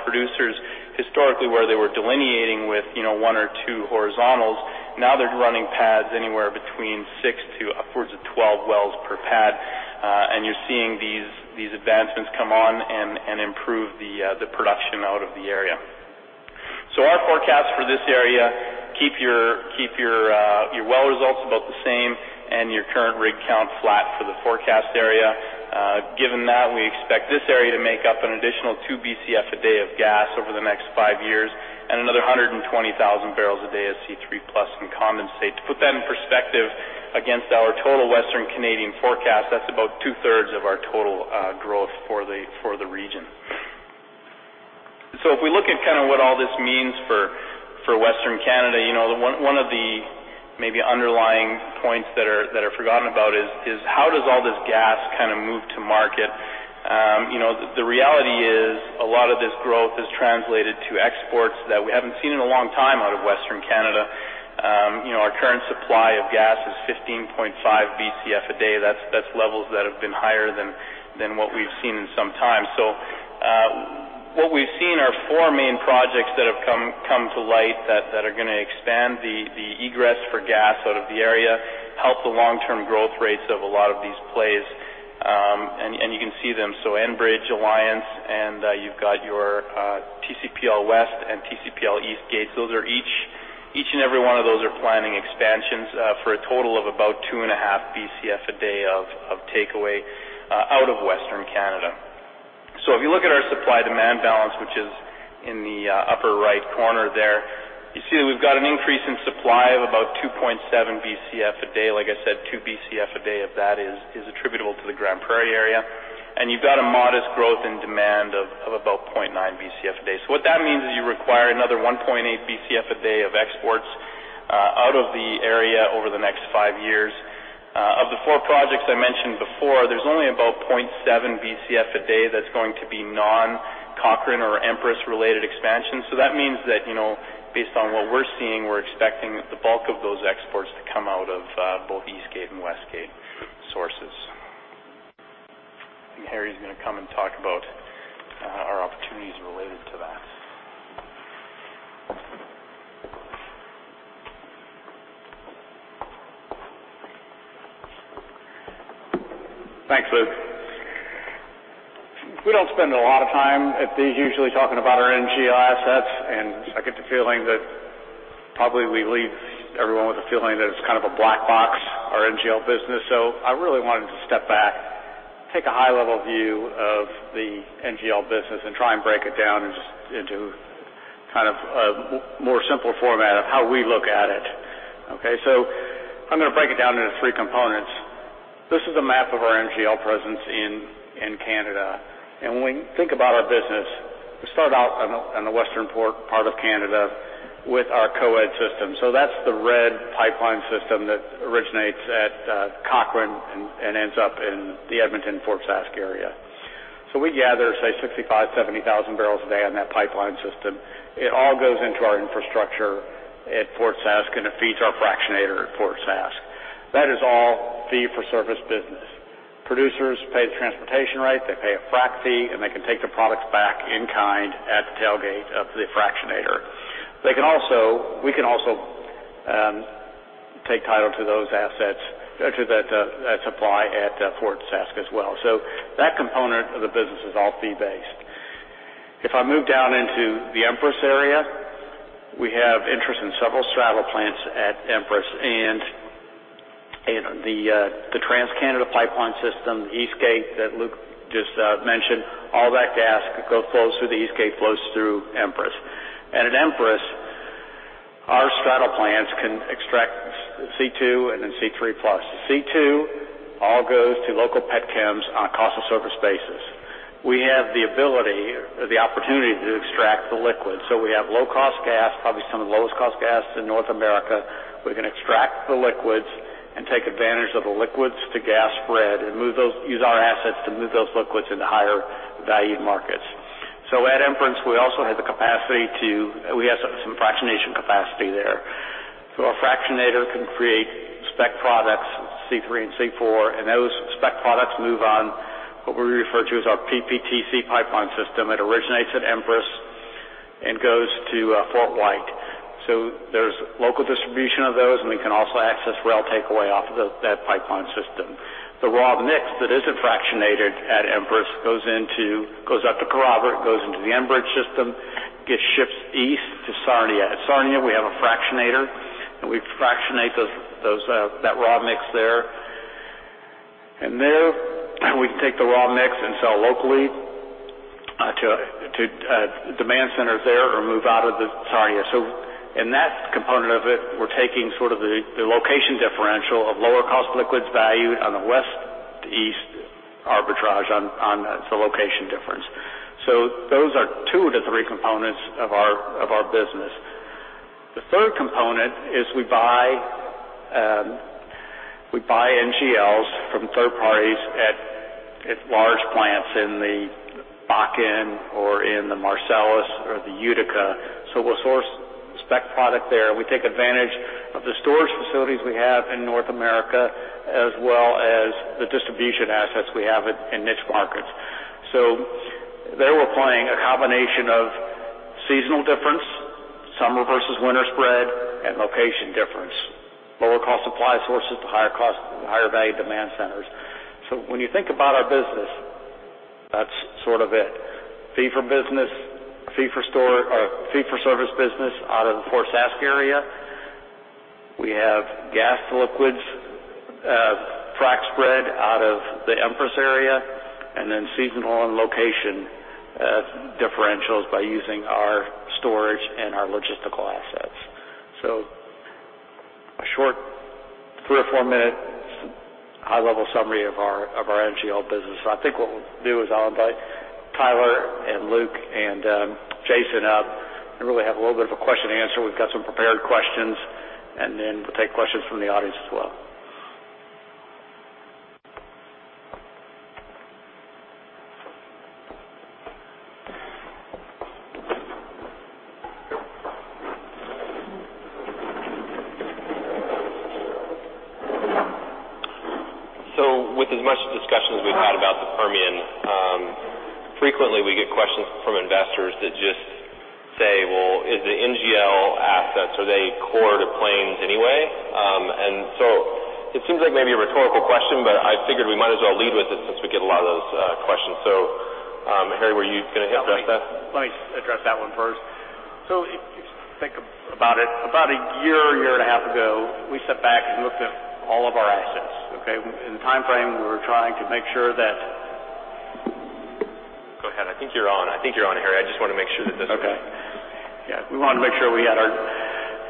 producers, historically, where they were delineating with one or two horizontals, now they're running pads anywhere between six to upwards of 12 wells per pad. You're seeing these advancements come on and improve the production out of the area. Our forecast for this area, keep your well results about the same and your current rig count flat for the forecast area. Given that, we expect this area to make up an additional 2 Bcf a day of gas over the next five years and another 120,000 barrels a day of C3+ and condensate. To put that in perspective against our total Western Canadian forecast, that's about two-thirds of our total growth for the region. If we look at what all this means for Western Canada, one of the maybe underlying points that are forgotten about is how does all this gas move to market? The reality is a lot of this growth has translated to exports that we haven't seen in a long time out of Western Canada. Our current supply of gas is 15.5 Bcf a day. That's levels that have been higher than what we've seen in some time. What we've seen are four main projects that have come to light that are going to expand the egress for gas out of the area, help the long-term growth rates of a lot of these plays, and you can see them. Enbridge Alliance, and you've got your TCPL West and TCPL East gates. Each and every one of those are planning expansions for a total of about 2.5 Bcf a day of takeaway out of Western Canada. If you look at our supply-demand balance, which is in the upper right corner there, you see that we've got an increase in supply of about 2.7 Bcf a day. Like I said, 2 Bcf a day of that is attributable to the Grande Prairie area. You've got a modest growth in demand of about 0.9 Bcf a day. What that means is you require another 1.8 Bcf a day of exports out of the area over the next five years. Of the four projects I mentioned before, there's only about 0.7 Bcf a day that's going to be non-Cochrane or Empress-related expansion. That means that based on what we're seeing, we're expecting the bulk of those exports to come out of both Eastgate and Westgate sources. Harry's going to come and talk about our opportunities related to that. Thanks, Luke. We don't spend a lot of time at these usually talking about our NGL assets, and I get the feeling that probably we leave everyone with a feeling that it's kind of a black box, our NGL business. I really wanted to step back, take a high-level view of the NGL business, and try and break it down into a more simple format of how we look at it. I'm going to break it down into three components. This is a map of our NGL presence in Canada. When we think about our business, we start out on the western part of Canada with our Co-Ed Pipeline system. That's the red pipeline system that originates at Cochrane and ends up in the Edmonton-Fort Sask area. We gather, say, 65,000, 70,000 barrels a day on that pipeline system. It all goes into our infrastructure at Fort Sask, and it feeds our fractionator at Fort Sask. That is all fee for service business. Producers pay the transportation rate, they pay a frack fee, and they can take the products back in kind at the tailgate of the fractionator. We can also take title to those assets, to that supply at Fort Sask as well. That component of the business is all fee-based. If I move down into the Empress area, we have interest in several straddle plants at Empress and the TransCanada pipeline system, Eastgate that Luke just mentioned. All that gas that flows through the Eastgate flows through Empress. At Empress, our straddle plants can extract C2 and then C3+. The C2 all goes to local pet chems on a cost of service basis. We have the ability or the opportunity to extract the liquid. We have low-cost gas, probably some of the lowest-cost gas in North America. We can extract the liquids and take advantage of the liquids to gas spread and use our assets to move those liquids into higher valued markets. At Empress, we also have some fractionation capacity there. Our fractionator can create spec products, C3 and C4, and those spec products move on what we refer to as our PPTC pipeline system. It originates at Empress and goes to Fort Whyte. There's local distribution of those, and we can also access rail takeaway off of that pipeline system. The raw mix that isn't fractionated at Empress goes up to Kerrobert, goes into the Enbridge system, gets shipped east to Sarnia. At Sarnia, we have a fractionator, and we fractionate that raw mix there. There, we can take the raw mix and sell locally to demand centers there or move out of Sarnia. In that component of it, we're taking sort of the location differential of lower cost liquids value on the west to east arbitrage on the location difference. Those are two of the three components of our business. The third component is we buy NGLs from third parties at large plants in the Bakken or in the Marcellus or the Utica. We'll source spec product there. We take advantage of the storage facilities we have in North America, as well as the distribution assets we have in niche markets. There, we're playing a combination of seasonal difference, summer versus winter spread, and location difference. Lower cost supply sources to higher value demand centers. When you think about our business, that's sort of it. Fee for service business out of the Fort Sask area. We have gas to liquids frack spread out of the Empress area, and then seasonal and location differentials by using our storage and our logistical assets. A short three or four-minute high-level summary of our NGL business. I think what we'll do is I'll invite Tyler and Luke and Jason up and really have a little bit of a question and answer. We've got some prepared questions, and then we'll take questions from the audience as well. With as much discussion as we've had about the Permian, frequently we get questions from investors that just say, "Well, is the NGL assets, are they core to Plains anyway?" It seems like maybe a rhetorical question, but I figured we might as well lead with it since we get a lot of those questions. Harry, were you going to address that? Let me address that one first. If you think about it, about a year and a half ago, we sat back and looked at all of our assets, okay? In the timeframe, we were trying to make sure that Go ahead. I think you're on, Harry. We wanted to make sure we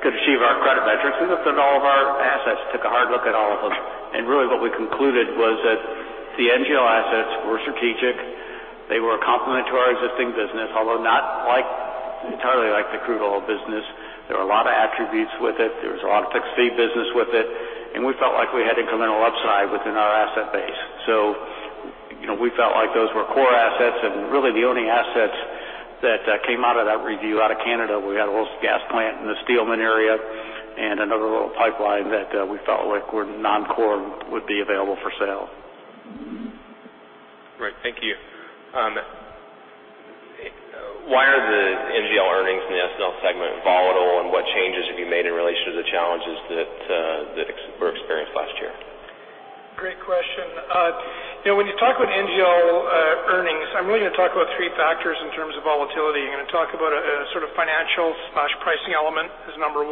could achieve our credit metrics. We looked at all of our assets, took a hard look at all of them. Really what we concluded was that the NGL assets were strategic. They were complementary to our existing business, although not entirely like the crude oil business. There were a lot of attributes with it. There was a lot of fixed fee business with it, and we felt like we had incremental upside within our asset base. We felt like those were core assets. Really, the only assets that came out of that review out of Canada, we had a little gas plant in the Steelman area and another little pipeline that we felt like were non-core would be available for sale. Right. Thank you. Why are the NGL earnings in the S&L segment volatile, and what changes have you made in relation to the challenges that were experienced last year? Great question. When you talk about NGL earnings, I'm really going to talk about three factors in terms of volatility. I'm going to talk about a sort of financial/pricing element as number 1,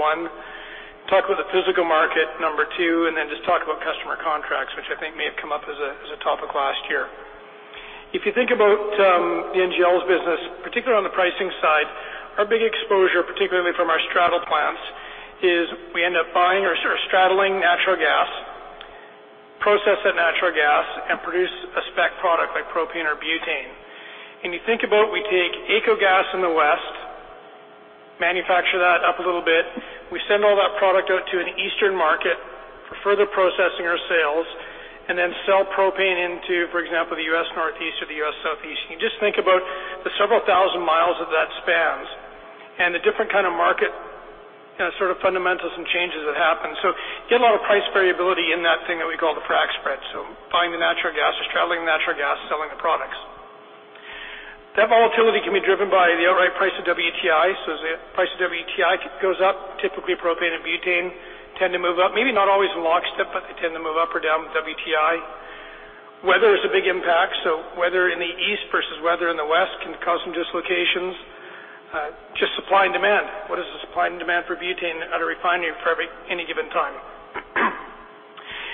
talk about the physical market, number 2, then just talk about customer contracts, which I think may have come up as a topic last year. If you think about the NGLs business, particularly on the pricing side, our big exposure, particularly from our straddle plants, is we end up buying or straddling natural gas, process that natural gas, and produce a spec product like propane or butane. You think about we take AECO Gas in the West, manufacture that up a little bit. We send all that product out to an Eastern market for further processing or sales, then sell propane into, for example, the U.S. Northeast or the U.S. Southeast. You can just think about the several thousand miles that that spans and the different kind of market sort of fundamentals and changes that happen. You get a lot of price variability in that thing that we call the frac spread. Buying the natural gas or straddling the natural gas, selling the products. That volatility can be driven by the outright price of WTI. As the price of WTI goes up, typically propane and butane tend to move up. Maybe not always in lockstep, but they tend to move up or down with WTI. Weather is a big impact. Weather in the East versus weather in the West can cause some dislocations. Just supply and demand. What is the supply and demand for butane at a refinery for any given time?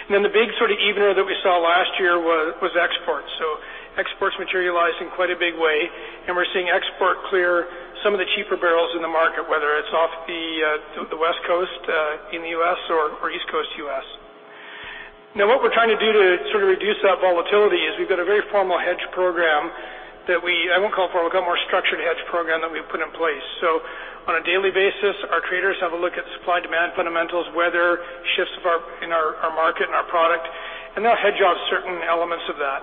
Then the big sort of evener that we saw last year was exports. Exports materialized in quite a big way, and we're seeing export clear some of the cheaper barrels in the market, whether it's off the West Coast in the U.S. or East Coast U.S. What we're trying to do to sort of reduce that volatility is we've got a very structured hedge program that we've put in place. On a daily basis, our traders have a look at supply-demand fundamentals, weather, shifts in our market and our product, and they'll hedge out certain elements of that.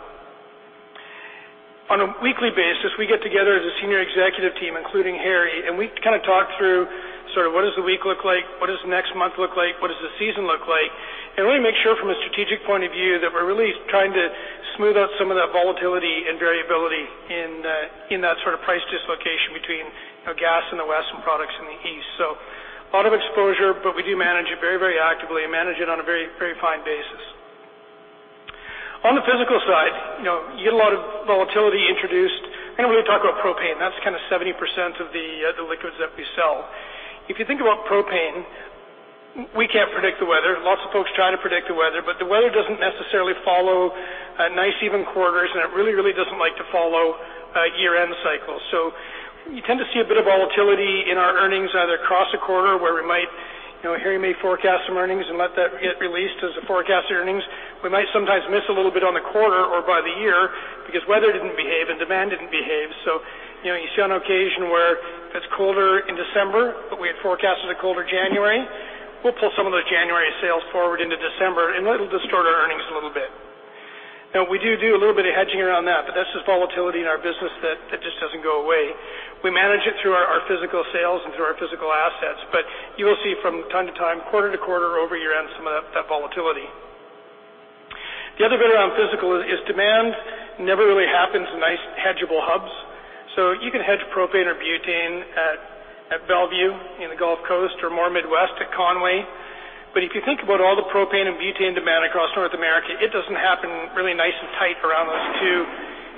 On a weekly basis, we get together as a senior executive team, including Harry, and we talk through sort of what does the week look like, what does next month look like, what does the season look like? Really make sure from a strategic point of view that we're really trying to smooth out some of that volatility and variability in that sort of price dislocation between gas in the West and products in the East. A lot of exposure, but we do manage it very actively and manage it on a very fine basis. On the physical side, you get a lot of volatility introduced. I'm going to really talk about propane. That's 70% of the liquids that we sell. If you think about propane, we can't predict the weather. Lots of folks try to predict the weather, but the weather doesn't necessarily follow nice even quarters, and it really doesn't like to follow year-end cycles. You tend to see a bit of volatility in our earnings either across a quarter where Harry may forecast some earnings and let that get released as a forecast earnings. We might sometimes miss a little bit on the quarter or by the year because weather didn't behave and demand didn't behave. You see on occasion where it's colder in December, but we had forecasted a colder January. We'll pull some of those January sales forward into December, and that'll distort our earnings a little bit. We do a little bit of hedging around that, but that's just volatility in our business that just doesn't go away. We manage it through our physical sales and through our physical assets, but you will see from time to time, quarter to quarter, over year-end, some of that volatility. The other bit around physical is demand never really happens in nice hedgeable hubs. You can hedge propane or butane at Mont Belvieu in the Gulf Coast or more Midwest at Conway. If you think about all the propane and butane demand across North America, it doesn't happen really nice and tight around those two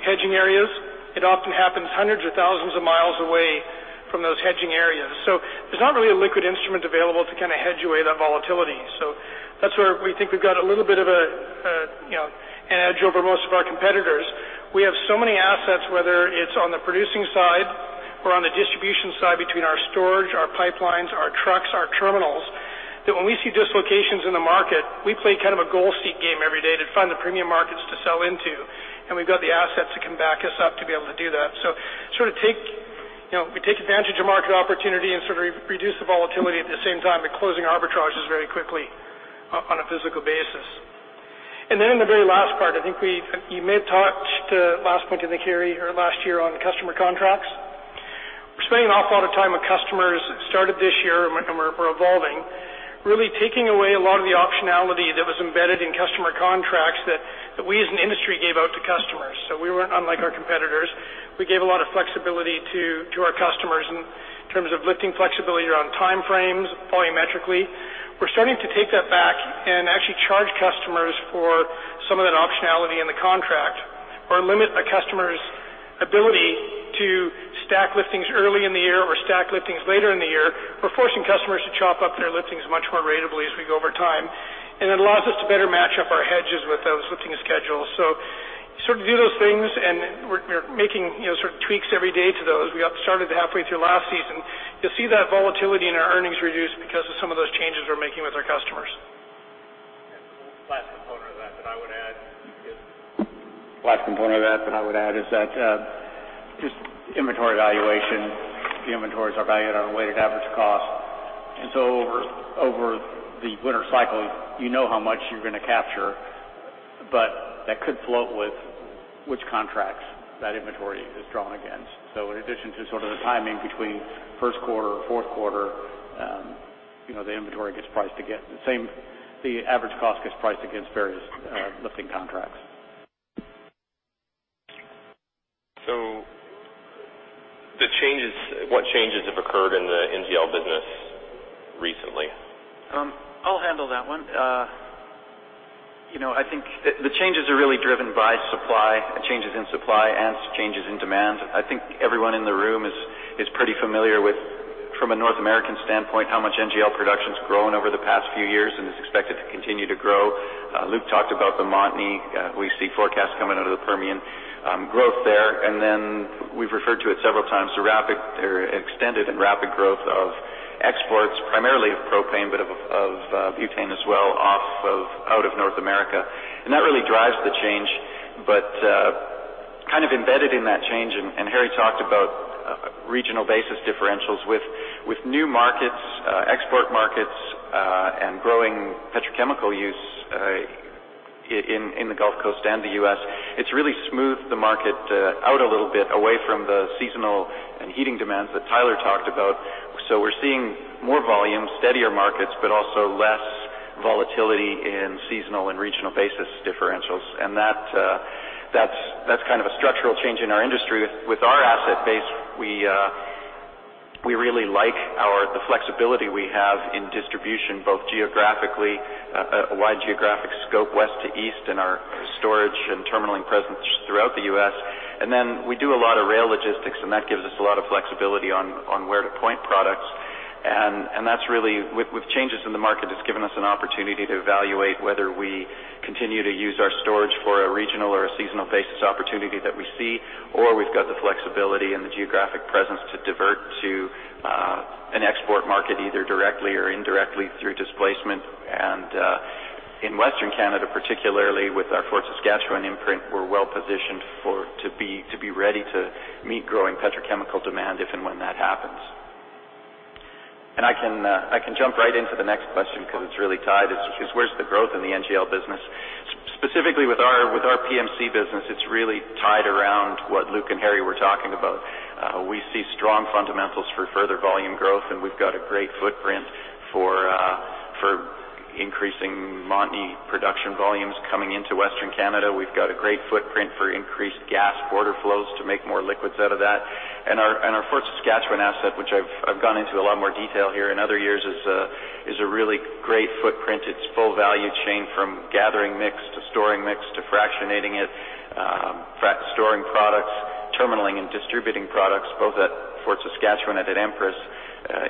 hedging areas. It often happens hundreds of thousands of miles away from those hedging areas. There's not really a liquid instrument available to hedge away that volatility. That's where we think we've got a little bit of an edge over most of our competitors. We have so many assets, whether it's on the producing side or on the distribution side, between our storage, our pipelines, our trucks, our terminals, that when we see dislocations in the market, we play kind of a goal seek game every day to find the premium markets to sell into. We've got the assets that can back us up to be able to do that. We take advantage of market opportunity and sort of reduce the volatility at the same time by closing arbitrages very quickly on a physical basis. In the very last part, I think you may have touched last point, I think, Harry, last year on customer contracts. We're spending an awful lot of time with customers. Started this year, we're evolving, really taking away a lot of the optionality that was embedded in customer contracts that we as an industry gave out to customers. We weren't unlike our competitors. We gave a lot of flexibility to our customers in terms of lifting flexibility around time frames, volumetrically. We're starting to take that back and actually charge customers for some of that optionality in the contract or limit a customer's ability to stack liftings early in the year or stack liftings later in the year. We're forcing customers to chop up their liftings much more ratably as we go over time. It allows us to better match up our hedges with those lifting schedules. You do those things, and we're making tweaks every day to those. We got started halfway through last season. You'll see that volatility in our earnings reduce because of some of those changes we're making with our customers. Last component of that I would add is that just inventory valuation. The inventories are valued at our weighted average cost. Over the winter cycle, you know how much you're going to capture, but that could float with which contracts that inventory is drawn against. In addition to the timing between first quarter or fourth quarter, the inventory gets priced against The average cost gets priced against various lifting contracts. What changes have occurred in the NGL business recently? I'll handle that one. I think the changes are really driven by supply, changes in supply, and changes in demand. I think everyone in the room is pretty familiar with, from a North American standpoint, how much NGL production's grown over the past few years and is expected to continue to grow. Luke talked about the Montney. We see forecasts coming out of the Permian growth there. We've referred to it several times, the extended and rapid growth of exports, primarily of propane, but of butane as well, off of out of North America. That really drives the change, but kind of embedded in that change, Harry talked about regional basis differentials with new markets, export markets, and growing petrochemical use, in the Gulf Coast and the U.S. It's really smoothed the market out a little bit away from the seasonal and heating demands that Tyler talked about. We're seeing more volume, steadier markets, but also less volatility in seasonal and regional basis differentials. That's a structural change in our industry. With our asset base, we really like the flexibility we have in distribution, both geographically, a wide geographic scope west to east in our storage and terminaling presence throughout the U.S. We do a lot of rail logistics, and that gives us a lot of flexibility on where to point products. That's really, with changes in the market, it's given us an opportunity to evaluate whether we continue to use our storage for a regional or a seasonal basis opportunity that we see, or we've got the flexibility and the geographic presence to divert to an export market, either directly or indirectly through displacement. In Western Canada, particularly with our Fort Saskatchewan imprint, we're well-positioned to be ready to meet growing petrochemical demand if and when that happens. I can jump right into the next question because it's really tied, is where's the growth in the NGL business? Specifically with our PMC business, it's really tied around what Luke and Harry were talking about. We see strong fundamentals for further volume growth, and we've got a great footprint for increasing Montney production volumes coming into Western Canada. We've got a great footprint for increased gas border flows to make more liquids out of that. Our Fort Saskatchewan asset, which I've gone into a lot more detail here in other years, is a really great footprint. It's full value chain from gathering mix to storing mix to fractionating it, storing products, terminaling and distributing products both at Fort Saskatchewan and at Empress.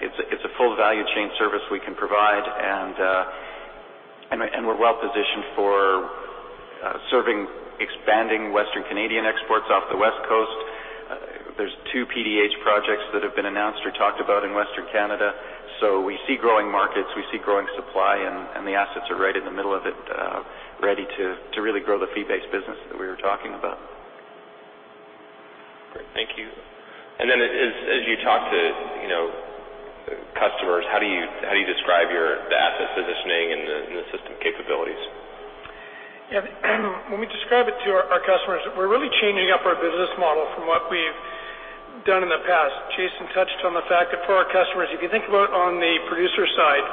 It's a full value chain service we can provide, and we're well-positioned for serving expanding Western Canadian exports off the West Coast. There's two PDH projects that have been announced or talked about in Western Canada. We see growing markets, we see growing supply, and the assets are right in the middle of it, ready to really grow the fee-based business that we were talking about. Great. Thank you. As you talk to customers, how do you describe your asset positioning and the system capabilities? When we describe it to our customers, we're really changing up our business model from what we've done in the past. Jason touched on the fact that for our customers, if you think about on the producer side,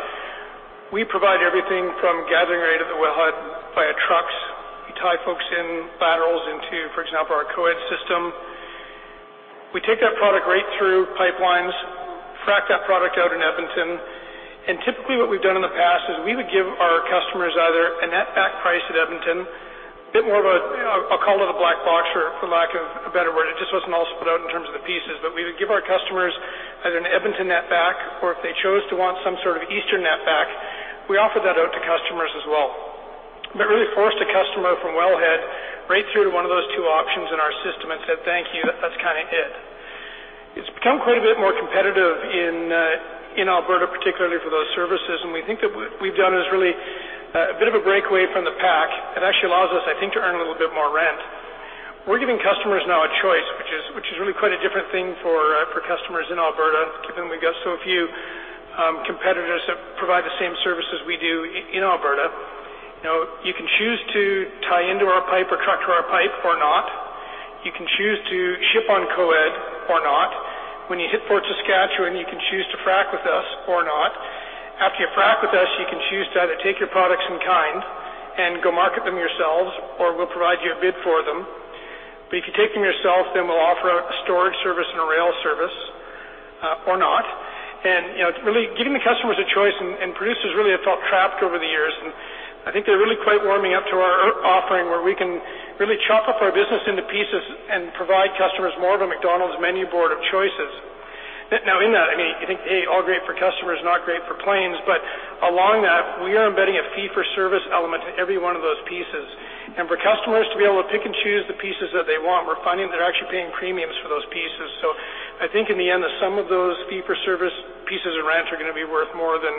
we provide everything from gathering right at the wellhead via trucks. We tie folks in laterals into, for example, our Co-Ed system. We take that product right through pipelines, frack that product out in Edmonton. Typically what we've done in the past is we would give our customers either a net back price at Edmonton, a bit more of a call it a black box or for lack of a better word. It just wasn't all split out in terms of the pieces. We would give our customers at an Edmonton net back, or if they chose to want some sort of Eastern net back, we offer that out to customers as well. Really forced a customer from wellhead right through to one of those two options in our system and said, "Thank you." That's kind of it. It's become quite a bit more competitive in Alberta, particularly for those services. We think that what we've done is really a bit of a breakaway from the pack. It actually allows us, I think, to earn a little bit more rent. We're giving customers now a choice, which is really quite a different thing for customers in Alberta, given we've got so few competitors that provide the same services we do in Alberta. You can choose to tie into our pipe or truck to our pipe or not. You can choose to ship on Co-Ed or not. When you hit Fort Saskatchewan, you can choose to frack with us or not. After you frack with us, you can choose to either take your products in kind and go market them yourselves, or we'll provide you a bid for them. If you take them yourself, we'll offer a storage service and a rail service or not. It's really giving the customers a choice, producers really have felt trapped over the years. I think they're really quite warming up to our offering where we can really chop up our business into pieces and provide customers more of a McDonald's menu board of choices. In that, I think all great for customers, not great for Plains, along that, we are embedding a fee-for-service element to every one of those pieces. For customers to be able to pick and choose the pieces that they want, we're finding they're actually paying premiums for those pieces. I think in the end, the sum of those fee-for-service pieces and rents are going to be worth more than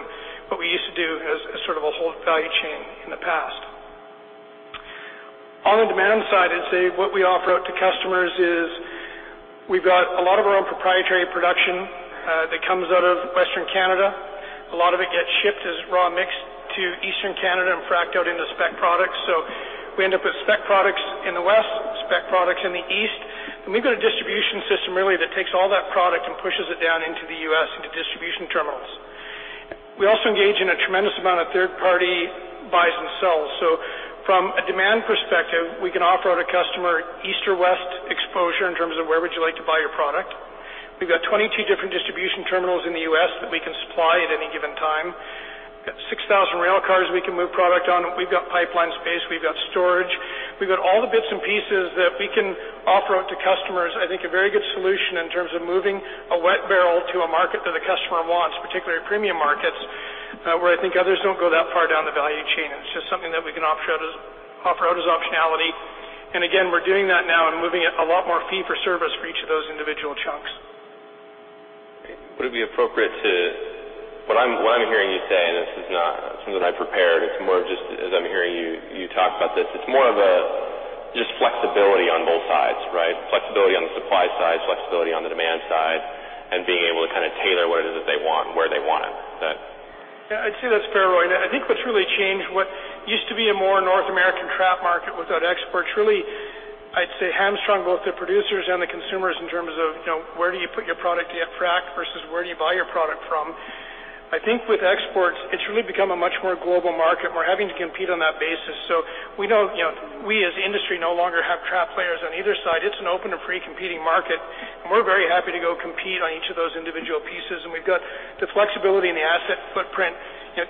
what we used to do as sort of a whole value chain in the past. On the demand side, I'd say what we offer out to customers is we've got a lot of our own proprietary production that comes out of Western Canada. A lot of it gets shipped as raw mix to Eastern Canada and fracked out into spec products. We end up with spec products in the West, spec products in the East, we've got a distribution system really that takes all that product and pushes it down into the U.S. into distribution terminals. We also engage in a tremendous amount of third-party buys and sells. From a demand perspective, we can offer the customer East or West exposure in terms of where would you like to buy your product. We've got 22 different distribution terminals in the U.S. that we can supply at any given time. We've got 6,000 rail cars we can move product on. We've got pipeline space. We've got storage. We've got all the bits and pieces that we can offer out to customers, I think, a very good solution in terms of moving a wet barrel to a market that a customer wants, particularly premium markets, where I think others don't go that far down the value chain. It's just something that we can offer out as optionality. Again, we're doing that now and moving a lot more fee for service for each of those individual chunks. What I'm hearing you say, and this is not something I prepared, it's more just as I'm hearing you talk about this, it's more of just flexibility on both sides, right? Flexibility on the supply side, flexibility on the demand side, being able to tailor what it is that they want and where they want it. Yeah, I'd say that's fair, Ryan. I think what's really changed, what used to be a more North American trap market without exports really, I'd say, hamstrung both the producers and the consumers in terms of where do you put your product to get fracked versus where do you buy your product from. I think with exports, it's really become a much more global market. We're having to compete on that basis. We know we as the industry no longer have trap players on either side. It's an open and free competing market, and we're very happy to go compete on each of those individual pieces. We've got the flexibility and the asset footprint,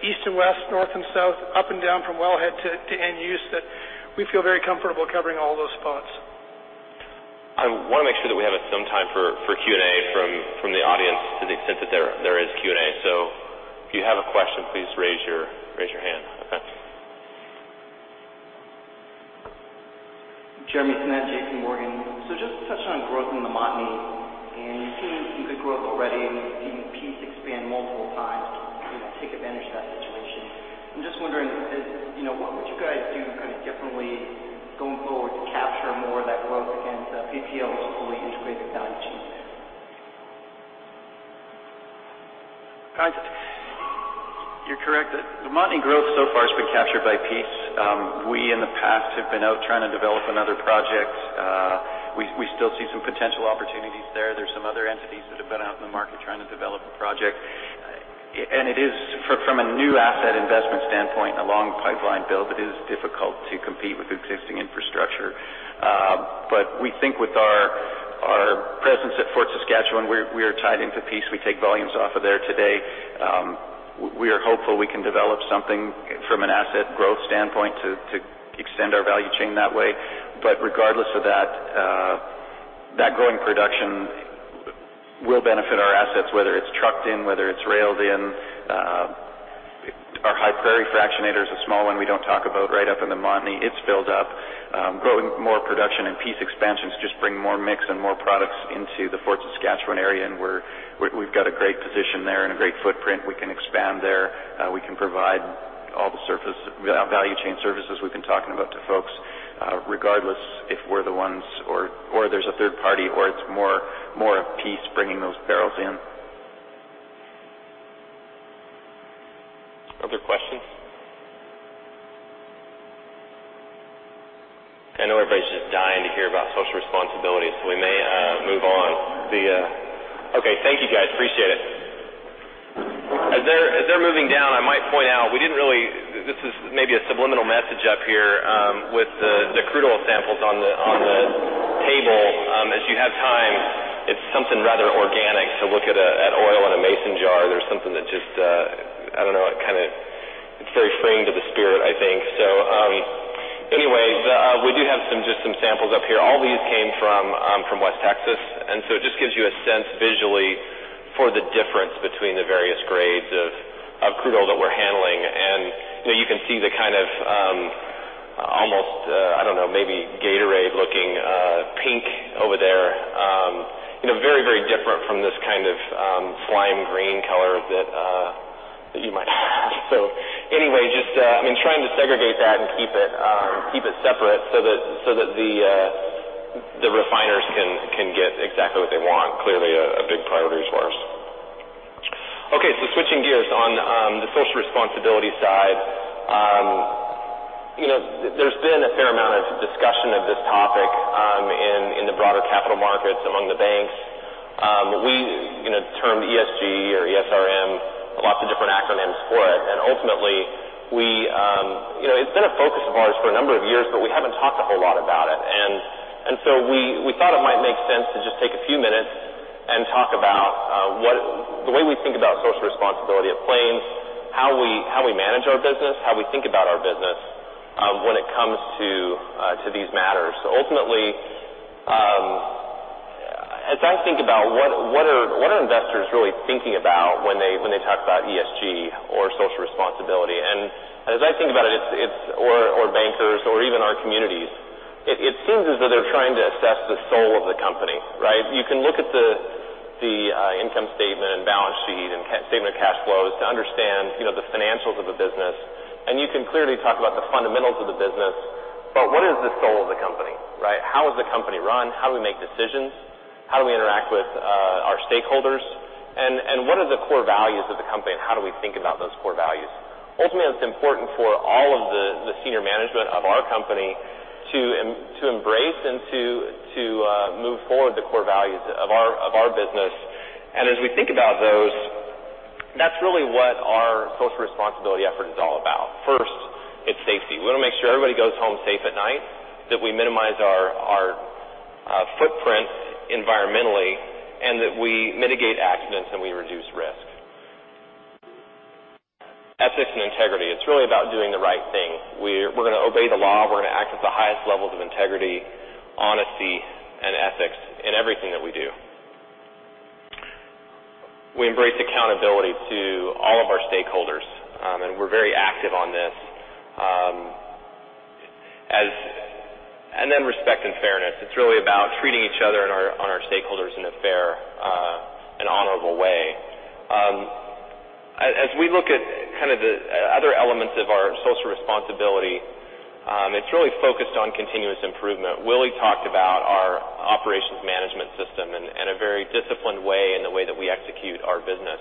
East and West, North and South, up and down from wellhead to end use that we feel very comfortable covering all those spots. I want to make sure that we have some time for Q&A from the audience to the extent that there is Q&A. If you have a question, please raise your hand. Okay. Jeremy Tonet, JPMorgan. Just to touch on growth in the Montney, and you're seeing some good growth already. You've seen Peace expand multiple times to take advantage of that situation. I'm just wondering, what would you guys do differently going forward to capture more of that growth against PPL's fully integrated value chain there? You're correct. The Montney growth so far has been captured by Pembina. We in the past have been out trying to develop another project. We still see some potential opportunities there. There's some other entities that have been out in the market trying to develop a project. From a new asset investment standpoint and a long pipeline build, it is difficult to compete with existing infrastructure. We think with our presence at Fort Saskatchewan, we are tied into Pembina. We take volumes off of there today. We are hopeful we can develop something from an asset growth standpoint to extend our value chain that way. Regardless of that growing production will benefit our assets, whether it's trucked in, whether it's railed in. Our High Prairie fractionator is a small one we don't talk about right up in the Montney. It's filled up. Growing more production and Pembina expansions just bring more mix and more products into the Fort Saskatchewan area, and we've got a great position there and a great footprint. We can expand there. We can provide all the value chain services we've been talking about to folks, regardless if we're the ones, or there's a third party, or it's more of Pembina bringing those barrels in. Other questions? I know everybody's just dying to hear about social responsibility, so we may move on. Okay. Thank you, guys. Appreciate it. As they're moving down, I might point out, this is maybe a subliminal message up here with the crude oil samples on the table. As you have time, it's something rather organic to look at oil in a mason jar. There's something that just, I don't know, it's very freeing to the spirit, I think. Anyways, we do have just some samples up here. All these came from West Texas, and so it just gives you a sense visually for the difference between the various grades of crude oil that we're handling. You can see the kind of almost, I don't know, maybe Gatorade-looking pink over there. Very, very different from this kind of slime green color that you might have. Anyway, just trying to segregate that and keep it separate so that the refiners can get exactly what they want. Clearly a big priority for us. Okay. Switching gears on the social responsibility side. There's been a fair amount of discussion of this topic in the broader capital markets among the banks. We term ESG or ESRM, lots of different acronyms for it, and ultimately, it's been a focus of ours for a number of years, but we haven't talked a whole lot about it. We thought it might make sense to just take a few minutes and talk about the way we think about social responsibility at Plains, how we manage our business, how we think about our business when it comes to these matters. Ultimately, as I think about what are investors really thinking about when they talk about ESG or social responsibility. As I think about it, or bankers or even our communities, it seems as though they're trying to assess the soul of the company, right? You can look at the income statement and balance sheet and statement of cash flows to understand the financials of the business. You can clearly talk about the fundamentals of the business, but what is the soul of the company, right? How is the company run? How do we make decisions? How do we interact with our stakeholders? What are the core values of the company, and how do we think about those core values? Ultimately, it's important for all of the senior management of our company to embrace and to move forward the core values of our business. As we think about those, that's really what our social responsibility effort is all about. First, it's safety. We want to make sure everybody goes home safe at night, that we minimize our footprint environmentally, that we mitigate accidents and we reduce risk. Ethics and integrity. It's really about doing the right thing. We're going to obey the law. We're going to act with the highest levels of integrity, honesty, and ethics in everything that we do. We embrace accountability to all of our stakeholders, we're very active on this. Respect and fairness. It's really about treating each other and our stakeholders in a fair and honorable way. As we look at the other elements of our social responsibility, it's really focused on continuous improvement. Willie talked about our Operations Management System and a very disciplined way in the way that we execute our business.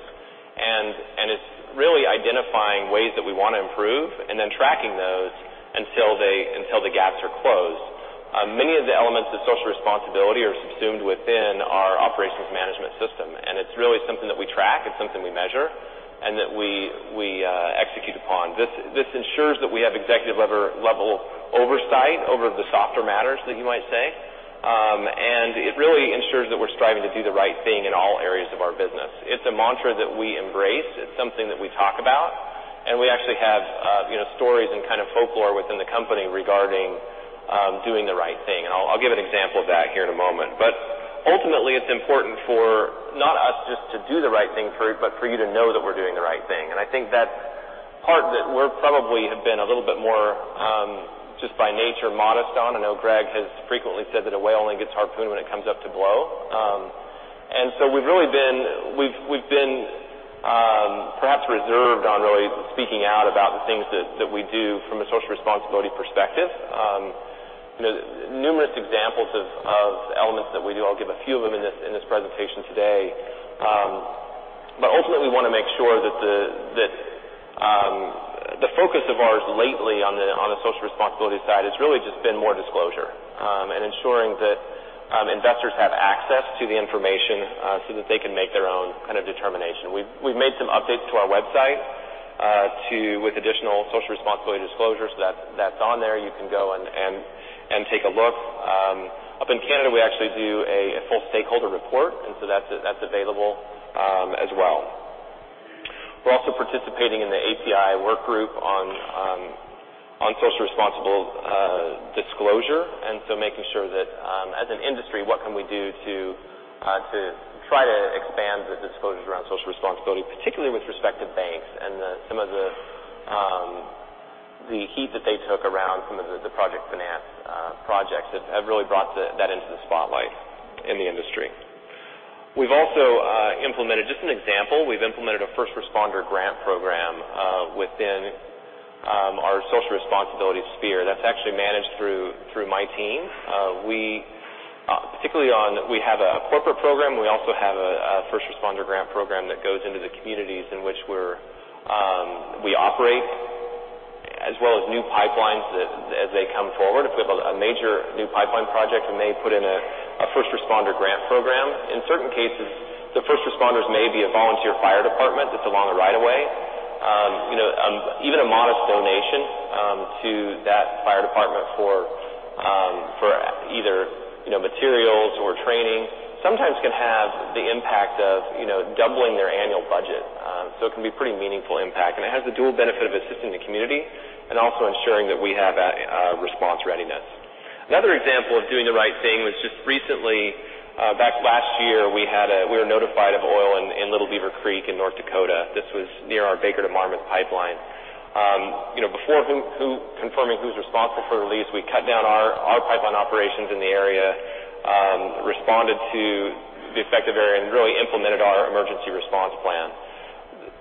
It's really identifying ways that we want to improve and then tracking those until the gaps are closed. Many of the elements of social responsibility are subsumed within our Operations Management System, it's really something that we track. It's something we measure and that we execute upon. This ensures that we have executive-level oversight over the softer matters that you might say. It really ensures that we're striving to do the right thing in all areas of our business. It's a mantra that we embrace. It's something that we talk about, we actually have stories and folklore within the company regarding doing the right thing. I'll give an example of that here in a moment. Ultimately, it's important for not us just to do the right thing, but for you to know that we're doing the right thing. I think that's part that we probably have been a little bit more, just by nature, modest on. I know Greg has frequently said that a whale only gets harpooned when it comes up to blow. We've been perhaps reserved on really speaking out about the things that we do from a social responsibility perspective. Numerous examples of elements that we do. I'll give a few of them in this presentation today. Ultimately, we want to make sure that the focus of ours lately on the social responsibility side has really just been more disclosure ensuring that investors have access to the information so that they can make their own determination. We've made some updates to our website with additional social responsibility disclosures. That's on there. You can go and take a look. Up in Canada, we actually do a full stakeholder report, that's available as well. We're also participating in the API work group on social responsible disclosure, making sure that as an industry, what can we do to try to expand the disclosures around social responsibility, particularly with respect to banks and some of the heat that they took around some of the project finance projects that have really brought that into the spotlight in the industry. Just an example, we've implemented a First Responder Grant Program within our social responsibility sphere. That's actually managed through my team. Particularly, we have a corporate program. We also have a First Responder Grant Program that goes into the communities in which we operate, as well as new pipelines as they come forward. If we have a major new pipeline project, we may put in a First Responder Grant Program. In certain cases, the first responders may be a volunteer fire department that's along the right of way. Even a modest donation to that fire department for either materials or training sometimes can have the impact of doubling their annual budget. It can be a pretty meaningful impact, and it has the dual benefit of assisting the community and also ensuring that we have response readiness. Another example of doing the right thing was just recently, back last year, we were notified of oil in Little Beaver Creek in North Dakota. This was near our Baker to Marmarth pipeline. Before confirming who's responsible for the release, we cut down our pipeline operations in the area, responded to the affected area, and really implemented our emergency response plan.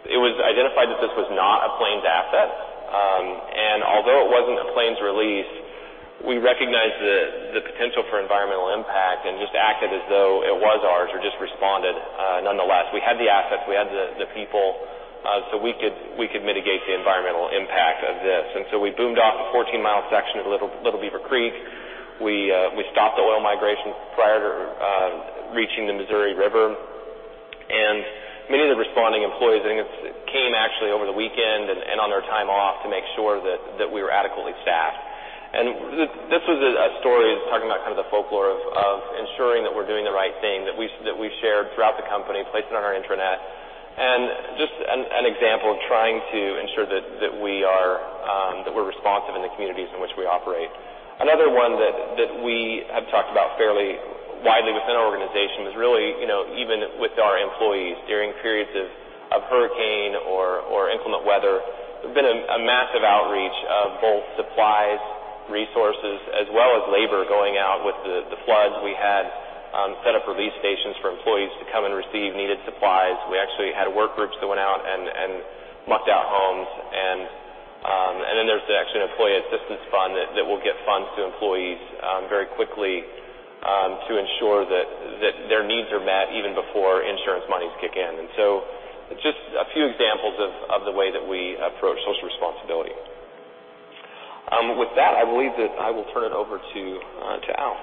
It was identified that this was not a Plains asset. Although it wasn't a Plains release, we recognized the potential for environmental impact and just acted as though it was ours or just responded nonetheless. We had the assets. We had the people, we could mitigate the environmental impact of this. We boomed off a 14-mile section of Little Beaver Creek. We stopped the oil migration prior to reaching the Missouri River. Many of the responding employees, I think, came actually over the weekend and on their time off to make sure that we were adequately staffed. This was a story talking about kind of the folklore of ensuring that we're doing the right thing, that we've shared throughout the company, placed it on our intranet, and just an example of trying to ensure that we're responsive in the communities in which we operate. Another one that we have talked about fairly widely within our organization is really, even with our employees during periods of hurricane or inclement weather, there's been a massive outreach of both supplies, resources, as well as labor going out. With the floods, we had set up relief stations for employees to come and receive needed supplies. We actually had work groups that went out and mucked out homes. There's actually an employee assistance fund that will get funds to employees very quickly to ensure that their needs are met even before insurance monies kick in. Just a few examples of the way that we approach social responsibility. With that, I believe that I will turn it over to Al.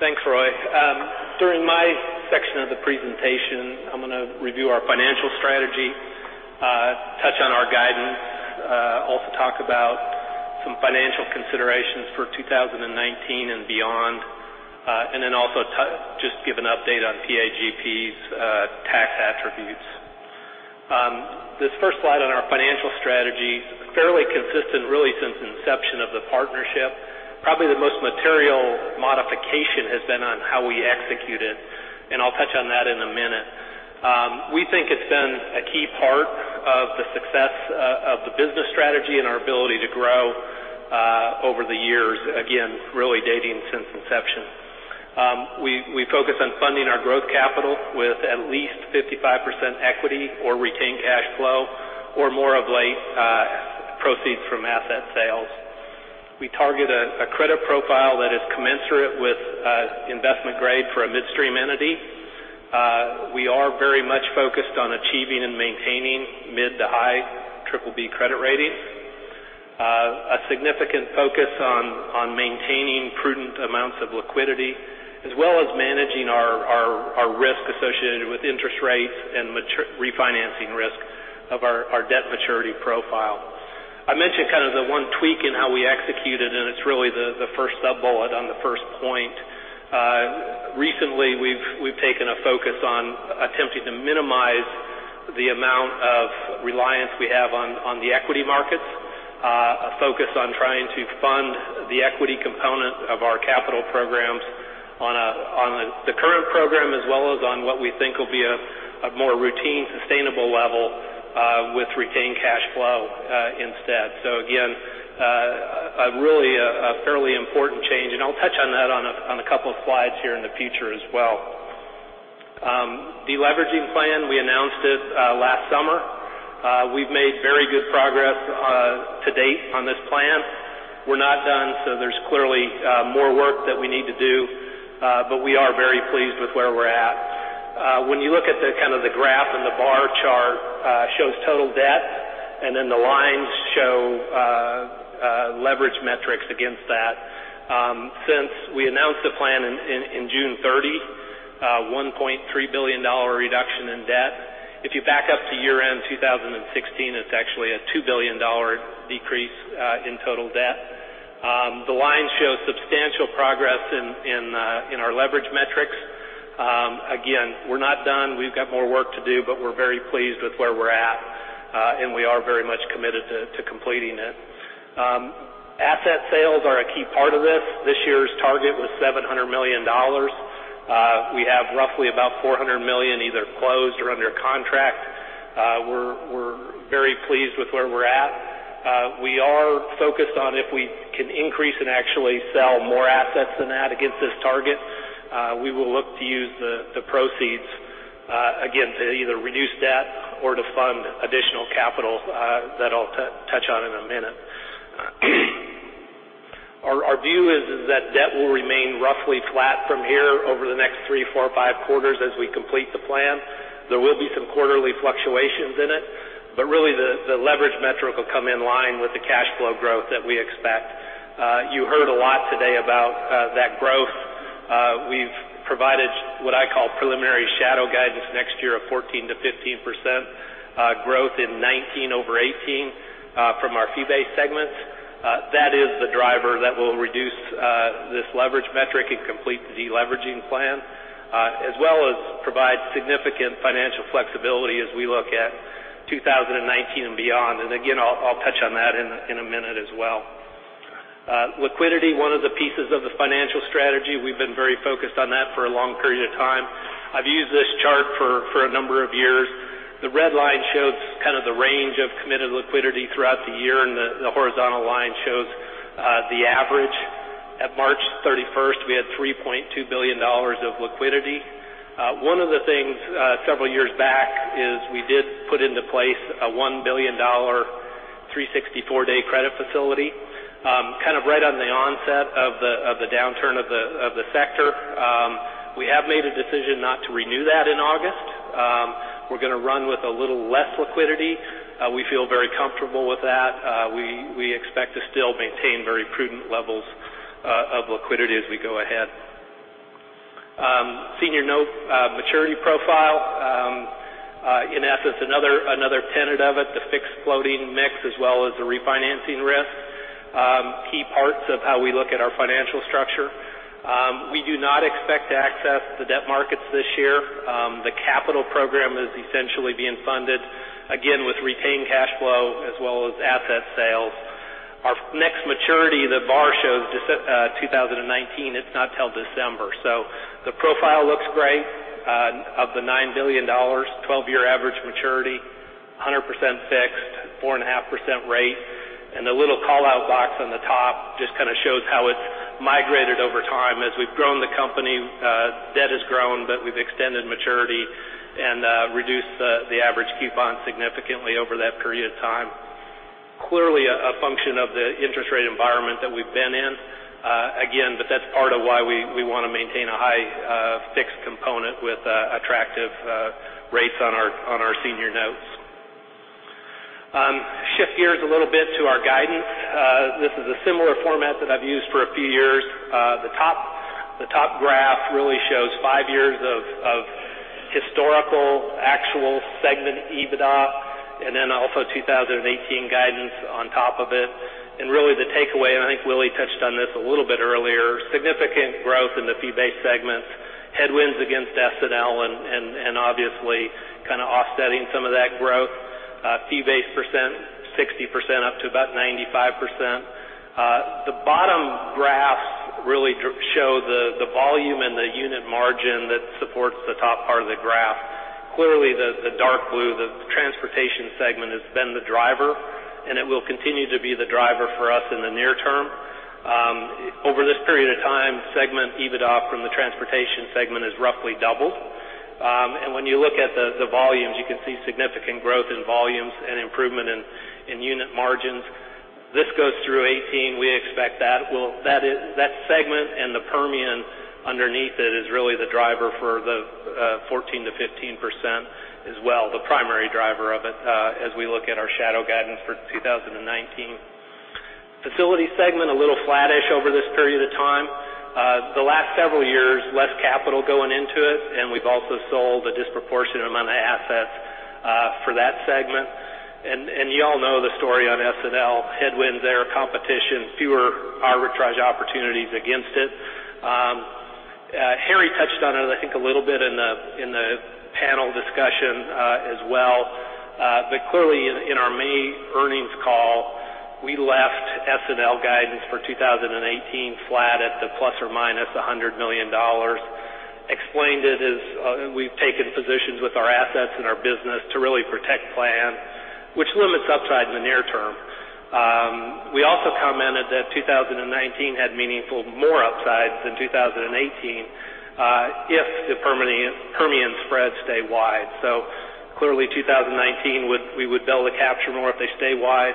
Thanks, Ryan. During my section of the presentation, I'm going to review our financial strategy, touch on our guidance, also talk about some financial considerations for 2019 and beyond, and then also just give an update on PAGP's tax attributes. This first slide on our financial strategy, fairly consistent really since inception of the partnership. Probably the most material modification has been on how we execute it, and I'll touch on that in a minute. We think it's been a key part of the success of the business strategy and our ability to grow over the years, again, really dating since inception. We focus on funding our growth capital with at least 55% equity or retained cash flow or more of late proceeds from asset sales. We target a credit profile that is commensurate with investment grade for a midstream entity. We are very much focused on achieving and maintaining mid to high BBB credit ratings. A significant focus on maintaining prudent amounts of liquidity, as well as managing our risk associated with interest rates and refinancing risk of our debt maturity profile. I mentioned kind of the one tweak in how we execute it's really the first sub-bullet on the first point. Recently, we've taken a focus on attempting to minimize the amount of reliance we have on the equity markets, a focus on trying to fund the equity component of our capital programs on the current program, as well as on what we think will be a more routine sustainable level with retained cash flow instead. Again, really a fairly important change, and I'll touch on that on a couple of slides here in the future as well. Deleveraging plan, we announced it last summer. We've made very good progress to date on this plan. We're not done, so there's clearly more work that we need to do, but we are very pleased with where we're at. When you look at the graph and the bar chart, shows total debt, and then the lines show leverage metrics against that. Since we announced the plan in June 30, a $1.3 billion reduction in debt. If you back up to year-end 2016, it's actually a $2 billion decrease in total debt. The lines show substantial progress in our leverage metrics. Again, we're not done. We've got more work to do, but we're very pleased with where we're at, and we are very much committed to completing it. Asset sales are a key part of this. This year's target was $700 million. We have roughly about $400 million either closed or under contract. We're very pleased with where we're at. We are focused on if we can increase and actually sell more assets than that against this target. We will look to use the proceeds again to either reduce debt or to fund additional capital that I'll touch on in a minute. Our view is that debt will remain roughly flat from here over the next three, four, five quarters as we complete the plan. There will be some quarterly fluctuations in it. Really, the leverage metric will come in line with the cash flow growth that we expect. You heard a lot today about that growth. We've provided what I call preliminary shadow guidance next year of 14%-15% growth in 2019 over 2018 from our fee-based segments. That is the driver that will reduce this leverage metric and complete the deleveraging plan, as well as provide significant financial flexibility as we look at 2019 and beyond. Again, I'll touch on that in a minute as well. Liquidity, one of the pieces of the financial strategy. We've been very focused on that for a long period of time. I've used this chart for a number of years. The red line shows kind of the range of committed liquidity throughout the year, and the horizontal line shows the average. At March 31st, we had $3.2 billion of liquidity. One of the things several years back is we did put into place a $1 billion 364-day credit facility kind of right on the onset of the downturn of the sector. We have made a decision not to renew that in August. We're going to run with a little less liquidity. We feel very comfortable with that. We expect to still maintain very prudent levels of liquidity as we go ahead. Senior note maturity profile. In essence, another tenet of it, the fixed floating mix as well as the refinancing risk. Key parts of how we look at our financial structure. We do not expect to access the debt markets this year. The capital program is essentially being funded, again, with retained cash flow as well as asset sales. Our next maturity, the bar shows 2019. It's not till December. The profile looks great. Of the $9 billion, 12-year average maturity, 100% fixed, 4.5% rate. The little call-out box on the top just kind of shows how it's migrated over time. As we've grown the company, debt has grown, but we've extended maturity and reduced the average coupon significantly over that period of time. Clearly a function of the interest rate environment that we've been in. That's part of why we want to maintain a high fixed component with attractive rates on our senior notes. Shift gears a little bit to our guidance. This is a similar format that I've used for a few years. The top graph really shows five years of historical actual segment EBITDA and then also 2018 guidance on top of it. The takeaway, and I think Willie touched on this a little bit earlier, significant growth in the fee-based segments, headwinds against S&L and obviously kind of offsetting some of that growth. Fee-based 60% up to about 95%. The bottom graphs really show the volume and the unit margin that supports the top part of the graph. Clearly, the dark blue, the transportation segment has been the driver, and it will continue to be the driver for us in the near term. Over this period of time, segment EBITDA from the transportation segment has roughly doubled. When you look at the volumes, you can see significant growth in volumes and improvement in unit margins. This goes through '18. We expect that segment and the Permian underneath it is really the driver for the 14%-15% as well, the primary driver of it as we look at our shadow guidance for 2019. Facility segment, a little flattish over this period of time. The last several years, less capital going into it, and we've also sold a disproportionate amount of assets for that segment. You all know the story on S&L. Headwinds there, competition, fewer arbitrage opportunities against it. Harry touched on it, I think, a little bit in the panel discussion as well. Clearly in our May earnings call, we left S&L guidance for 2018 flat at the ±$100 million. Explained it as we've taken positions with our assets and our business to really protect Plains, which limits upside in the near term. We also commented that 2019 had meaningful more upside than 2018 if the Permian spreads stay wide. Clearly 2019, we would be able to capture more if they stay wide.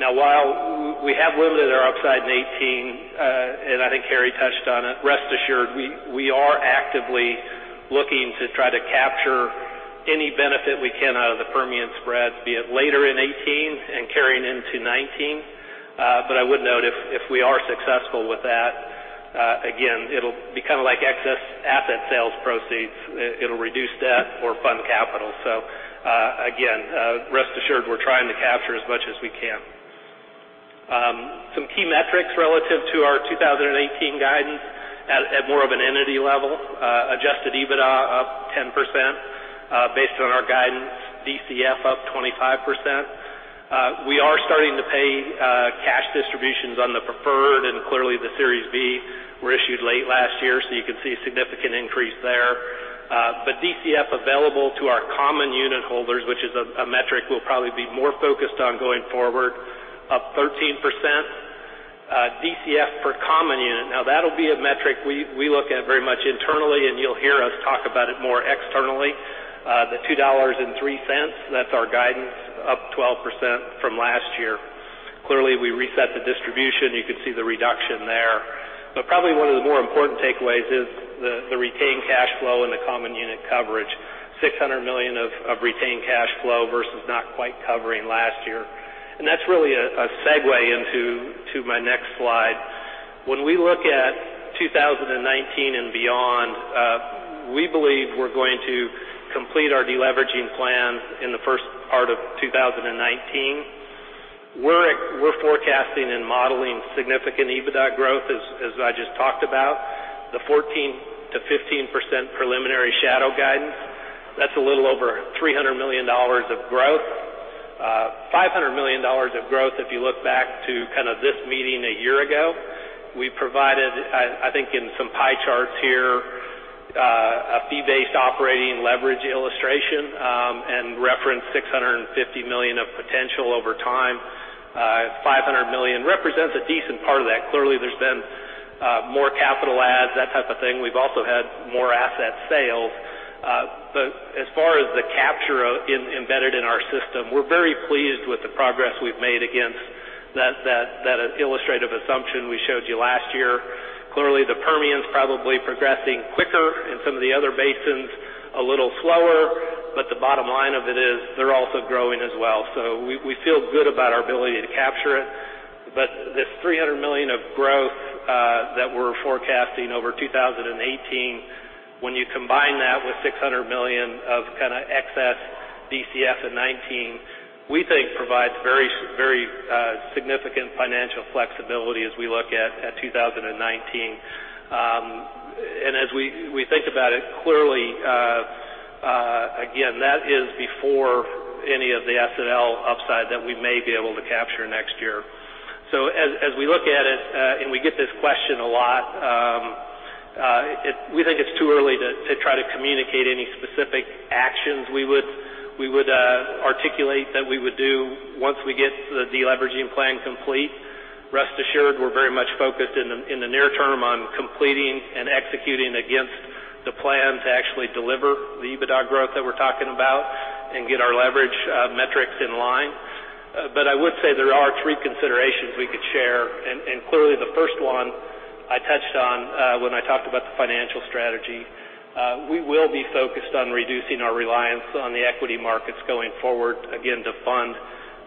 While we have limited our upside in '18, and I think Harry touched on it, rest assured, we are actively looking to try to capture any benefit we can out of the Permian spreads, be it later in '18 and carrying into '19. I would note if we are successful with that, again, it'll be kind of like excess asset sales proceeds. It'll reduce debt or fund capital. Again, rest assured we're trying to capture as much as we can. Some key metrics relative to our 2018 guidance at more of an entity level. Adjusted EBITDA up 10% based on our guidance. DCF up 25%. We are starting to pay cash distributions on the preferred, and clearly the Series B were issued late last year, so you can see a significant increase there. DCF available to our common unit holders, which is a metric we'll probably be more focused on going forward, up 13%. DCF per common unit. That'll be a metric we look at very much internally, and you'll hear us talk about it more externally. The $2.03, that's our guidance, up 12% from last year. Clearly, we reset the distribution. You can see the reduction there. Probably one of the more important takeaways is the retained cash flow and the common unit coverage. $600 million of retained cash flow versus not quite covering last year. That's really a segue into my next slide. When we look at 2019 and beyond, we believe we're going to complete our deleveraging plans in the first part of 2019. We're forecasting and modeling significant EBITDA growth, as I just talked about. The 14%-15% preliminary shadow guidance, that's a little over $300 million of growth. $500 million of growth if you look back to kind of this meeting a year ago. We provided, I think in some pie charts here, a fee-based operating leverage illustration and referenced $650 million of potential over time. $500 million represents a decent part of that. Clearly, there's been more capital adds, that type of thing. We've also had more asset sales. As far as the capture embedded in our system, we're very pleased with the progress we've made against that illustrative assumption we showed you last year. Clearly, the Permian's probably progressing quicker, and some of the other basins a little slower, but the bottom line of it is they're also growing as well. We feel good about our ability to capture it. This $300 million of growth that we're forecasting over 2018, when you combine that with $600 million of excess DCF in 2019, we think provides very significant financial flexibility as we look at 2019. As we think about it clearly, again, that is before any of the S&L upside that we may be able to capture next year. As we look at it, and we get this question a lot, we think it's too early to try to communicate any specific actions we would articulate that we would do once we get the deleveraging plan complete. Rest assured, we're very much focused in the near term on completing and executing against the plan to actually deliver the EBITDA growth that we're talking about and get our leverage metrics in line. I would say there are three considerations we could share, and clearly the first one I touched on when I talked about the financial strategy. We will be focused on reducing our reliance on the equity markets going forward, again, to fund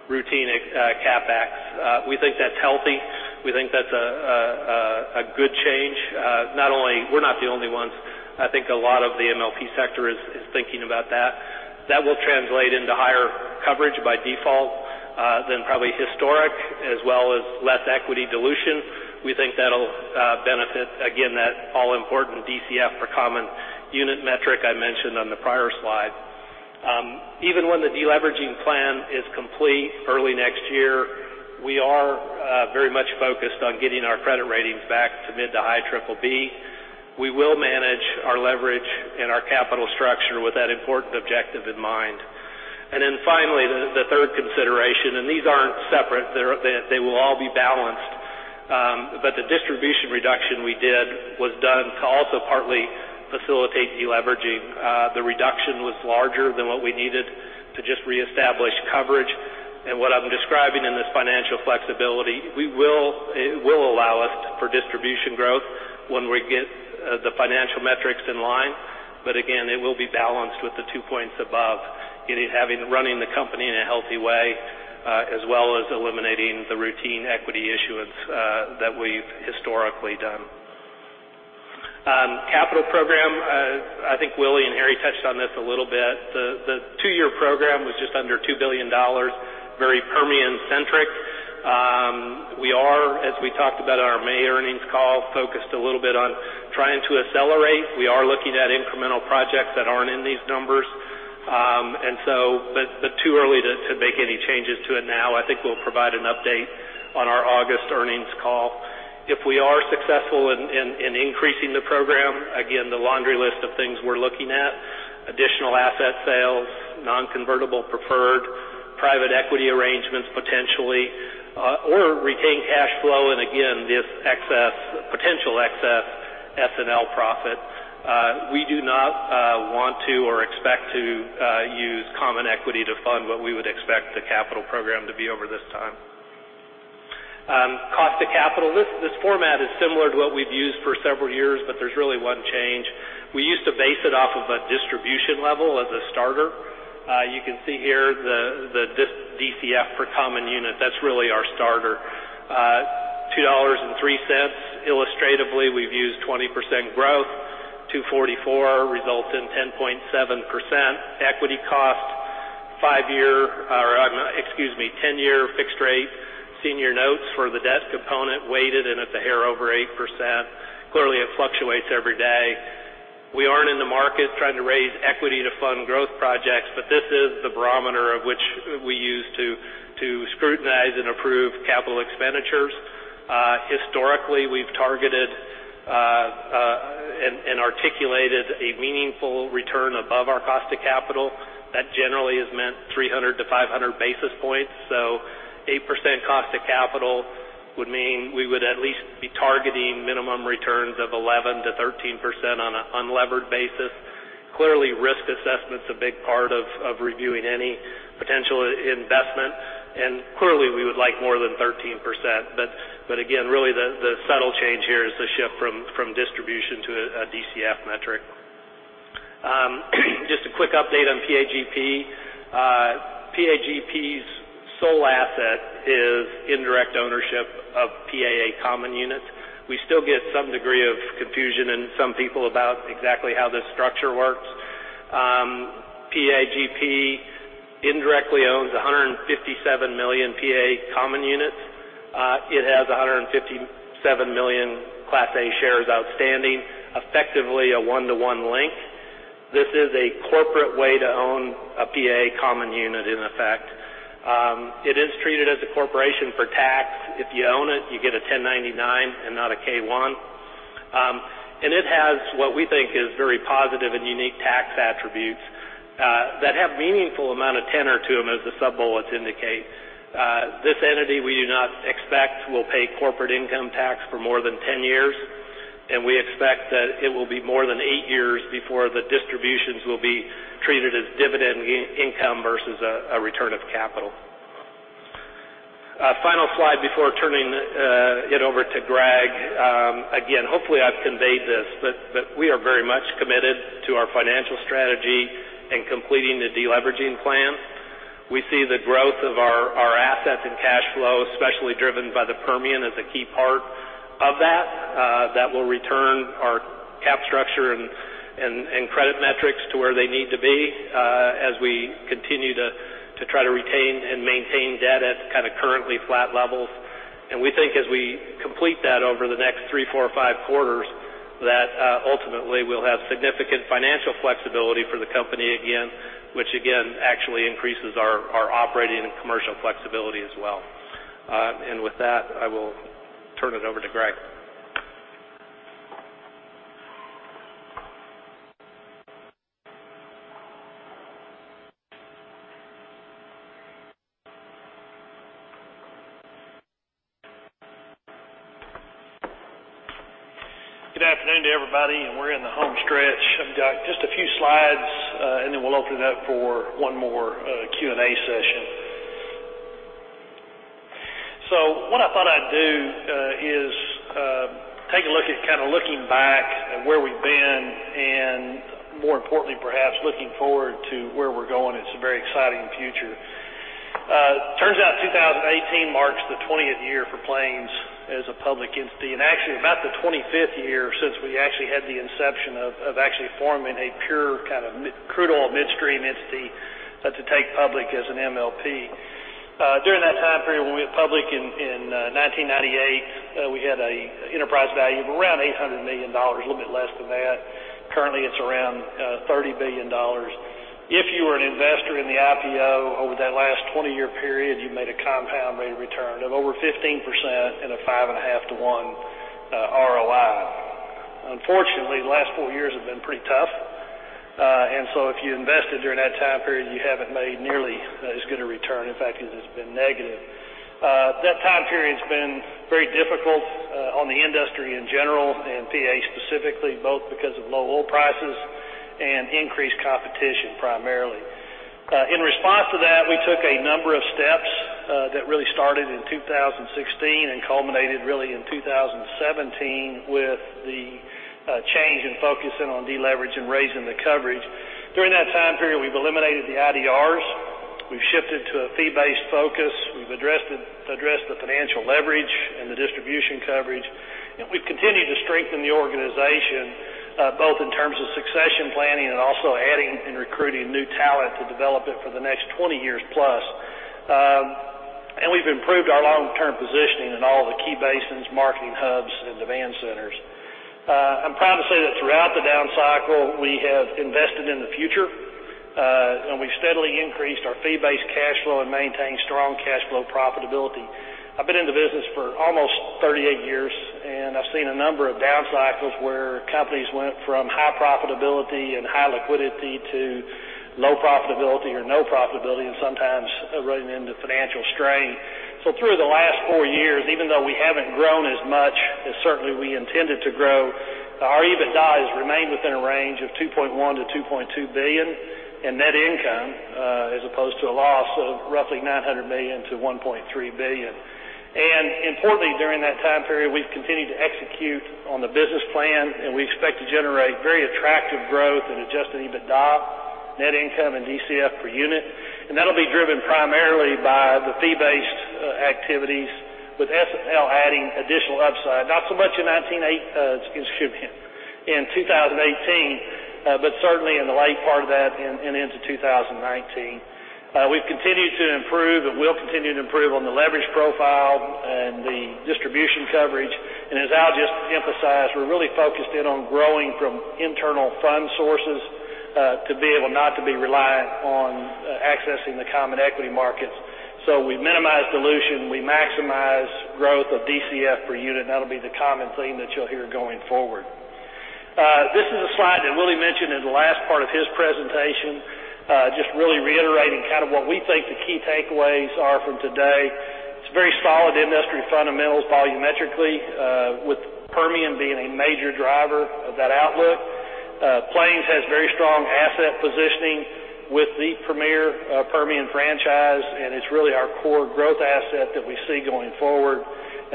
routine CapEx. We think that's healthy. We think that's a good change. We're not the only ones. I think a lot of the MLP sector is thinking about that. That will translate into higher coverage by default than probably historic, as well as less equity dilution. We think that'll benefit, again, that all-important DCF per common unit metric I mentioned on the prior slide. Even when the deleveraging plan is complete early next year, we are very much focused on getting our credit ratings back to mid to high BBB. We will manage our leverage and our capital structure with that important objective in mind. Finally, the third consideration, and these aren't separate, they will all be balanced. The distribution reduction we did was done to also partly facilitate deleveraging. The reduction was larger than what we needed to just reestablish coverage. What I'm describing in this financial flexibility, it will allow us for distribution growth when we get the financial metrics in line. Again, it will be balanced with the two points above, running the company in a healthy way, as well as eliminating the routine equity issuance that we've historically done. Capital program, I think Willie and Harry touched on this a little bit. The two-year program was just under $2 billion, very Permian-centric. We are, as we talked about in our May earnings call, focused a little bit on trying to accelerate. We are looking at incremental projects that aren't in these numbers. Too early to make any changes to it now. I think we'll provide an update on our August earnings call. If we are successful in increasing the program, again, the laundry list of things we're looking at, additional asset sales, non-convertible preferred, private equity arrangements potentially, or retain cash flow and again, this potential excess S&L profit. We do not want to or expect to use common equity to fund what we would expect the capital program to be over this time. Cost of capital. This format is similar to what we've used for several years, there's really one change. We used to base it off of a distribution level as a starter. You can see here the DCF per common unit, that's really our starter. $2.03. Illustratively, we've used 20% growth. 2.44 results in 10.7%. Equity cost, 10-year fixed rate senior notes for the debt component weighted in at a hair over 8%. Clearly, it fluctuates every day. We aren't in the market trying to raise equity to fund growth projects, this is the barometer of which we use to scrutinize and approve capital expenditures. Historically, we've targeted and articulated a meaningful return above our cost of capital. That generally has meant 300 to 500 basis points. 8% cost of capital would mean we would at least be targeting minimum returns of 11% to 13% on an unlevered basis. Clearly, risk assessment's a big part of reviewing any potential investment. Clearly, we would like more than 13%. Again, really the subtle change here is the shift from distribution to a DCF metric. Just a quick update on PAGP. PAGP's sole asset is indirect ownership of PAA common units. We still get some degree of confusion in some people about exactly how this structure works. PAGP indirectly owns 157 million PAA common units. It has 157 million Class A shares outstanding, effectively a one-to-one link. This is a corporate way to own a PAA common unit, in effect. It is treated as a corporation for tax. If you own it, you get a 1099 and not a K-1. It has what we think is very positive and unique tax attributes that have meaningful amount of tenor to them, as the sub-bullets indicate. This entity we do not expect will pay corporate income tax for more than 10 years. We expect that it will be more than eight years before the distributions will be treated as dividend income versus a return of capital. Final slide before turning it over to Greg. Again, hopefully I've conveyed this, but we are very much committed to our financial strategy and completing the de-leveraging plan. We see the growth of our assets and cash flow, especially driven by the Permian, as a key part of that. That will return our cap structure and credit metrics to where they need to be as we continue to try to retain and maintain debt at currently flat levels. We think as we complete that over the next three, four, five quarters, that ultimately we'll have significant financial flexibility for the company again, which again actually increases our operating and commercial flexibility as well. With that, I will turn it over to Greg. Good afternoon to everybody, we're in the home stretch. I've got just a few slides and then we'll open it up for one more Q&A session. What I thought I'd do is take a look at looking back at where we've been and more importantly, perhaps looking forward to where we're going. It's a very exciting future. Turns out 2018 marks the 20th year for Plains as a public entity, actually about the 25th year since we actually had the inception of actually forming a pure crude oil midstream entity to take public as an MLP. During that time period, when we went public in 1998, we had a enterprise value of around $800 million, a little bit less than that. Currently, it's around $30 billion. If you were an investor in the IPO over that last 20-year period, you made a compound rate of return of over 15% and a five and a half to one ROI. Unfortunately, the last four years have been pretty tough. If you invested during that time period, you haven't made nearly as good a return. In fact, it has been negative. That time period's been very difficult on the industry in general and PA specifically, both because of low oil prices and increased competition, primarily. In response to that, we took a number of steps that really started in 2016 and culminated really in 2017 with the change in focusing on de-leverage and raising the coverage. During that time period, we've eliminated the IDRs. We've shifted to a fee-based focus. We've addressed the financial leverage and the distribution coverage. We've continued to strengthen the organization both in terms of succession planning and also adding and recruiting new talent to develop it for the next 20+ years. We've improved our long-term positioning in all the key basins, marketing hubs, and demand centers. I'm proud to say that throughout the down cycle, we have invested in the future. We've steadily increased our fee-based cash flow and maintained strong cash flow profitability. I've been in the business for almost 38 years. I've seen a number of down cycles where companies went from high profitability and high liquidity to low profitability or no profitability, and sometimes running into financial strain. Through the last four years, even though we haven't grown as much as certainly we intended to grow, our EBITDA has remained within a range of $2.1 billion-$2.2 billion in net income as opposed to a loss of roughly $900 million-$1.3 billion. Importantly, during that time period, we've continued to execute on the business plan. We expect to generate very attractive growth in adjusted EBITDA, net income, and DCF per unit. That'll be driven primarily by the fee-based activities with S&L adding additional upside, not so much in 2018, but certainly in the late part of that and into 2019. We've continued to improve and will continue to improve on the leverage profile and the distribution coverage. As Al just emphasized, we're really focused in on growing from internal fund sources to be able not to be reliant on accessing the common equity markets. We minimize dilution. We maximize growth of DCF per unit, and that'll be the common theme that you'll hear going forward. This is a slide that Willie mentioned in the last part of his presentation, just really reiterating what we think the key takeaways are from today. It's very solid industry fundamentals volumetrically, with Permian being a major driver of that outlook. Plains has very strong asset positioning with the premier Permian franchise. It's really our core growth asset that we see going forward.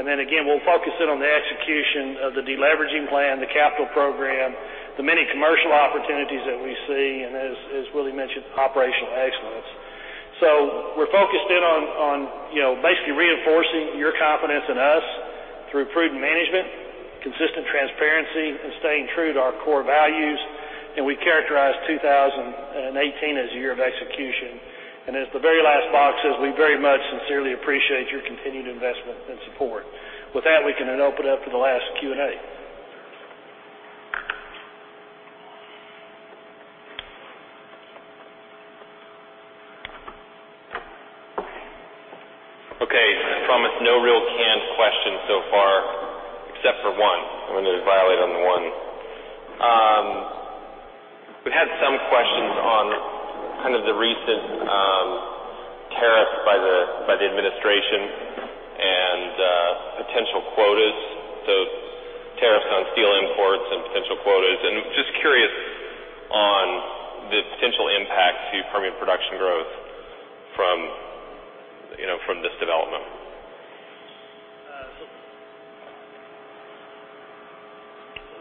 Again, we'll focus in on the execution of the de-leveraging plan, the capital program, the many commercial opportunities that we see, and as Willie mentioned, operational excellence. We're focused in on basically reinforcing your confidence in us through prudent management, consistent transparency, and staying true to our core values. We characterize 2018 as a year of execution. As the very last box says, we very much sincerely appreciate your continued investment and support. With that, we can then open up to the last Q&A. Okay. I promise no real canned questions so far, except for one. I'm going to violate on that. Tariffs on steel imports and potential quotas, and just curious on the potential impact to Permian production growth from this development.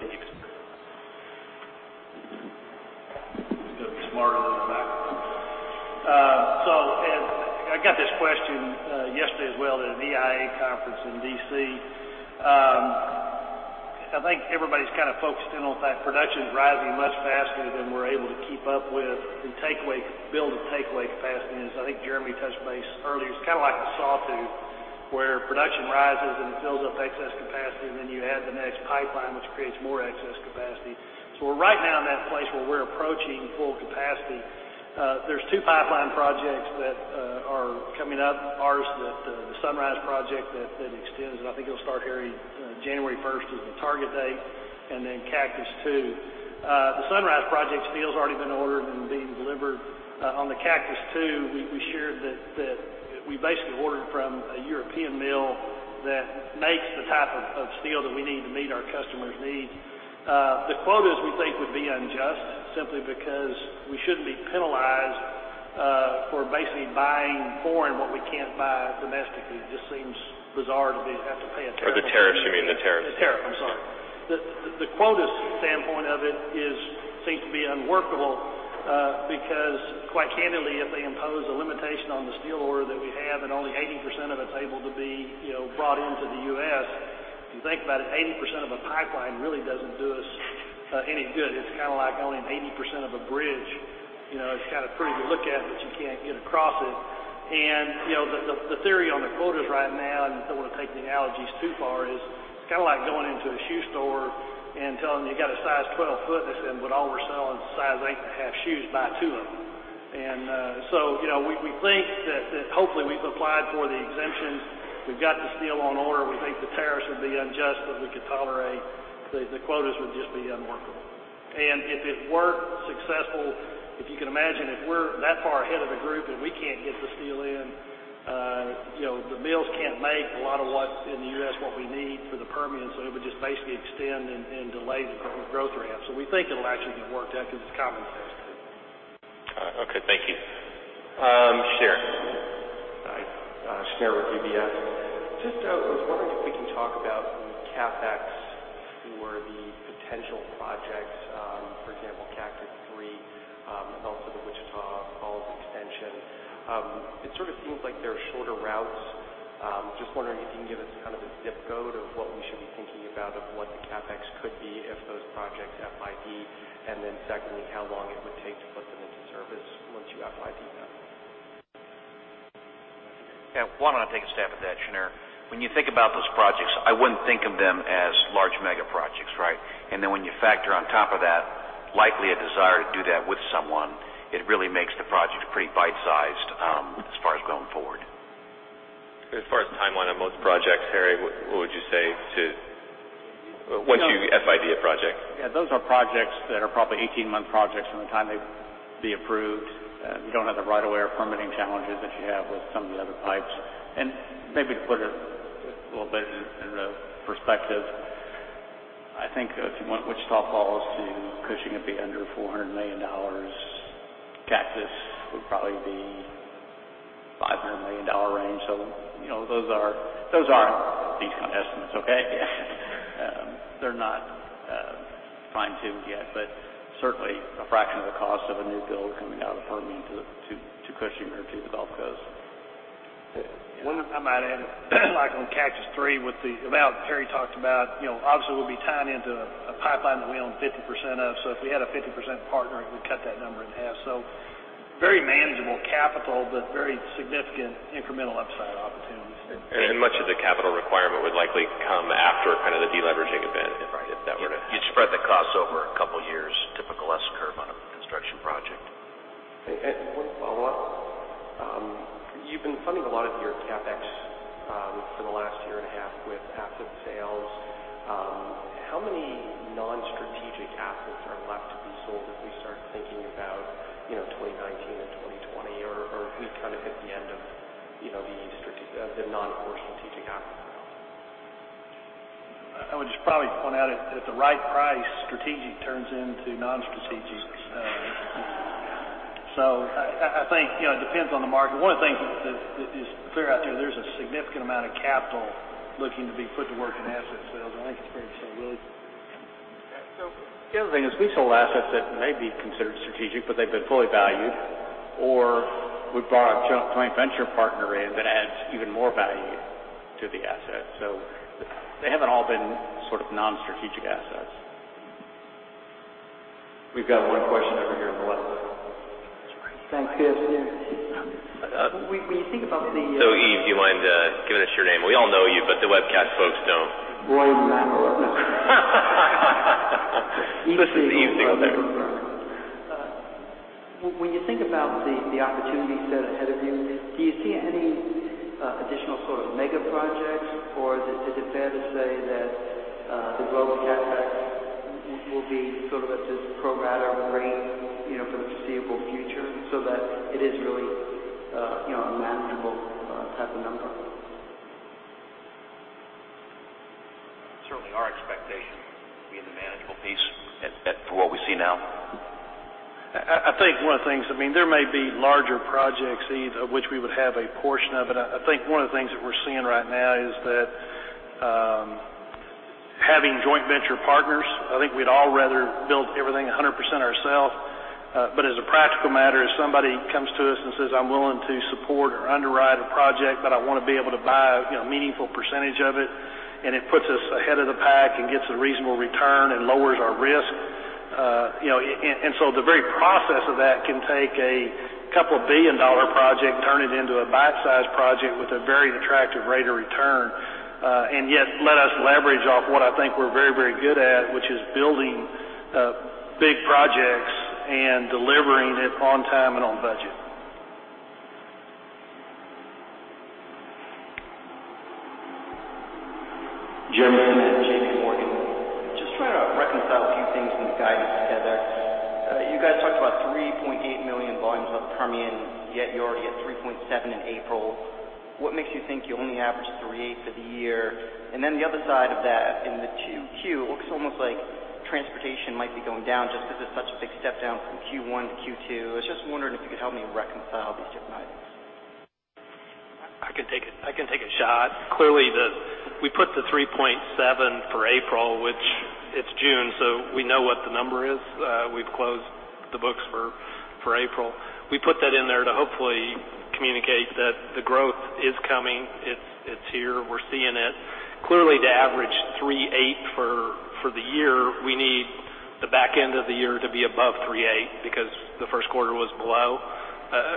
You've got the smarter looking guy. I got this question yesterday as well at an EIA conference in D.C. I think everybody's focused in on the fact production's rising much faster than we're able to keep up with and build the takeaway capacity. I think Jeremy touched base earlier, it's like a sawtooth, where production rises and builds up excess capacity, and then you add the next pipeline, which creates more excess capacity. We're right now in that place where we're approaching full capacity. There's two pipeline projects that are coming up. Ours, the Sunrise project that extends, and I think it'll start January 1st is the target date, and then Cactus II. The Sunrise project steel's already been ordered and being delivered. On the Cactus II, we shared that we basically ordered from a European mill that makes the type of steel that we need to meet our customers' needs. The quotas we think would be unjust simply because we shouldn't be penalized for basically buying foreign what we can't buy domestically. It just seems bizarre that we'd have to pay a tariff. By the tariffs, you mean the tariffs? The tariffs, I'm sorry. The quotas standpoint of it seems to be unworkable because quite candidly if they impose a limitation on the steel order that we have and only 80% of it's able to be brought into the U.S., if you think about it, 80% of a pipeline really doesn't do us any good. It's like only 80% of a bridge. It's pretty to look at, but you can't get across it. The theory on the quotas right now, I don't want to take the analogies too far, is it's like going into a shoe store and telling them you got a size 12 foot and they saying, "All we're selling is size 8 and a half shoes. Buy two of them." We think that hopefully we've applied for the exemptions. We've got the steel on order. We think the tariffs would be unjust, but we could tolerate. The quotas would just be unworkable. If it were successful, if you can imagine if we're that far ahead of the group and we can't get the steel in, the mills can't make a lot of what's in the U.S. what we need for the Permian, it would just basically extend and delay the growth ramp. We think it'll actually be worked out because it's common sense. Okay, thank you. Shneur. Hi. Shneur with UBS. Just was wondering if we can talk about the CapEx for the potential projects, for example, Cactus III, and also the Wichita Falls extension. It seems like they're shorter routes. Just was wondering if you can give us a zip code of what we should be thinking about of what the CapEx could be if those projects FID. Secondly, how long it would take to put them into service once you FID them. Yeah. Why don't I take a stab at that, Shneur? When you think about those projects, I wouldn't think of them as large mega projects, right? When you factor on top of that, likely a desire to do that with someone, it really makes the project pretty bite-sized as far as going forward. As far as timeline on most projects, Harry, what would you say to once you FID a project? Yeah. Those are projects that are probably 18-month projects from the time they'd be approved. You don't have the right of way or permitting challenges that you have with some of the other pipes. Maybe to put it a little bit in perspective, I think if you went Wichita Falls to Cushing, it'd be under $400 million. Cactus would probably be $500 million range. Those aren't these kind of estimates, okay? They're not fine-tuned yet, but certainly a fraction of the cost of a new build coming out of the Permian to Cushing or to the Gulf Coast. One thing I might add, like on Cactus III with the amount that Harry talked about, obviously we'll be tying into a pipeline that we own 50% of. If we had a 50% partner, we cut that number in half. Very manageable capital, but very significant incremental upside opportunities. Much of the capital requirement would likely come after the de-leveraging event if that were to happen. You'd spread the cost over a couple of years, typical S-curve on a construction project. One follow-up. You've been funding a lot of your CapEx for the last year and a half with asset sales. How many non-strategic assets are left to be sold as we start thinking about 2019 and 2020, or are we at the end of the non-core strategic assets? I would just probably point out at the right price, strategic turns into non-strategic. I think it depends on the market. One of the things that is clear out there's a significant amount of capital looking to be put to work in asset sales, I think it's very similar. Yeah. The other thing is we sold assets that may be considered strategic, but they've been fully valued, or we brought a joint venture partner in that adds even more value to the asset. They haven't all been non-strategic assets. We've got one question over here on the left side. Thanks, guys. Yeah. When you think about the- [inaudible] do you mind giving us your name? We all know you, but the webcast folks don't. Roy Mackal. This is the easy one there. When you think about the op- You said ahead of you. Do you see any additional sort of mega projects, or is it fair to say that the growth of CapEx will be sort of at this pro rata rate for the foreseeable future so that it is really a manageable type of number? Certainly our expectation would be the manageable piece for what we see now. I think one of the things, there may be larger projects of which we would have a portion of it. I think one of the things that we're seeing right now is that having joint venture partners, I think we'd all rather build everything 100% ourselves. As a practical matter, if somebody comes to us and says, "I'm willing to support or underwrite a project, but I want to be able to buy a meaningful percentage of it," and it puts us ahead of the pack and gets a reasonable return and lowers our risk. The very process of that can take a couple billion dollar project, turn it into a bite-sized project with a very attractive rate of return. Yet let us leverage off what I think we're very good at, which is building big projects and delivering it on time and on budget. Jeremy Tonet at JPMorgan. Just trying to reconcile a few things in the guidance together. You guys talked about 3.8 million volumes out of the Permian, yet you're already at 3.7 in April. What makes you think you'll only average 3.8 for the year? The other side of that in the 2Q, it looks almost like transportation might be going down just because it's such a big step down from Q1 to Q2. I was just wondering if you could help me reconcile these different items. I can take a shot. Clearly, we put the 3.7 for April, which it's June, so we know what the number is. We've closed the books for April. We put that in there to hopefully communicate that the growth is coming. It's here. We're seeing it. Clearly to average 3.8 for the year, we need the back end of the year to be above 3.8 because the first quarter was below.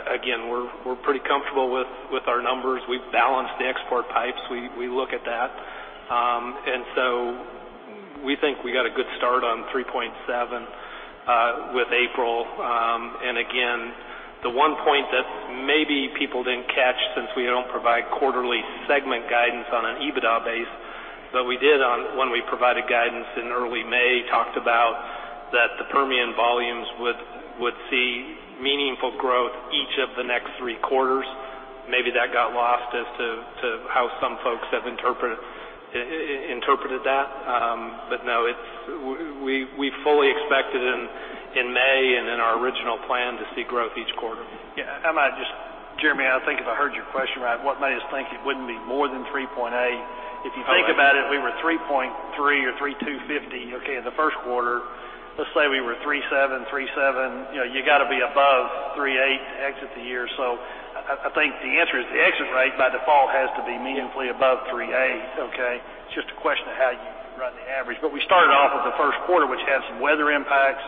Again, we're pretty comfortable with our numbers. We've balanced the export pipes. We look at that. We think we got a good start on 3.7 with April. Again, the one point that maybe people didn't catch since we don't provide quarterly segment guidance on an EBITDA base, but we did when we provided guidance in early May, talked about that the Permian volumes would see meaningful growth each of the next three quarters. Maybe that got lost as to how some folks have interpreted that. No, we fully expected in May and in our original plan to see growth each quarter. Jeremy, I think if I heard your question right, what made us think it wouldn't be more than 3.8? If you think about it, we were 3.3 or 3.250, okay, in the first quarter. Let's say we were 3.7, 3.7. You got to be above 3.8 to exit the year. I think the answer is the exit rate by default has to be meaningfully above 3.8, okay? It's just a question of how you run the average. We started off with the first quarter, which had some weather impacts.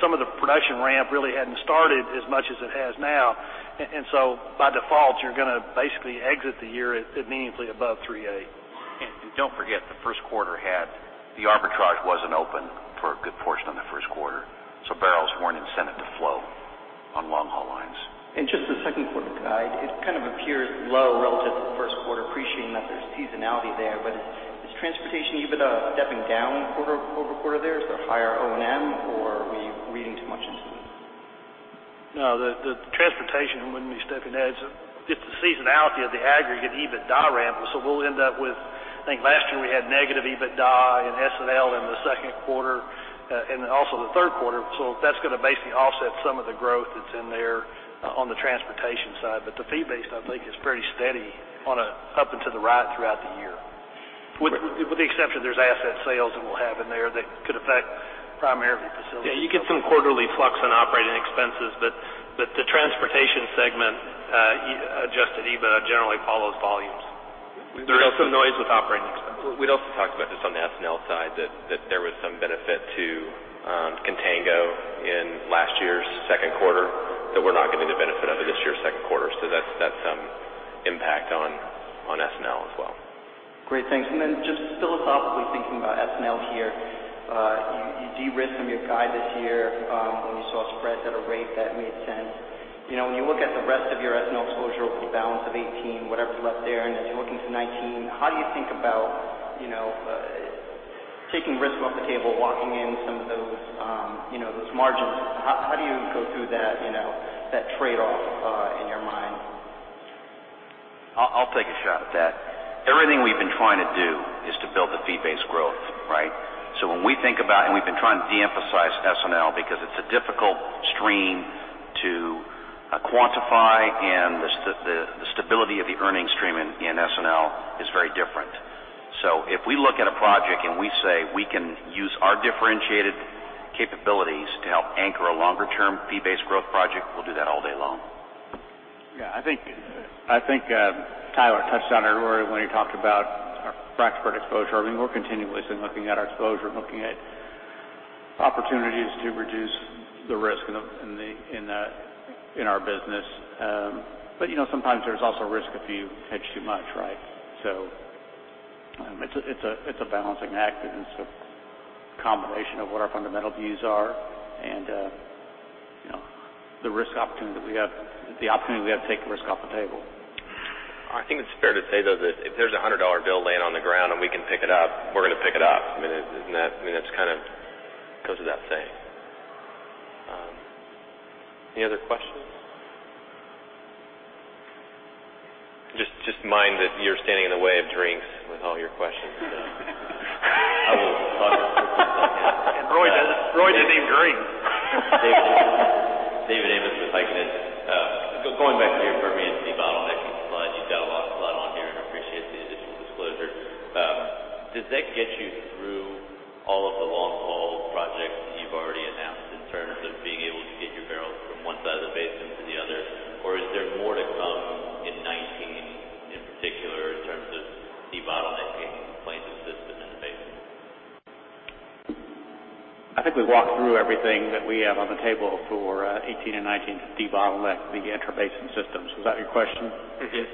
Some of the production ramp really hadn't started as much as it has now. By default, you're going to basically exit the year at meaningfully above 3.8. Don't forget, the first quarter had the arbitrage wasn't open for a good portion of the first quarter. Barrels weren't incented to flow on long-haul lines. Just the second quarter guide, it appears low relative to the first quarter, appreciating that there's seasonality there. Is transportation EBITDA stepping down quarter-over-quarter there? Is there higher O&M, or are we reading too much into this? No, the transportation wouldn't be stepping. It's the seasonality of the aggregate EBITDA ramp. We'll end up with, I think last year we had negative EBITDA in S&L in the second quarter and also the third quarter. That's going to basically offset some of the growth that's in there on the transportation side. The fee-based, I think, is pretty steady on a up and to the right throughout the year. With the exception there's asset sales that we'll have in there that could affect primarily facilities. Yeah, you get some quarterly flux on operating expenses, the transportation segment adjusted EBITDA generally follows volumes. There is some noise with operating expenses. We'd also talked about this on the S&L side that there was some benefit to contango in last year's second quarter that we're not going to benefit out of this year's second quarter. That's some impact on S&L as well. Great, thanks. Just philosophically thinking about S&L here. You de-risked some of your guide this year when you saw spreads at a rate that made sense. When you look at the rest of your S&L exposure over the balance of 2018, whatever's left there, as you look into 2019, how do you think about taking risk off the table, locking in some of those margins? How do you go through that trade-off in your mind? I'll take a shot at that. Everything we've been trying to do is to build the fee-based growth, right? When we think about, we've been trying to de-emphasize S&L because it's a difficult stream to quantify and the stability of the earnings stream in S&L is very different. If we look at a project and we say we can use our differentiated capabilities to help anchor a longer-term fee-based growth project, we'll do that all day long. Yeah, I think Tyler touched on it earlier when he talked about our frac spread exposure. We're continuously looking at our exposure, looking at opportunities to reduce the risk in our business. Sometimes there's also risk if you hedge too much, right? It's a balancing act and it's a combination of what our fundamental views are and the opportunity we have to take risk off the table. I think it's fair to say, though, that if there's a $100 bill laying on the ground and we can pick it up, we're going to pick it up. That goes without saying. Any other questions? Just mind that you're standing in the way of drinks with all your questions. I will plug something else. Ryan doesn't even drink. David Amos with Piper Sandler. Going back to your Permian debottlenecking slide, you've got a lot on here and appreciate the additional disclosure. Does that get you through all of the long-haul projects that you've already announced in terms of being able to get your barrels from one side of the basin to the other, or is there more to come in 2019, in particular, in terms of debottlenecking Plains's system in the basin? I think we walked through everything that we have on the table for 2018 and 2019 debottleneck the intrabasin systems. Was that your question? It is.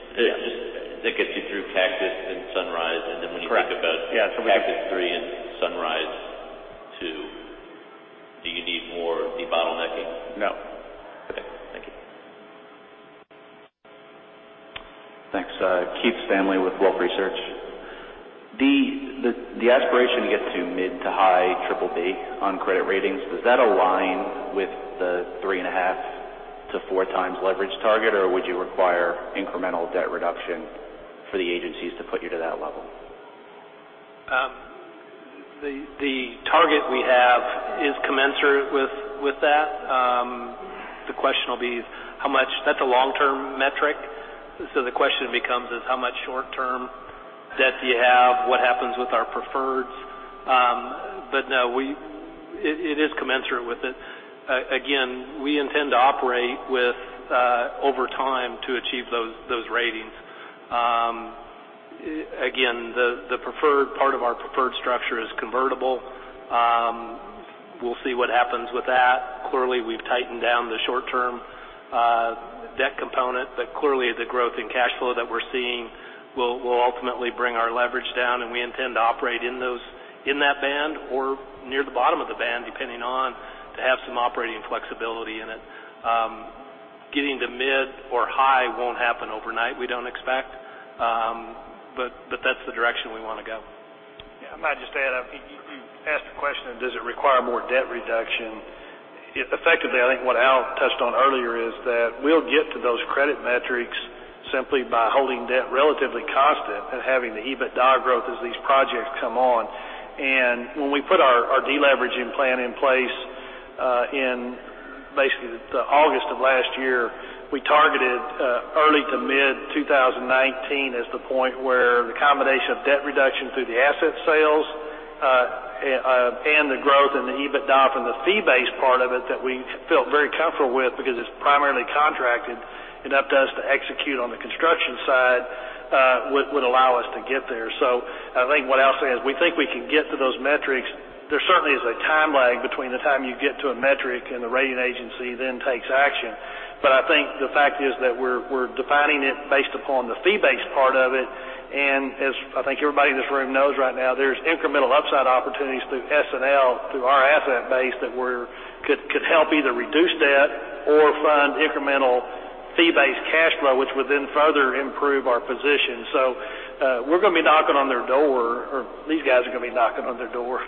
That gets you through Cactus and Sunrise. Correct. Yeah. Cactus III and Sunrise, do you need more debottlenecking? No. Okay. Thank you. Thanks. Keith Stanley with Wolfe Research. The aspiration to get to mid to high BBB on credit ratings, does that align with the 3.5 to 4 times leverage target, or would you require incremental debt reduction for the agencies to put you to that level? The target we have is commensurate with that. That's a long-term metric. The question becomes is how much short-term debt do you have? What happens with our preferreds? No, it is commensurate with it. Again, we intend to operate with over time to achieve those ratings. Again, the preferred part of our preferred structure is convertible. We'll see what happens with that. Clearly, we've tightened down the short-term debt component, clearly the growth in cash flow that we're seeing will ultimately bring our leverage down, and we intend to operate in that band or near the bottom of the band, depending on to have some operating flexibility in it. Getting to mid or high won't happen overnight, we don't expect. That's the direction we want to go. Yeah. I might just add. You asked the question of does it require more debt reduction? Effectively, I think what Al touched on earlier is that we'll get to those credit metrics simply by holding debt relatively constant and having the EBITDA growth as these projects come on. When we put our de-leveraging plan in place in basically August of last year, we targeted early to mid-2019 as the point where the combination of debt reduction through the asset sales and the growth in the EBITDA from the fee-based part of it that we felt very comfortable with because it's primarily contracted, enough to us to execute on the construction side would allow us to get there. I think what Al said is we think we can get to those metrics. There certainly is a time lag between the time you get to a metric and the rating agency then takes action. I think the fact is that we're defining it based upon the fee-based part of it, as I think everybody in this room knows right now, there's incremental upside opportunities through S&L, through our asset base that could help either reduce debt or fund incremental fee-based cash flow, which would then further improve our position. We're going to be knocking on their door, or these guys are going to be knocking on their door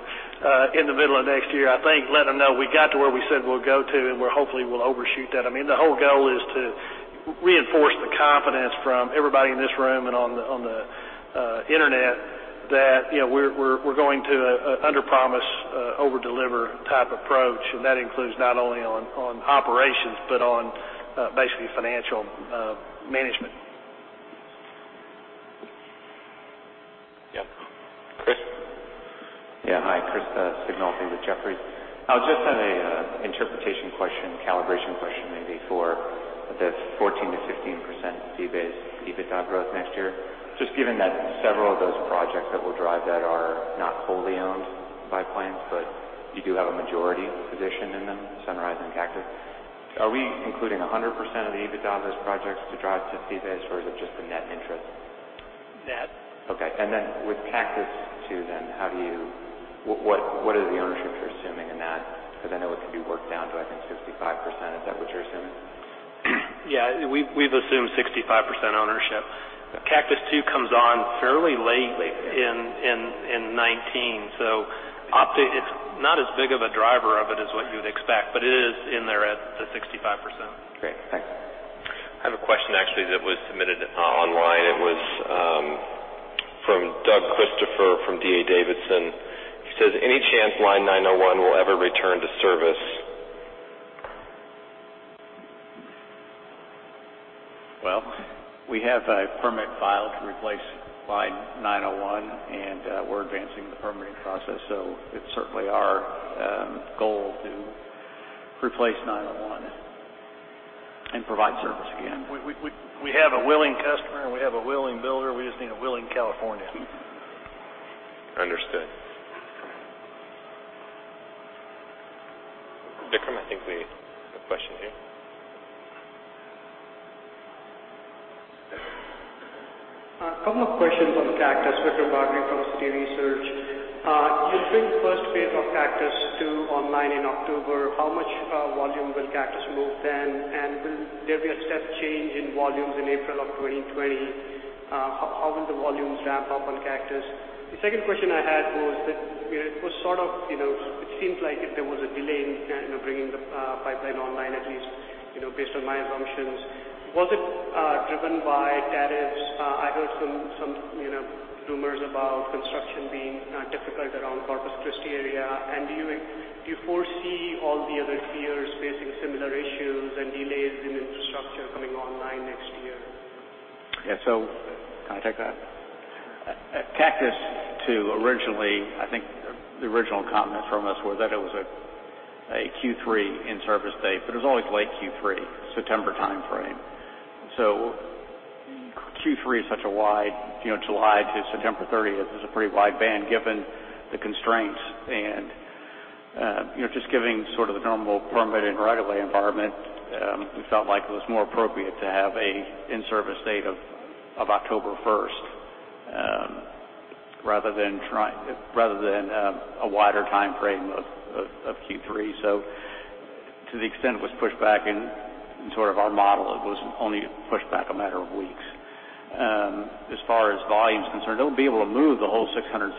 in the middle of next year, I think, letting them know we got to where we said we'll go to, and we hopefully will overshoot that. The whole goal is to reinforce the confidence from everybody in this room and on the internet that we're going to underpromise, overdeliver type approach. That includes not only on operations, but on basically financial management. Yep. Chris? Yeah. Hi, Chris Sighinolfi with Jefferies. I just had an interpretation question, calibration question maybe for the 14%-15% fee-based EBITDA growth next year. Just given that several of those projects that will drive that are not wholly owned by Plains, but you do have a majority position in them, Sunrise and Cactus. Are we including 100% of the EBITDA of those projects to drive to fee-based, or is it just the net interest? Net. Okay. With Cactus II, what are the ownerships you're assuming in that? Because I know it can be worked down to, I think, 65%. Is that what you're assuming? Yeah. We've assumed 65% ownership. Cactus II comes on fairly late in 2019, so it's not as big of a driver of it as what you would expect, but it is in there at the 65%. Great. Thanks. I have a question, actually, that was submitted online. It was from Doug Christopher from D.A. Davidson. He says, "Any chance Line 901 will ever return to service? Well, we have a permit filed to replace Line 901, and we're advancing the permitting process. It's certainly our goal to replace 901 and provide service again. We have a willing customer, and we have a willing builder. We just need a willing California. Understood. I think we have a question here. A couple of questions on Cactus. Vikram Bardhan from Citi Research. You will bring the first phase of Cactus II online in October. How much volume will Cactus move then? Will there be a step change in volumes in April of 2020? How will the volumes ramp up on Cactus? The second question I had was that it seems like there was a delay in bringing the pipeline online, at least based on my assumptions. Was it driven by tariffs? I heard some rumors about construction being difficult around Corpus Christi area. Do you foresee all the other peers facing similar issues and delays in infrastructure coming online next year? Yeah. Can I take that? Cactus II, I think the original comments from us were that it was a Q3 in-service date, but it was always late Q3, September timeframe. Q3 is such a wide, July to September 30th. There is a pretty wide band given the constraints. Just given the normal permit and right of way environment, we felt like it was more appropriate to have an in-service date of October 1st rather than a wider timeframe of Q3. To the extent it was pushed back in our model, it was only pushed back a matter of weeks. As far as volume is concerned, it will be able to move the whole 670,000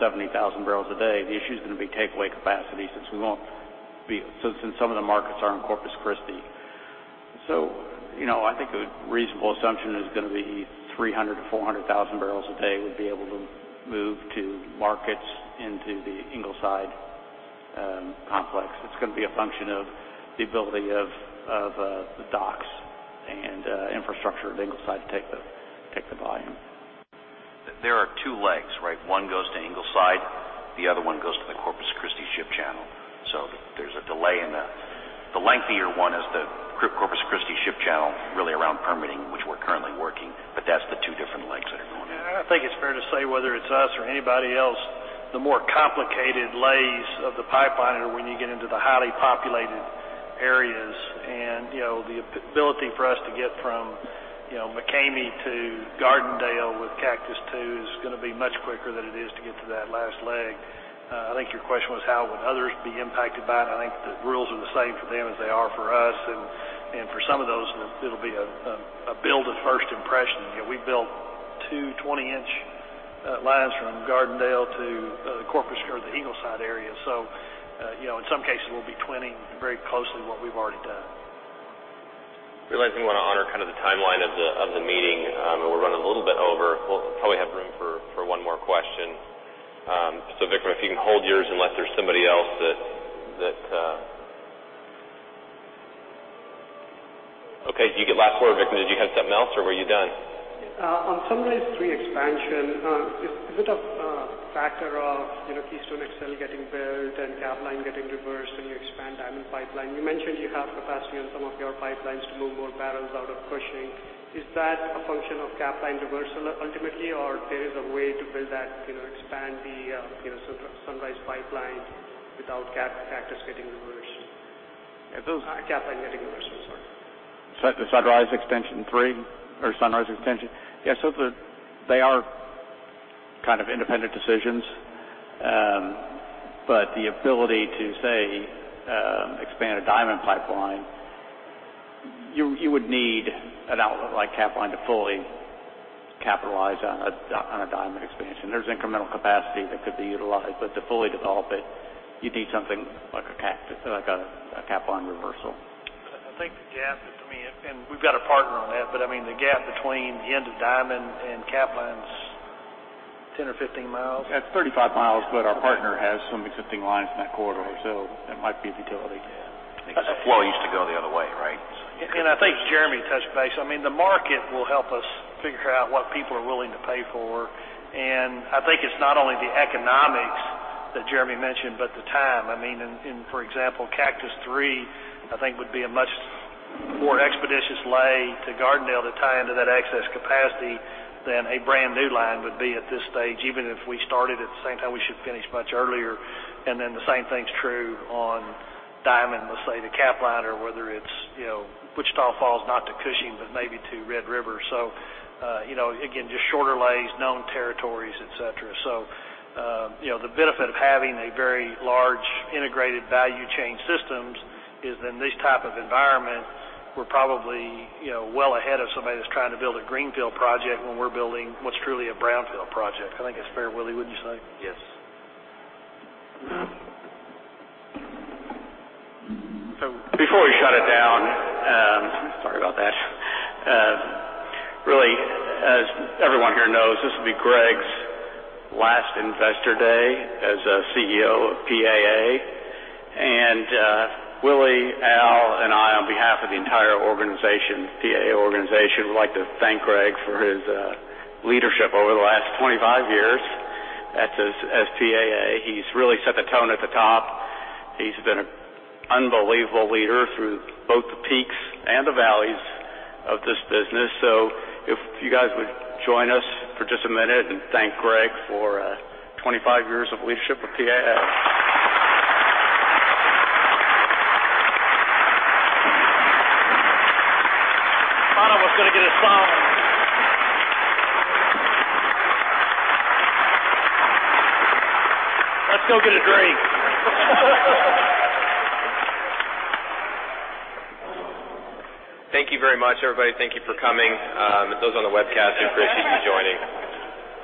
barrels a day. The issue is going to be takeaway capacity since some of the markets are in Corpus Christi. I think a reasonable assumption is going to be 300,000-400,000 barrels a day would be able to move to markets into the Ingleside complex. It is going to be a function of the ability of the docks and infrastructure of Ingleside to take the volume. There are two legs, right? One goes to Ingleside, the other one goes to the Corpus Christi ship channel. There is a delay in the lengthier one is the Corpus Christi ship channel, really around permitting, which we are currently working. That is the two different legs that are going in. I think it's fair to say, whether it's us or anybody else, the more complicated lays of the pipeline are when you get into the highly populated areas. The ability for us to get from McCamey to Gardendale with Cactus II is going to be much quicker than it is to get to that last leg. I think your question was how would others be impacted by it. I think the rules are the same for them as they are for us. For some of those, it'll be a build of first impression. We built 2 20-inch lines from Gardendale to the Corpus or the Ingleside area. In some cases we'll be twinning very closely what we've already done. Realizing we want to honor the timeline of the meeting, and we're running a little bit over. We'll probably have room for one more question. Vikram, if you can hold yours unless there's somebody else. Okay. You get last word, Vikram. Did you have something else, or were you done? On Sunrise 3 expansion, is it a factor of Keystone XL getting built and Capline getting reversed and you expand Diamond Pipeline? You mentioned you have capacity on some of your pipelines to move more barrels out of Cushing. Is that a function of Capline reversal ultimately, or there is a way to build that, expand the Sunrise Pipeline without Capline getting reversed? The Sunrise extension 3 or Sunrise extension? Yeah. They are independent decisions. The ability to, say, expand a Diamond Pipeline, you would need an outlet like Capline to fully capitalize on a Diamond expansion. There's incremental capacity that could be utilized, but to fully develop it, you'd need something like a Capline reversal. I think the gap, to me, and we've got a partner on that, but the gap between the end of Diamond and Capline's 10 or 15 miles. It's 35 miles, but our partner has some existing lines in that corridor, so it might be a utility. Flow used to go the other way, right? I think Jeremy touched base. The market will help us figure out what people are willing to pay for. I think it's not only the economics that Jeremy mentioned, but the time. For example, Cactus III, I think, would be a much more expeditious lay to Gardendale to tie into that excess capacity than a brand-new line would be at this stage. Even if we started at the same time, we should finish much earlier. The same thing's true on Diamond, let's say, to Capline, or whether it's Wichita Falls, not to Cushing, but maybe to Red River. Again, just shorter lays, known territories, et cetera. The benefit of having a very large integrated value chain systems is in this type of environment, we're probably well ahead of somebody that's trying to build a greenfield project when we're building what's truly a brownfield project. I think it's fair. Willie, wouldn't you say? Yes. Before we shut it down, sorry about that. As everyone here knows, this will be Greg's last Investor Day as CEO of PAA. Willie, Al, and I, on behalf of the entire organization, PAA organization, would like to thank Greg for his leadership over the last 25 years as PAA. He's really set the tone at the top. He's been an unbelievable leader through both the peaks and the valleys of this business. If you guys would join us for just a minute and thank Greg for 25 years of leadership with PAA. I was going to get a song. Let's go get a drink. Thank you very much, everybody. Thank you for coming. Those on the webcast, we appreciate you joining.